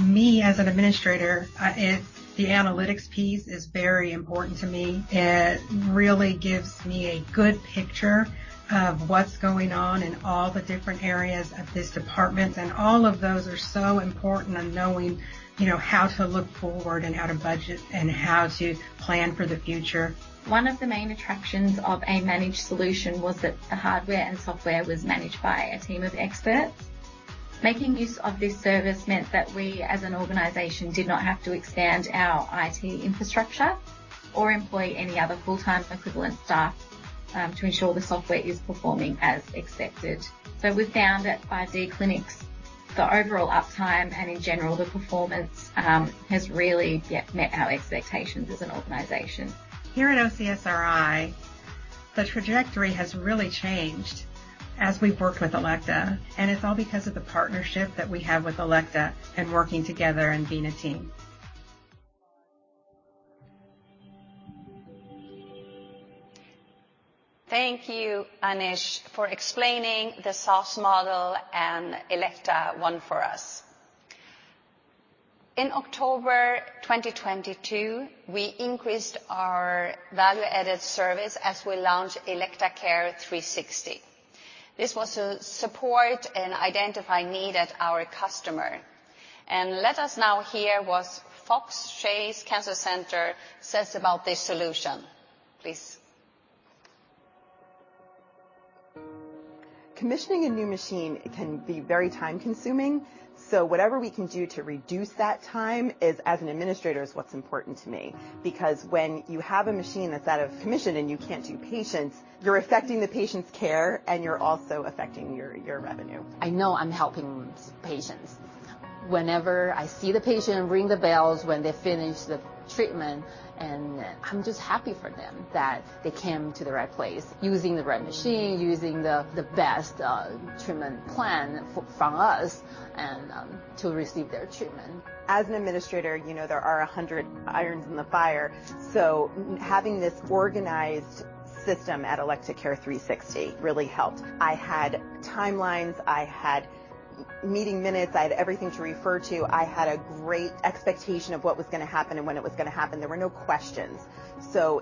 Me, as an administrator, the analytics piece is very important to me. It really gives me a good picture of what's going on in all the different areas of this department, and all of those are so important in knowing, you know, how to look forward and how to budget and how to plan for the future. One of the main attractions of a managed solution was that the hardware and software was managed by a team of experts. Making use of this service meant that we, as an organization, did not have to expand our IT infrastructure or employ any other full-time equivalent staff, to ensure the software is performing as expected. We found at 5D Clinics, the overall uptime and in general, the performance, has really, yeah, met our expectations as an organization. Here at OCSRI, the trajectory has really changed as we've worked with Elekta, and it's all because of the partnership that we have with Elekta and working together and being a team. Thank you, Anish, for explaining the SaaS model and Elekta ONE for us. In October 2022, we increased our value-added service as we launched Elekta Care 360. This was to support and identify need at our customer. Let us now hear what Fox Chase Cancer Center says about this solution. Please. Commissioning a new machine, it can be very time consuming, so whatever we can do to reduce that time is, as an administrator, is what's important to me. When you have a machine that's out of commission and you can't do patients, you're affecting the patient's care, and you're also affecting your revenue. I know I'm helping patients. Whenever I see the patient ring the bells when they finish the treatment, and I'm just happy for them that they came to the right place, using the right machine, using the best treatment plan from us, and to receive their treatment. As an administrator, you know, there are 100 irons in the fire, so having this organized system at Elekta Care 360 really helped. I had timelines, I had meeting minutes, I had everything to refer to. I had a great expectation of what was gonna happen and when it was gonna happen. There were no questions.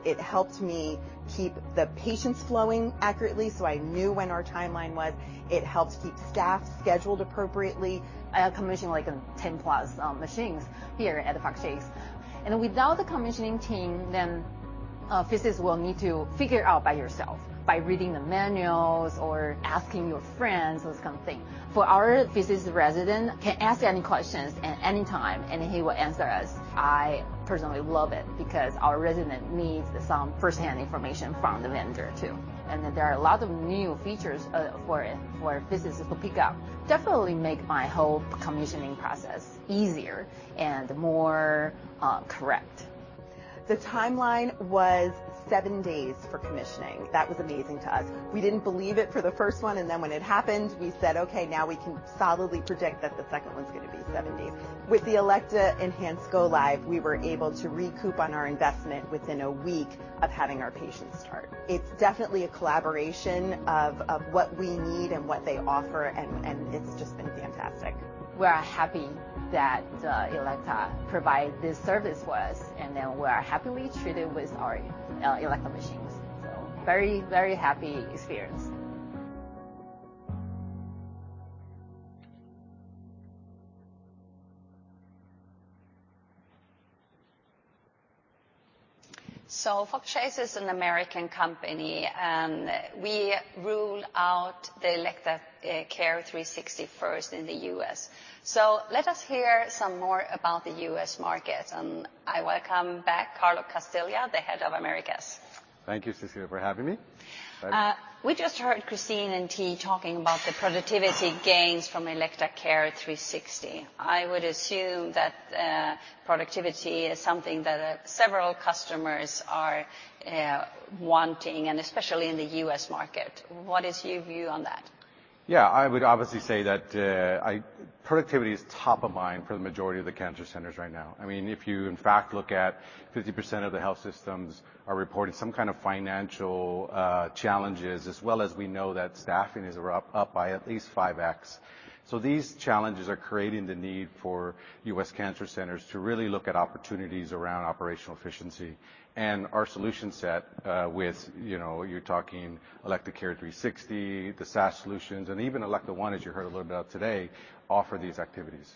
It helped me keep the patients flowing accurately, so I knew when our timeline was. It helped keep staff scheduled appropriately. I had commissioned, like, 10 plus machines here at the Fox Chase, and without the commissioning team, then physicists will need to figure out by yourself, by reading the manuals or asking your friends, those kind of thing. For our physics resident, can ask any questions at any time, and he will answer us. I personally love it because our resident needs some firsthand information from the vendor, too. There are a lot of new features for physicists to pick up. Definitely make my whole commissioning process easier and more correct. The timeline was seven days for commissioning. That was amazing to us. We didn't believe it for the first one, and then when it happened, we said, "Okay, now we can solidly predict that the second one's gonna be seven days." With the Elekta Enhance go live, we were able to recoup on our investment within a week of having our patients start. It's definitely a collaboration of what we need and what they offer, and it's just been fantastic. We are happy that Elekta provide this service for us, and then we are happily treated with our Elekta machines. Very, very happy experience. Fox Chase is an American company, and we rolled out the Elekta Care 360 first in the U.S. Let us hear some more about the U.S. market, and I welcome back Carlos Castilleja, the Head of Americas. Thank you, Cecilia, for having me. We just heard Christine and Tree talking about the productivity gains from Elekta Care 360. I would assume that productivity is something that several customers are wanting, and especially in the U.S. market. What is your view on that? Yeah, I would obviously say that productivity is top of mind for the majority of the cancer centers right now. I mean, if you, in fact, look at 50% of the health systems are reporting some kind of financial challenges, as well as we know that staffing is up by at least 5x. These challenges are creating the need for U.S. cancer centers to really look at opportunities around operational efficiency. Our solution set, with, you know, you're talking Elekta Care 360, the SaaS solutions, and even Elekta ONE, as you heard a little about today, offer these activities.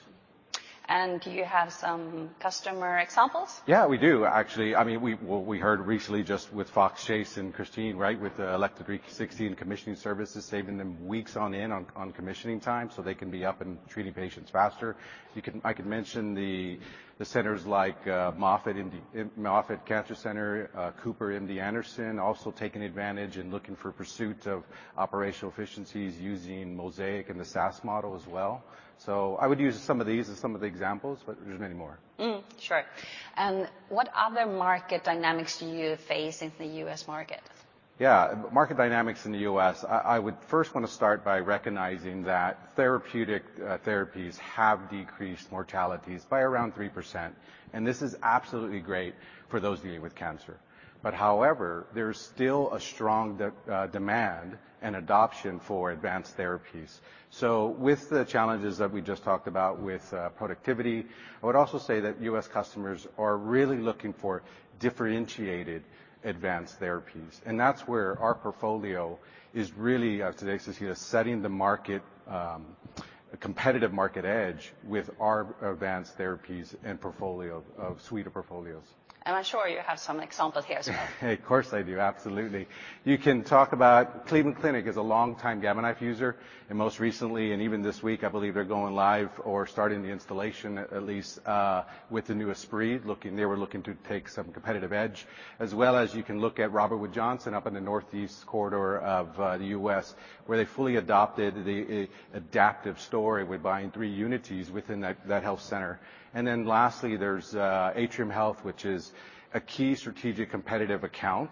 Do you have some customer examples? Yeah, we do, actually. What we heard recently just with Fox Chase and Christine, right? With the Elekta 360 and commissioning services, saving them weeks on end on commissioning time, so they can be up and treating patients faster. I could mention the centers like Moffitt Cancer Center, Cooper, MD Anderson, also taking advantage and looking for pursuit of operational efficiencies using MOSAIQ and the SaaS model as well. I would use some of these as some of the examples, but there's many more. sure. What other market dynamics do you face in the U.S. market? Market dynamics in the U.S., I would first want to start by recognizing that therapeutic therapies have decreased mortalities by around 3%, this is absolutely great for those dealing with cancer. However, there's still a strong demand and adoption for advanced therapies. With the challenges that we just talked about with productivity, I would also say that U.S. customers are really looking for differentiated advanced therapies, that's where our portfolio is really today, Cecilia, setting the market a competitive market edge with our advanced therapies and portfolio of suite of portfolios. I'm sure you have some examples here as well. Of course I do, absolutely. You can talk about Cleveland Clinic is a longtime Gamma Knife user, and most recently, and even this week, I believe, they're going live or starting the installation, at least, with the newest Esprit. They were looking to take some competitive edge. As well as you can look at Robert Wood Johnson up in the northeast corridor of the U.S., where they fully adopted the adaptive story with buying 3 Unities within that health center. Lastly, there's Atrium Health, which is a key strategic competitive account.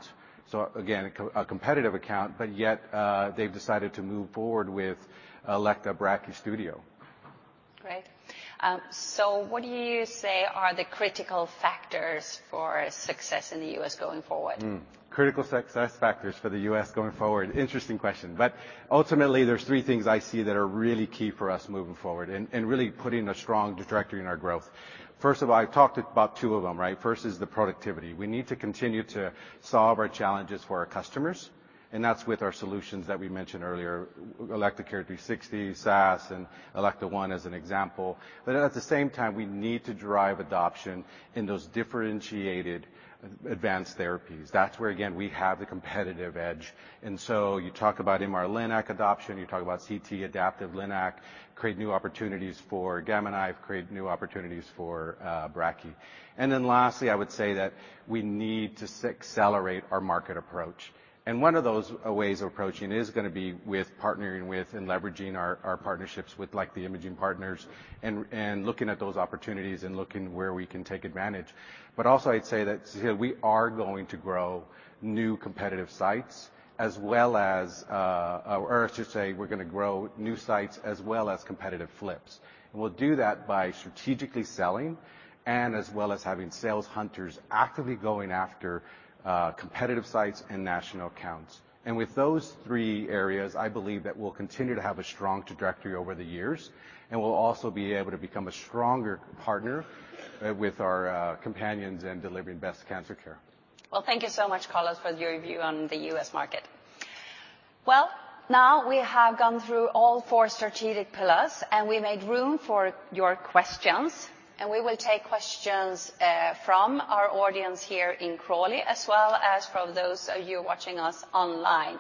Again, a competitive account, but yet, they've decided to move forward with Elekta BrachyStudio. Great. What do you say are the critical factors for success in the U.S. going forward? critical success factors for the U.S. going forward? Interesting question. Ultimately, there's three things I see that are really key for us moving forward and really putting a strong trajectory in our growth. First of all, I've talked about two of them, right? First is the productivity. We need to continue to solve our challenges for our customers, and that's with our solutions that we mentioned earlier, Elekta Care 360, SaaS, and Elekta ONE, as an example. At the same time, we need to drive adoption in those differentiated advanced therapies. That's where, again, we have the competitive edge. You talk about MR-Linac adoption, you talk about CT Adaptive Linac, create new opportunities for Gamma Knife, create new opportunities for Brachy. Lastly, I would say that we need to accelerate our market approach, and one of those ways of approaching is gonna be with partnering with and leveraging our partnerships with, like, the imaging partners and looking at those opportunities and looking where we can take advantage. Also I'd say that, Cecilia, we are going to grow new competitive sites as well as, or I should say, we're gonna grow new sites as well as competitive flips. We'll do that by strategically selling and as well as having sales hunters actively going after competitive sites and national accounts. With those three areas, I believe that we'll continue to have a strong trajectory over the years, and we'll also be able to become a stronger partner with our companions in delivering best cancer care. Well, thank you so much, Carlos, for your view on the U.S. market. Well, now we have gone through all four strategic pillars, and we made room for your questions, and we will take questions, from our audience here in Crawley, as well as from those of you watching us online.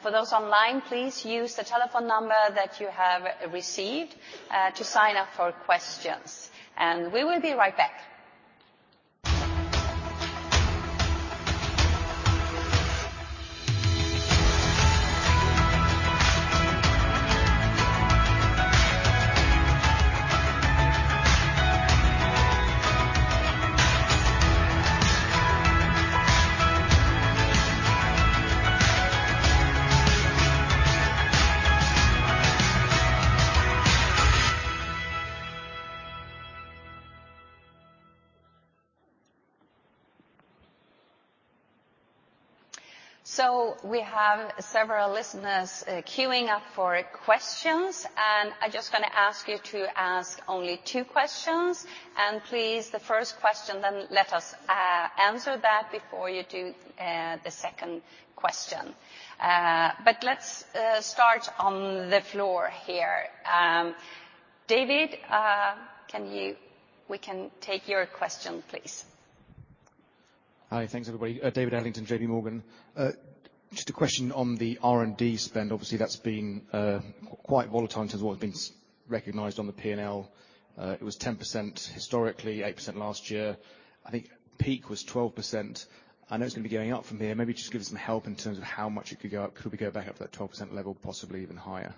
For those online, please use the telephone number that you have received, to sign up for questions, and we will be right back. We have several listeners, queuing up for questions, and I'm just gonna ask you to ask only two questions. Please, the first question, then let us, answer that before you do, the second question. Let's, start on the floor here. David, we can take your question, please. Hi. Thanks, everybody. David Adlington, JP Morgan. Just a question on the R&D spend. Obviously, that's been quite volatile in terms of what has been recognized on the P&L. It was 10% historically, 8% last year. I think peak was 12%. I know it's gonna be going up from here. Maybe just give us some help in terms of how much it could go up. Could we go back up to that 12% level, possibly even higher?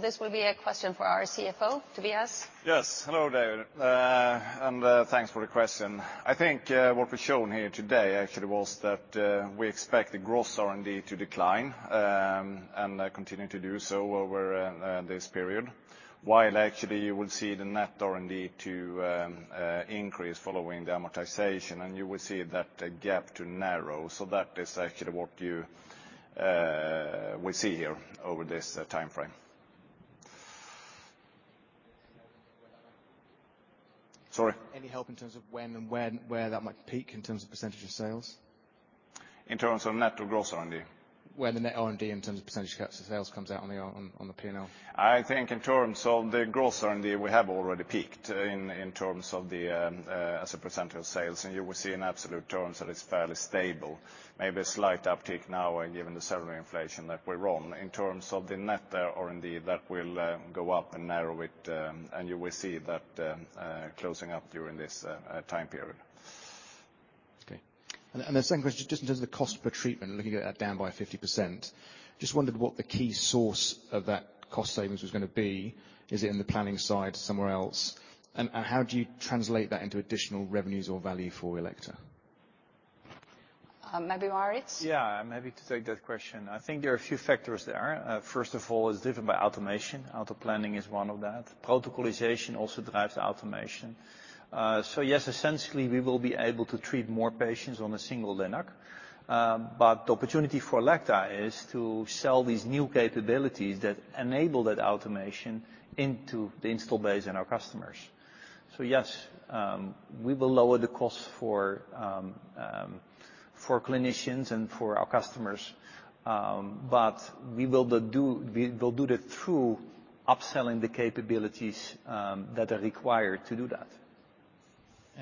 This will be a question for our CFO, Tobias. Yes. Hello, David. Thanks for the question. I think what we've shown here today actually was that we expect the gross R&D to decline and continue to do so over this period, while actually you will see the net R&D to increase following the amortization, and you will see that gap to narrow. That is actually what you will see here over this timeframe. Sorry? Any help in terms of when and when, where that might peak in terms of % of sales? In terms of net or gross R&D? Where the net R&D, in terms of % cuts to sales, comes out on the P&L. I think in terms of the gross R&D, we have already peaked in terms of the as a % of sales. You will see in absolute terms that it's fairly stable, maybe a slight uptick now, given the salary inflation that we're on. In terms of the net R&D, that will go up and narrow it, and you will see that closing up during this time period. Okay. The second question, just in terms of the cost per treatment, looking at that down by 50%, just wondered what the key source of that cost savings was gonna be. Is it in the planning side, somewhere else? How do you translate that into additional revenues or value for Elekta? Maybe Maurits? I'm happy to take that question. I think there are a few factors there. First of all, it's driven by automation. Auto-planning is one of that. Protocolization also drives automation. Yes, essentially, we will be able to treat more patients on a single Linac. The opportunity for Elekta is to sell these new capabilities that enable that automation into the install base and our customers. Yes, we will lower the cost for clinicians and for our customers, but we will do that through upselling the capabilities that are required to do that.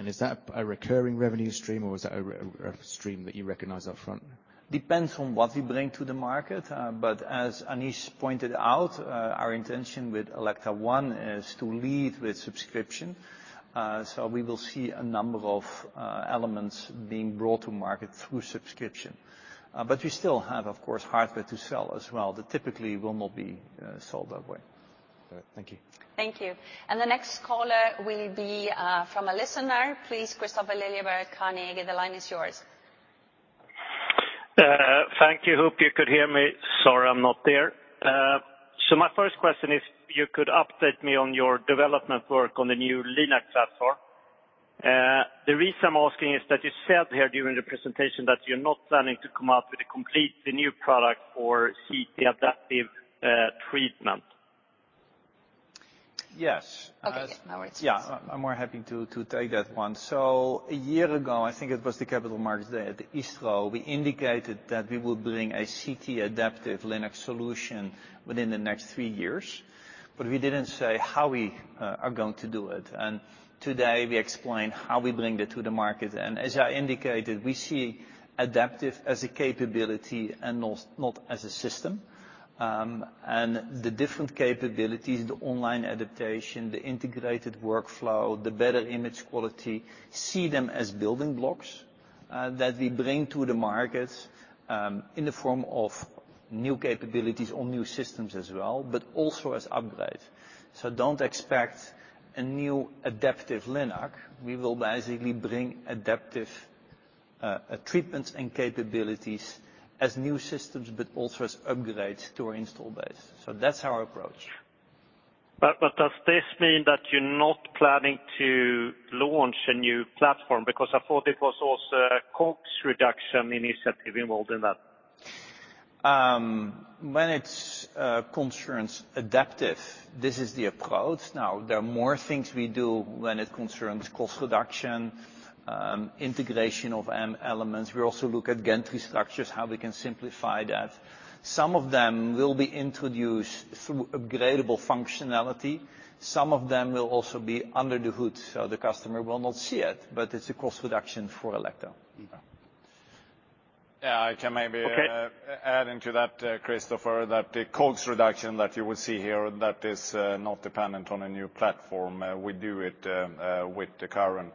Is that a recurring revenue stream, or is that a stream that you recognize upfront? Depends on what we bring to the market. As Anish pointed out, our intention with Elekta ONE is to lead with subscription. We will see a number of elements being brought to market through subscription. We still have, of course, hardware to sell as well that typically will not be sold that way. All right. Thank you. Thank you. The next caller will be from a listener. Please, Kristofer Liljeberg, Carnegie, the line is yours. Thank you. Hope you could hear me. Sorry I'm not there. My first question is, if you could update me on your development work on the new Linac platform. The reason I'm asking is that you said here during the presentation that you're not planning to come out with a completely new product for CT adaptive, treatment. Yes. Okay, Maurits. Yeah, I'm more happy to take that one. A year ago, I think it was the capital markets there at ASTRO, we indicated that we would bring a CT-Linac solution within the next three years, but we didn't say how we are going to do it. Today we explained how we bring that to the market. As I indicated, we see adaptive as a capability and not as a system. The different capabilities, the online adaptation, the integrated workflow, the better image quality, see them as building blocks that we bring to the markets in the form of new capabilities or new systems as well, but also as upgrades. Don't expect a new adaptive Linac. We will basically bring adaptive treatments and capabilities as new systems, but also as upgrades to our install base. That's our approach. Does this mean that you're not planning to launch a new platform? Because I thought it was also a cost reduction initiative involved in that. When it concerns adaptive, this is the approach. There are more things we do when it concerns cost reduction, integration of elements. We also look at gantry structures, how we can simplify that. Some of them will be introduced through upgradeable functionality. Some of them will also be under the hood, so the customer will not see it, but it's a cost reduction for Elekta. Yeah, I can. Okay... add into that, Kristofer, that the cost reduction that you will see here, that is not dependent on a new platform. We do it with the current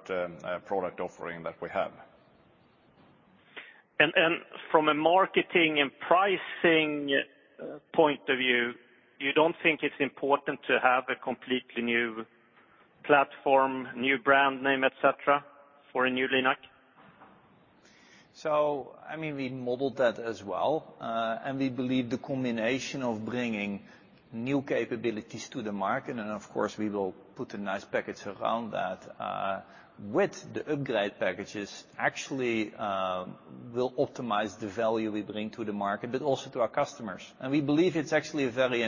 product offering that we have. From a marketing and pricing point of view, you don't think it's important to have a completely new platform, new brand name, et cetera, for a new Linac? I mean, we modeled that as well, and we believe the combination of bringing new capabilities to the market, and of course, we will put a nice package around that, with the upgrade packages, actually, will optimize the value we bring to the market, but also to our customers. We believe it's actually a very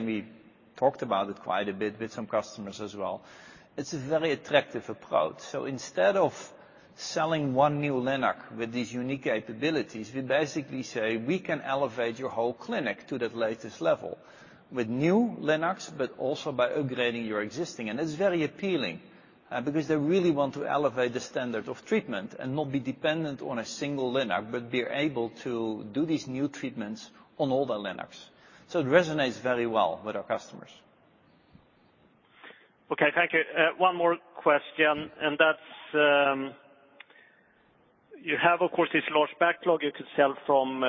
attractive approach. Instead of selling one new Linac with these unique capabilities, we basically say, "We can elevate your whole clinic to the latest level with new Linacs, but also by upgrading your existing." It's very appealing, because they really want to elevate the standard of treatment and not be dependent on a single Linac, but be able to do these new treatments on all the Linacs. It resonates very well with our customers. Okay, thank you. One more question, and that's: you have, of course, this large backlog you could sell from,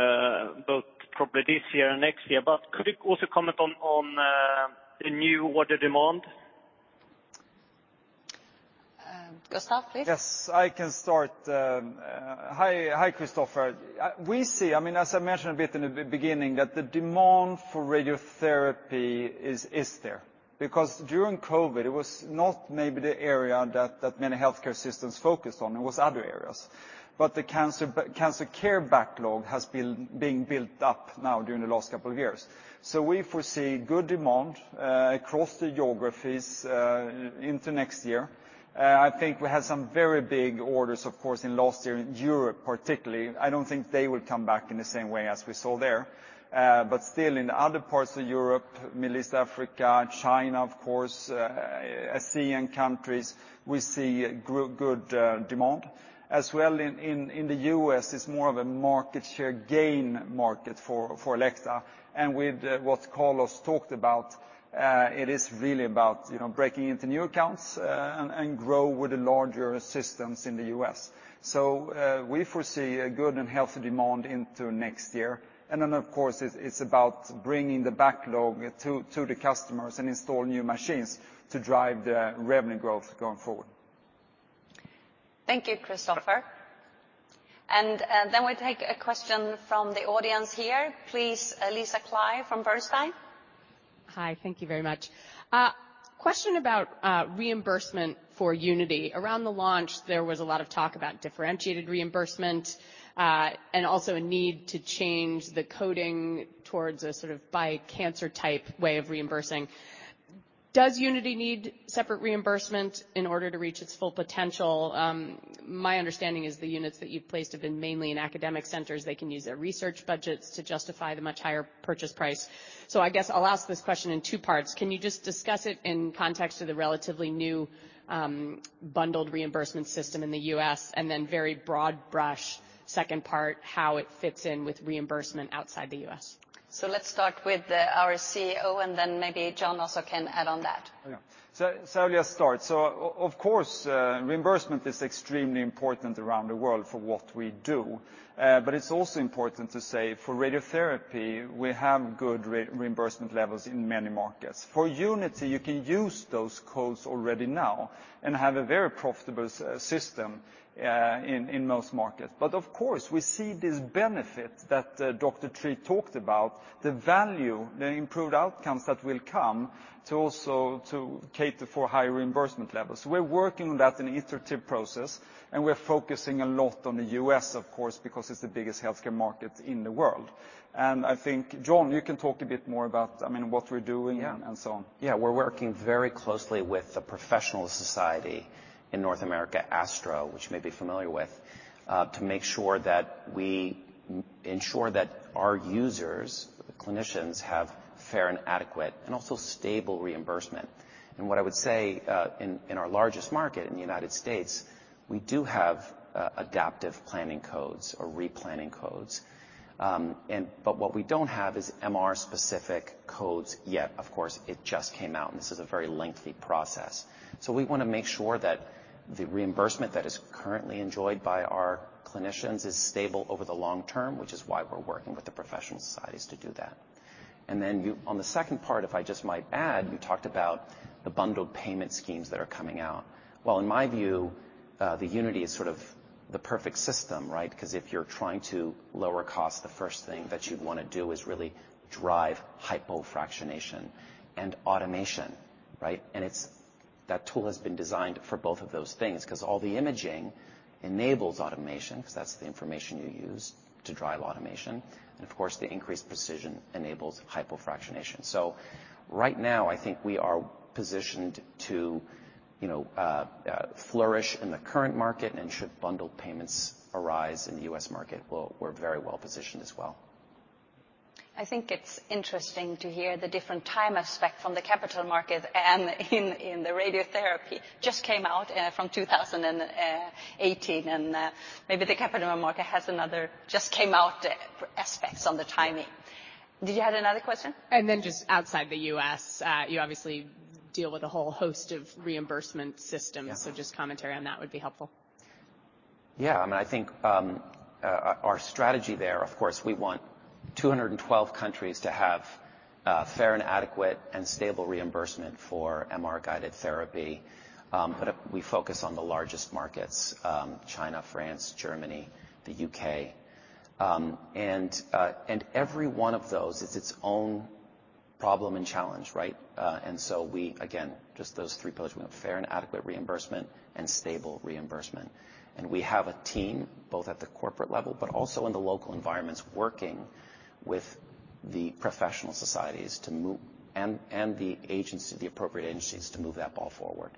both probably this year and next year, but could you also comment on the new order demand? Gustaf, please. Yes, I can start. Hi, hi, Kristofer. We see, I mean, as I mentioned a bit in the beginning, that the demand for radiotherapy is there, because during COVID, it was not maybe the area that many healthcare systems focused on. It was other areas. The cancer care backlog has been being built up now during the last couple of years. We foresee good demand, across the geographies, into next year. I think we had some very big orders, of course, in last year, in Europe particularly. I don't think they will come back in the same way as we saw there. Still, in other parts of Europe, Middle East, Africa, China, of course, ASEAN countries, we see good demand. As well in the U.S., it's more of a market share gain market for Elekta. With what Carlos talked about, it is really about, you know, breaking into new accounts and grow with the larger systems in the U.S. We foresee a good and healthy demand into next year. Then, of course, it's about bringing the backlog to the customers and install new machines to drive the revenue growth going forward. Thank you, Kristofer. Then we take a question from the audience here. Please, Lisa Clive from Bernstein. Hi, thank you very much. Question about reimbursement for Elekta Unity. Around the launch, there was a lot of talk about differentiated reimbursement, and also a need to change the coding towards a sort of by cancer type way of reimbursing. Does Elekta Unity need separate reimbursement in order to reach its full potential? My understanding is the units that you've placed have been mainly in academic centers. They can use their research budgets to justify the much higher purchase price. I guess I'll ask this question in two parts: Can you just discuss it in context of the relatively new, bundled reimbursement system in the U.S., and then very broad brush, second part, how it fits in with reimbursement outside the U.S.? Let's start with our CEO, and then maybe John also can add on that. I'll just start. Of course, reimbursement is extremely important around the world for what we do. It's also important to say, for radiotherapy, we have good reimbursement levels in many markets. For Elekta Unity, you can use those codes already now and have a very profitable system in most markets. Of course, we see this benefit that Dr. Alison Tree talked about, the value, the improved outcomes that will come to also to cater for higher reimbursement levels. We're working on that, an iterative process, and we're focusing a lot on the U.S., of course, because it's the biggest healthcare market in the world. I think, John, you can talk a bit more about, I mean, what we're doing. Yeah. So on. Yeah, we're working very closely with the professional society in North America, ASTRO, which you may be familiar with, to make sure that we ensure that our users, the clinicians, have fair and adequate and also stable reimbursement. What I would say, in our largest market, in the United States, we do have adaptive planning codes or replanning codes. But what we don't have is MR-specific codes yet. Of course, it just came out, and this is a very lengthy process. We want to make sure that the reimbursement that is currently enjoyed by our clinicians is stable over the long term, which is why we're working with the professional societies to do that. Then on the second part, if I just might add, you talked about the bundled payment schemes that are coming out. In my view, the Unity is sort of the perfect system, right? If you're trying to lower cost, the first thing that you'd want to do is really drive hypofractionation and automation, right? That tool has been designed for both of those things, 'cause all the imaging enables automation, 'cause that's the information you use to drive automation, and of course, the increased precision enables hypofractionation. Right now, I think we are positioned to, you know, flourish in the current market, and should bundled payments arise in the US market, well, we're very well positioned as well. I think it's interesting to hear the different time aspect from the capital market and in the radiotherapy just came out from 2018, and maybe the capital market has another just came out aspects on the timing. Did you have another question? Just outside the U.S., you obviously deal with a whole host of reimbursement systems. Yeah. Just commentary on that would be helpful. Yeah, I mean, I think, our strategy there, of course, we want 212 countries to have fair and adequate and stable reimbursement for MR-guided therapy. We focus on the largest markets, China, France, Germany, the UK. Every one of those is its own problem and challenge, right? We again, just those three pillars. We want fair and adequate reimbursement and stable reimbursement. We have a team, both at the corporate level, but also in the local environments, working with the professional societies to move and the agencies, the appropriate agencies, to move that ball forward.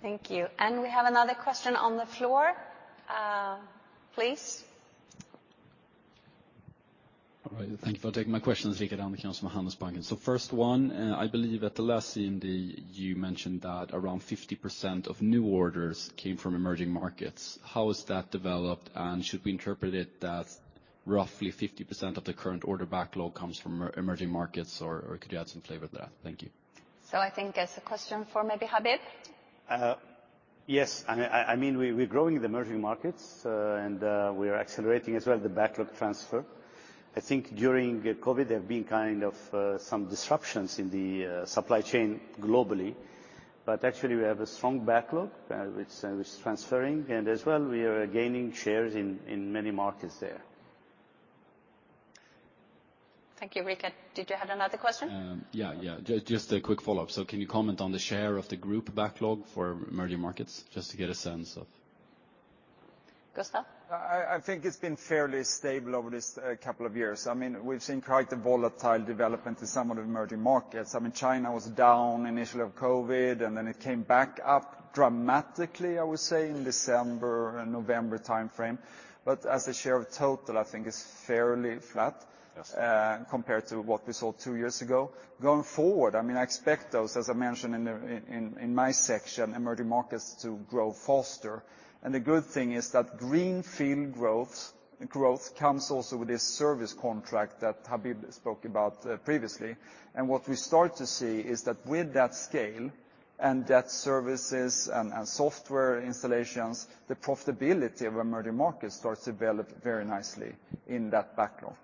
Thank you. We have another question on the floor, please. All right. Thank you for taking my question. Rickard Anderkrans, Handelsbanken. First one, I believe at the last Indy, you mentioned that around 50% of new orders came from emerging markets. How has that developed, and should we interpret it that roughly 50% of the current order backlog comes from emerging markets, or could you add some flavor to that? Thank you. I think that's a question for maybe Habib. Yes, I mean, we're growing in the emerging markets, and we are accelerating as well, the backlog transfer. I think during COVID, there have been kind of some disruptions in the supply chain globally, but actually, we have a strong backlog, which is transferring, and as well, we are gaining shares in many markets there. Thank you, Rikke. Did you have another question? Yeah, just a quick follow-up. Can you comment on the share of the group backlog for emerging markets, just to get a sense of? Gustaf? I think it's been fairly stable over this couple of years. I mean, we've seen quite a volatile development in some of the emerging markets. I mean, China was down initially of COVID, and then it came back up dramatically, I would say, in December and November timeframe. As a share of total, I think it's fairly flat. Yes compared to what we saw two years ago. Going forward, I mean, I expect those, as I mentioned in my section, emerging markets to grow faster. The good thing is that greenfield growth comes also with this service contract that Habib spoke about, previously. What we start to see is that with that scale and that services and software installations, the profitability of emerging markets starts to develop very nicely in that backlog.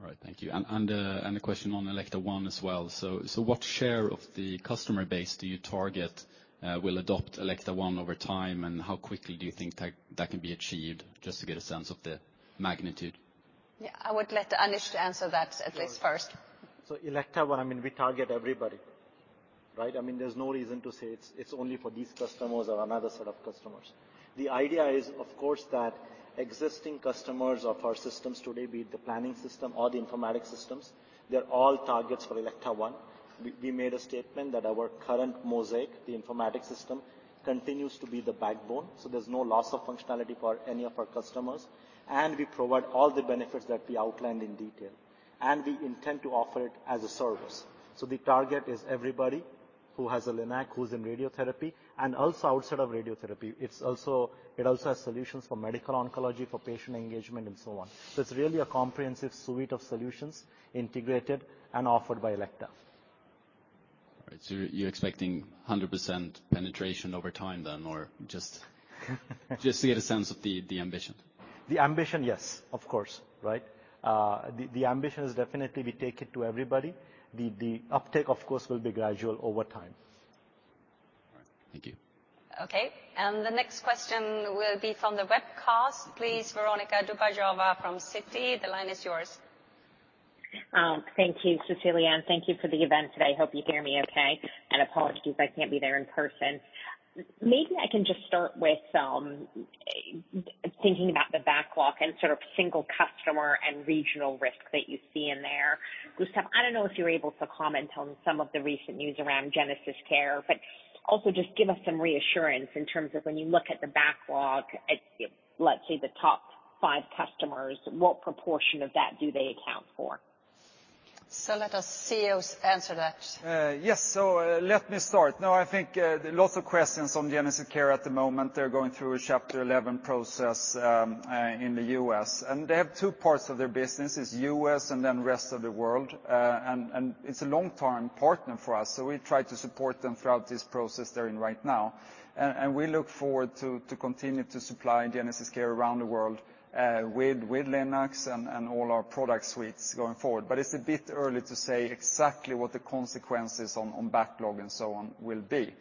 All right, thank you. A question on Elekta ONE as well. What share of the customer base do you target will adopt Elekta ONE over time, and how quickly do you think that can be achieved, just to get a sense of the magnitude? Yeah, I would let Anish to answer that at least first. Elekta ONE, I mean, we target everybody, right? I mean, there's no reason to say it's only for these customers or another set of customers. The idea is, of course, that existing customers of our systems today, be it the planning system or the informatics systems, they're all targets for Elekta ONE. We made a statement that our current MOSAIQ, the informatics system, continues to be the backbone, so there's no loss of functionality for any of our customers, and we provide all the benefits that we outlined in detail, and we intend to offer it as a service. The target is everybody who has a Linac, who's in radiotherapy, and also outside of radiotherapy. It also has solutions for medical oncology, for patient engagement, and so on. It's really a comprehensive suite of solutions, integrated and offered by Elekta. All right, you're expecting 100% penetration over time then, or just to get a sense of the ambition. The ambition, yes, of course, right? The ambition is definitely we take it to everybody. The uptake, of course, will be gradual over time. Thank you. Okay, the next question will be from the webcast. Please, Veronika Dubajova from Citi, the line is yours. Thank you, Cecilia, and thank you for the event today. Hope you hear me okay, and apologies I can't be there in person. Maybe I can just start with thinking about the backlog and sort of single customer and regional risk that you see in there. Gustaf Salford, I don't know if you're able to comment on some of the recent news around GenesisCare, but also just give us some reassurance in terms of when you look at the backlog, at, let's say, the top five customers, what proportion of that do they account for? let us CEOs answer that. Yes, let me start. I think lots of questions on GenesisCare at the moment. They're going through a Chapter 11 process in the U.S., and they have two parts of their business, is U.S. and then rest of the world. It's a long-term partner for us, so we try to support them throughout this process they're in right now. We look forward to continue to supply GenesisCare around the world with Linacs and all our product suites going forward. It's a bit early to say exactly what the consequences on backlog and so on will be.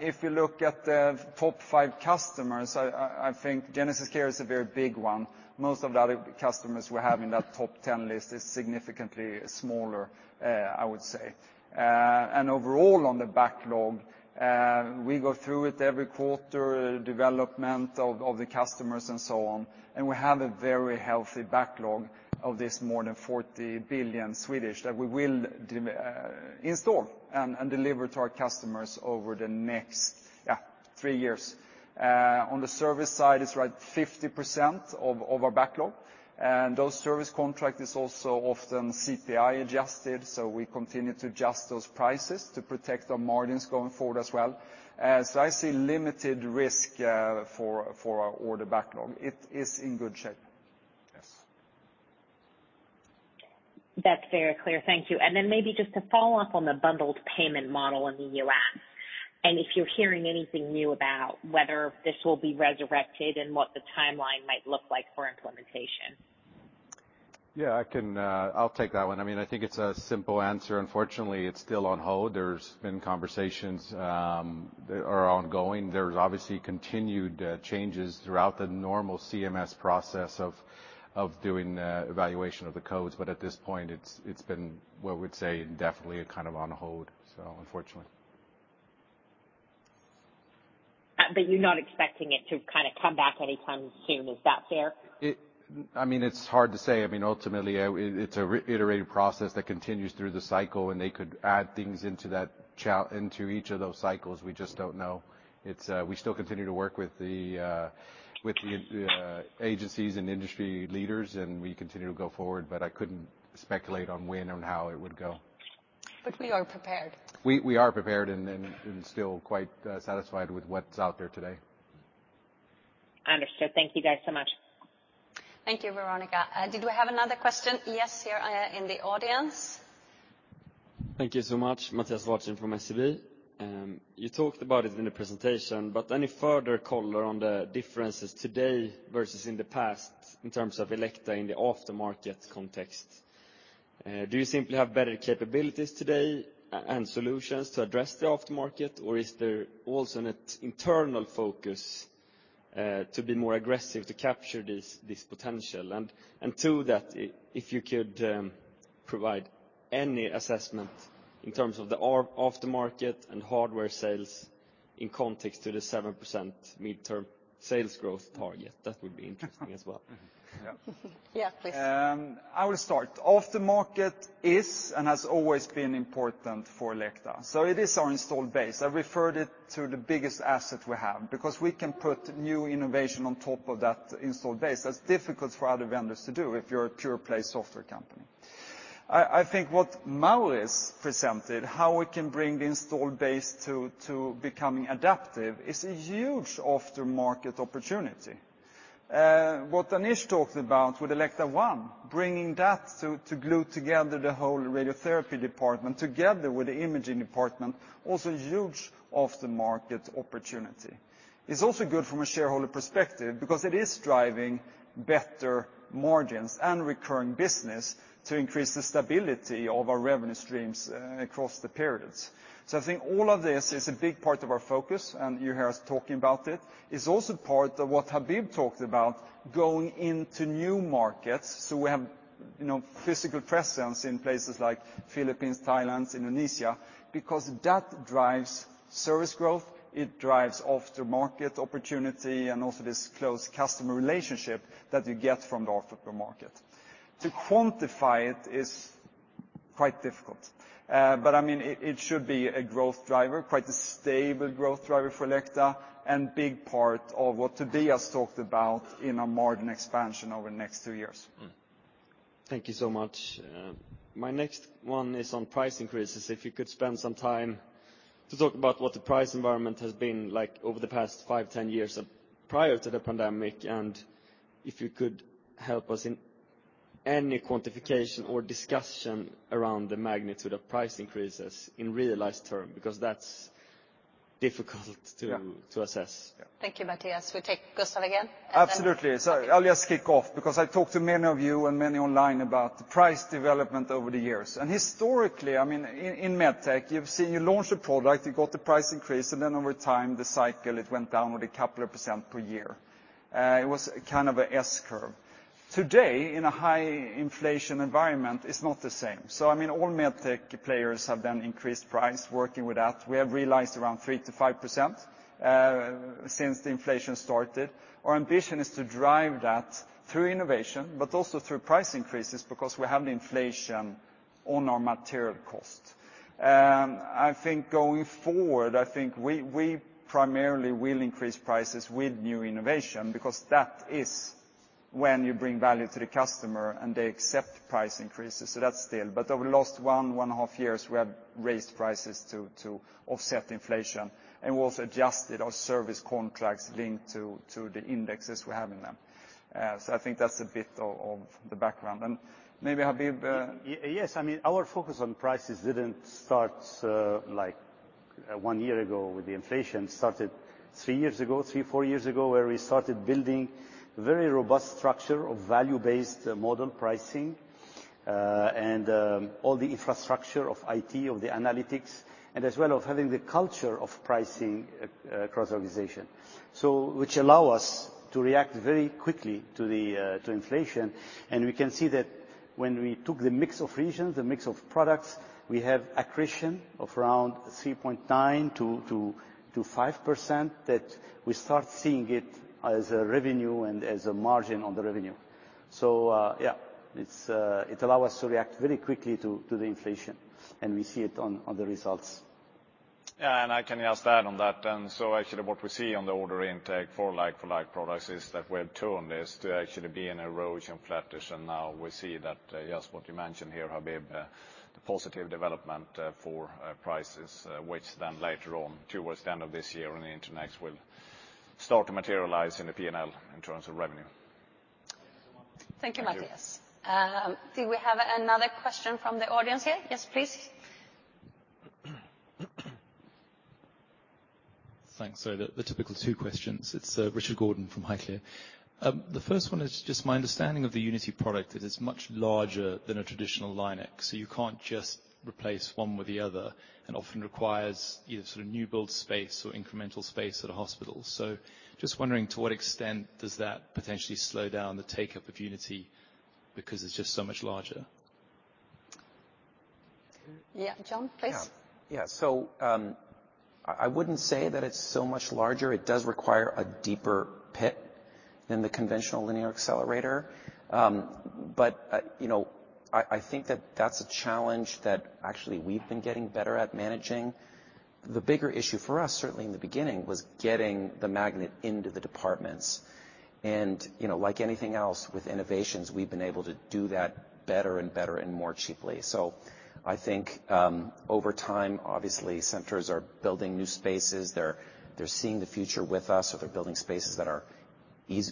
If you look at the top five customers, I think GenesisCare is a very big one. Most of the other customers we have in that top 10 list is significantly smaller, I would say. Overall, on the backlog, we go through it every quarter, development of the customers and so on, and we have a very healthy backlog of this more than 40 billion that we will install and deliver to our customers over the next, yeah, 3 years. On the service side, it's right, 50% of our backlog, and those service contract is also often CPI-adjusted, so we continue to adjust those prices to protect our margins going forward as well. I see limited risk for our order backlog. It is in good shape. That's very clear. Thank you. Then maybe just to follow up on the bundled payment model in the U.S., and if you're hearing anything new about whether this will be resurrected and what the timeline might look like for implementation? Yeah, I can I'll take that one. I mean, I think it's a simple answer. Unfortunately, it's still on hold. There's been conversations that are ongoing. There's obviously continued changes throughout the normal CMS process of doing evaluation of the codes, but at this point, it's been, what I would say, indefinitely, kind of, on hold, so unfortunately. You're not expecting it to kind of come back anytime soon, is that fair? I mean, it's hard to say. I mean, ultimately, it's a reiterated process that continues through the cycle, and they could add things into each of those cycles. We just don't know. It's... We still continue to work with the, with the agencies and industry leaders, and we continue to go forward, but I couldn't speculate on when and how it would go. We are prepared. We are prepared and still quite satisfied with what's out there today. Understood. Thank you, guys, so much. Thank you, Veronika. Did we have another question? Yes, here, in the audience. Thank you so much. Mattias Vadsten from SEB. You talked about it in the presentation, but any further color on the differences today versus in the past in terms of Elekta in the aftermarket context? Do you simply have better capabilities today, and solutions to address the aftermarket, or is there also an internal focus to be more aggressive to capture this potential? Two, if you could provide any assessment in terms of the aftermarket and hardware sales in context to the 7% midterm sales growth target, that would be interesting as well. Yeah. Yeah, please. I will start. Aftermarket is, and has always been important for Elekta, so it is our installed base. I referred it to the biggest asset we have, because we can put new innovation on top of that installed base. That's difficult for other vendors to do if you're a pure-play software company. I think what Maurice presented, how we can bring the installed base to becoming adaptive, is a huge aftermarket opportunity. What Anish talked about with Elekta ONE, bringing that to glue together the whole radiotherapy department, together with the imaging department, also huge aftermarket opportunity. It's also good from a shareholder perspective, because it is driving better margins and recurring business to increase the stability of our revenue streams across the periods. I think all of this is a big part of our focus, and you hear us talking about it. It's also part of what Habib talked about, going into new markets. We have, you know, physical presence in places like Philippines, Thailand, Indonesia, because that drives service growth, it drives aftermarket opportunity, and also this close customer relationship that you get from the aftermarket. To quantify it is quite difficult. I mean, it should be a growth driver, quite a stable growth driver for Elekta. Big part of what Tobias talked about in our margin expansion over the next 2 years. Thank you so much. My next one is on price increases. If you could spend some time to talk about what the price environment has been like over the past 5, 10 years prior to the pandemic, and if you could help us in any quantification or discussion around the magnitude of price increases in realized terms, because that's difficult to- Yeah. -to assess. Yeah. Thank you, Mattias. We take Gustaf again, and then- Absolutely. I'll just kick off, because I talked to many of you and many online about the price development over the years. Historically, I mean, in med tech, you've seen you launch a product, you got the price increase, and then over time, the cycle, it went down with a couple of percent per year. It was kind of a S curve. Today, in a high inflation environment, it's not the same. I mean, all med tech players have then increased price. Working with that, we have realized around 3%-5% since the inflation started. Our ambition is to drive that through innovation, but also through price increases, because we have the inflation on our material cost. I think going forward, I think we primarily will increase prices with new innovation, because that is when you bring value to the customer and they accept price increases, so that's still. Over the last one and a half years, we have raised prices to offset inflation, and we've also adjusted our service contracts linked to the indexes we have in them. I think that's a bit of the background. Maybe Habib, Yes, I mean, our focus on prices didn't start like one year ago with the inflation. It started three, four years ago, where we started building very robust structure of value-based model pricing and all the infrastructure of IT, of the analytics, and as well of having the culture of pricing across the organization. Which allow us to react very quickly to the inflation. We can see that when we took the mix of regions, the mix of products, we have accretion of around 3.9% to 5%, that we start seeing it as a revenue and as a margin on the revenue. Yeah, it's, it allow us to react very quickly to the inflation, and we see it on the results. Yeah, I can just add on that. Actually what we see on the order intake for like-for-like products is that we're too on this to actually be in erosion, flattish, and now we see that, just what you mentioned here, Habib.... the positive development for prices, which then later on towards the end of this year and into next, will start to materialize in the P&L in terms of revenue. Thank you so much. Thank you, Mattias. Thank you. Do we have another question from the audience here? Yes, please. Thanks. The typical two questions. It's Richard Gordon from Highclere. The first one is just my understanding of the Unity product, that it's much larger than a traditional Linac, so you can't just replace one with the other, and often requires either sort of new build space or incremental space at a hospital. Just wondering, to what extent does that potentially slow down the take-up of Unity because it's just so much larger? Yeah, John, please. Yeah. Yeah, I wouldn't say that it's so much larger. It does require a deeper pit than the conventional linear accelerator. You know, I think that that's a challenge that actually we've been getting better at managing. The bigger issue for us, certainly in the beginning, was getting the magnet into the departments. You know, like anything else, with innovations, we've been able to do that better and better and more cheaply. I think, over time, obviously, centers are building new spaces. They're seeing the future with us, so they're building spaces that are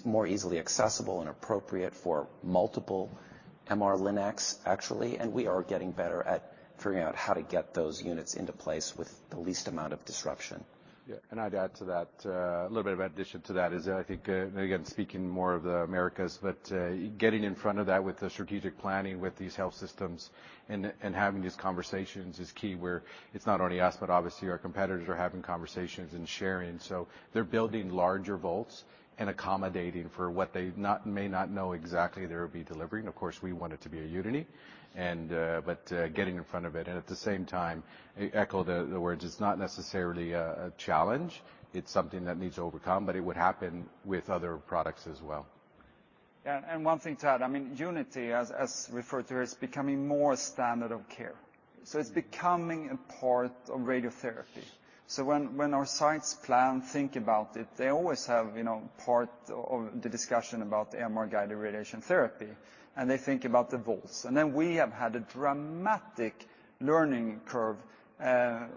more easily accessible and appropriate for multiple MR-Linacs, actually. We are getting better at figuring out how to get those units into place with the least amount of disruption. Yeah, I'd add to that, a little bit of addition to that is that I think, again, speaking more of the Americas, but, getting in front of that with the strategic planning with these health systems and having these conversations is key, where it's not only us, but obviously our competitors are having conversations and sharing. They're building larger vaults and accommodating for what they may not know exactly they will be delivering. Of course, we want it to be a Unity, and, but, getting in front of it. At the same time, echo the words, it's not necessarily a challenge, it's something that needs to overcome, but it would happen with other products as well. One thing to add, I mean, Unity, as referred to, is becoming more standard of care, so it's becoming a part of radiotherapy. When our sites plan, think about it, they always have, you know, part of the discussion about the MR-guided radiation therapy, and they think about the vaults. We have had a dramatic learning curve,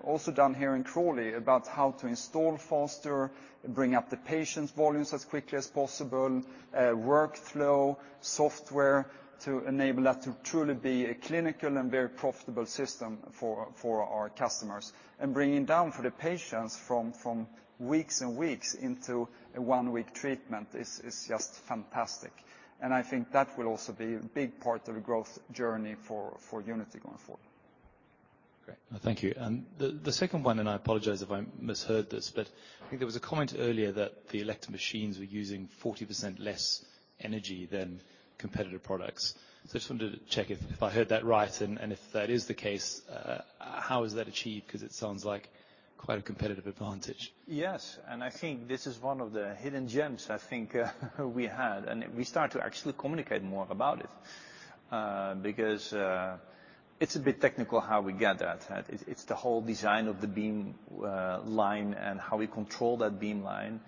also down here in Crawley, about how to install faster, bring up the patients' volumes as quickly as possible, workflow, software, to enable that to truly be a clinical and very profitable system for our customers. Bringing down for the patients from weeks and weeks into a one-week treatment is just fantastic. I think that will also be a big part of the growth journey for Unity going forward. Great. Thank you. The second one, I apologize if I misheard this, I think there was a comment earlier that the Elekta machines were using 40% less energy than competitive products. I just wanted to check if I heard that right, and if that is the case, how is that achieved? 'Cause it sounds like quite a competitive advantage. Yes, I think this is one of the hidden gems I think we had, and we start to actually communicate more about it. Because it's a bit technical how we get that. It's the whole design of the beam line and how we control that beam line.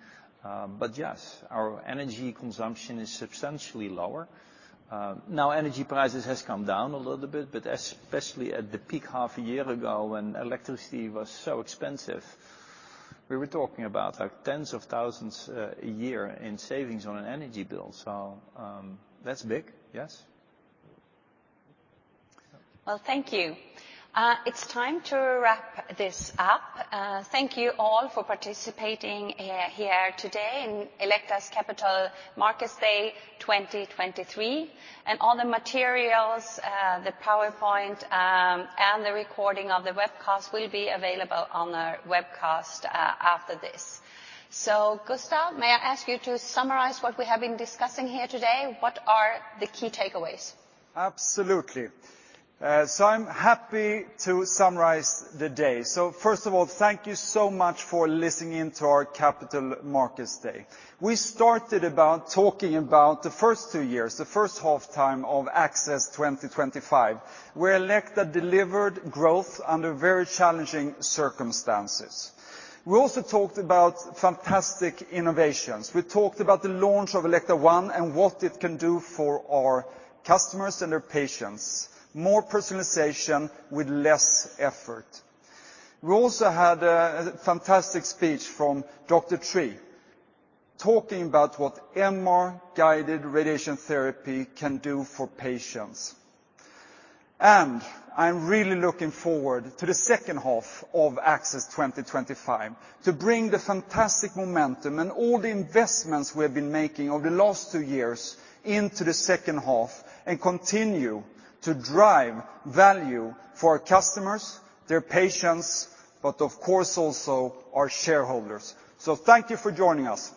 Yes, our energy consumption is substantially lower. Now energy prices has come down a little bit, but especially at the peak half a year ago when electricity was so expensive, we were talking about, like, SEK tens of thousands a year in savings on an energy bill. That's big, yes. Well, thank you. It's time to wrap this up. Thank you all for participating here today in Elekta's Capital Markets Day 2023. All the materials, the PowerPoint, and the recording of the webcast will be available on our webcast after this. Gustaf, may I ask you to summarize what we have been discussing here today? What are the key takeaways? Absolutely. I'm happy to summarize the day. First of all, thank you so much for listening in to our Capital Markets Day. We started about talking about the first two years, the first half time of ACCESS 2025, where Elekta delivered growth under very challenging circumstances. We also talked about fantastic innovations. We talked about the launch of Elekta ONE and what it can do for our customers and their patients. More personalization with less effort. We also had a fantastic speech from Dr. Tree, talking about what MR-guided radiation therapy can do for patients. I'm really looking forward to the second half of ACCESS 2025, to bring the fantastic momentum and all the investments we have been making over the last 2 years into the second half, and continue to drive value for our customers, their patients, but of course, also our shareholders. Thank you for joining us.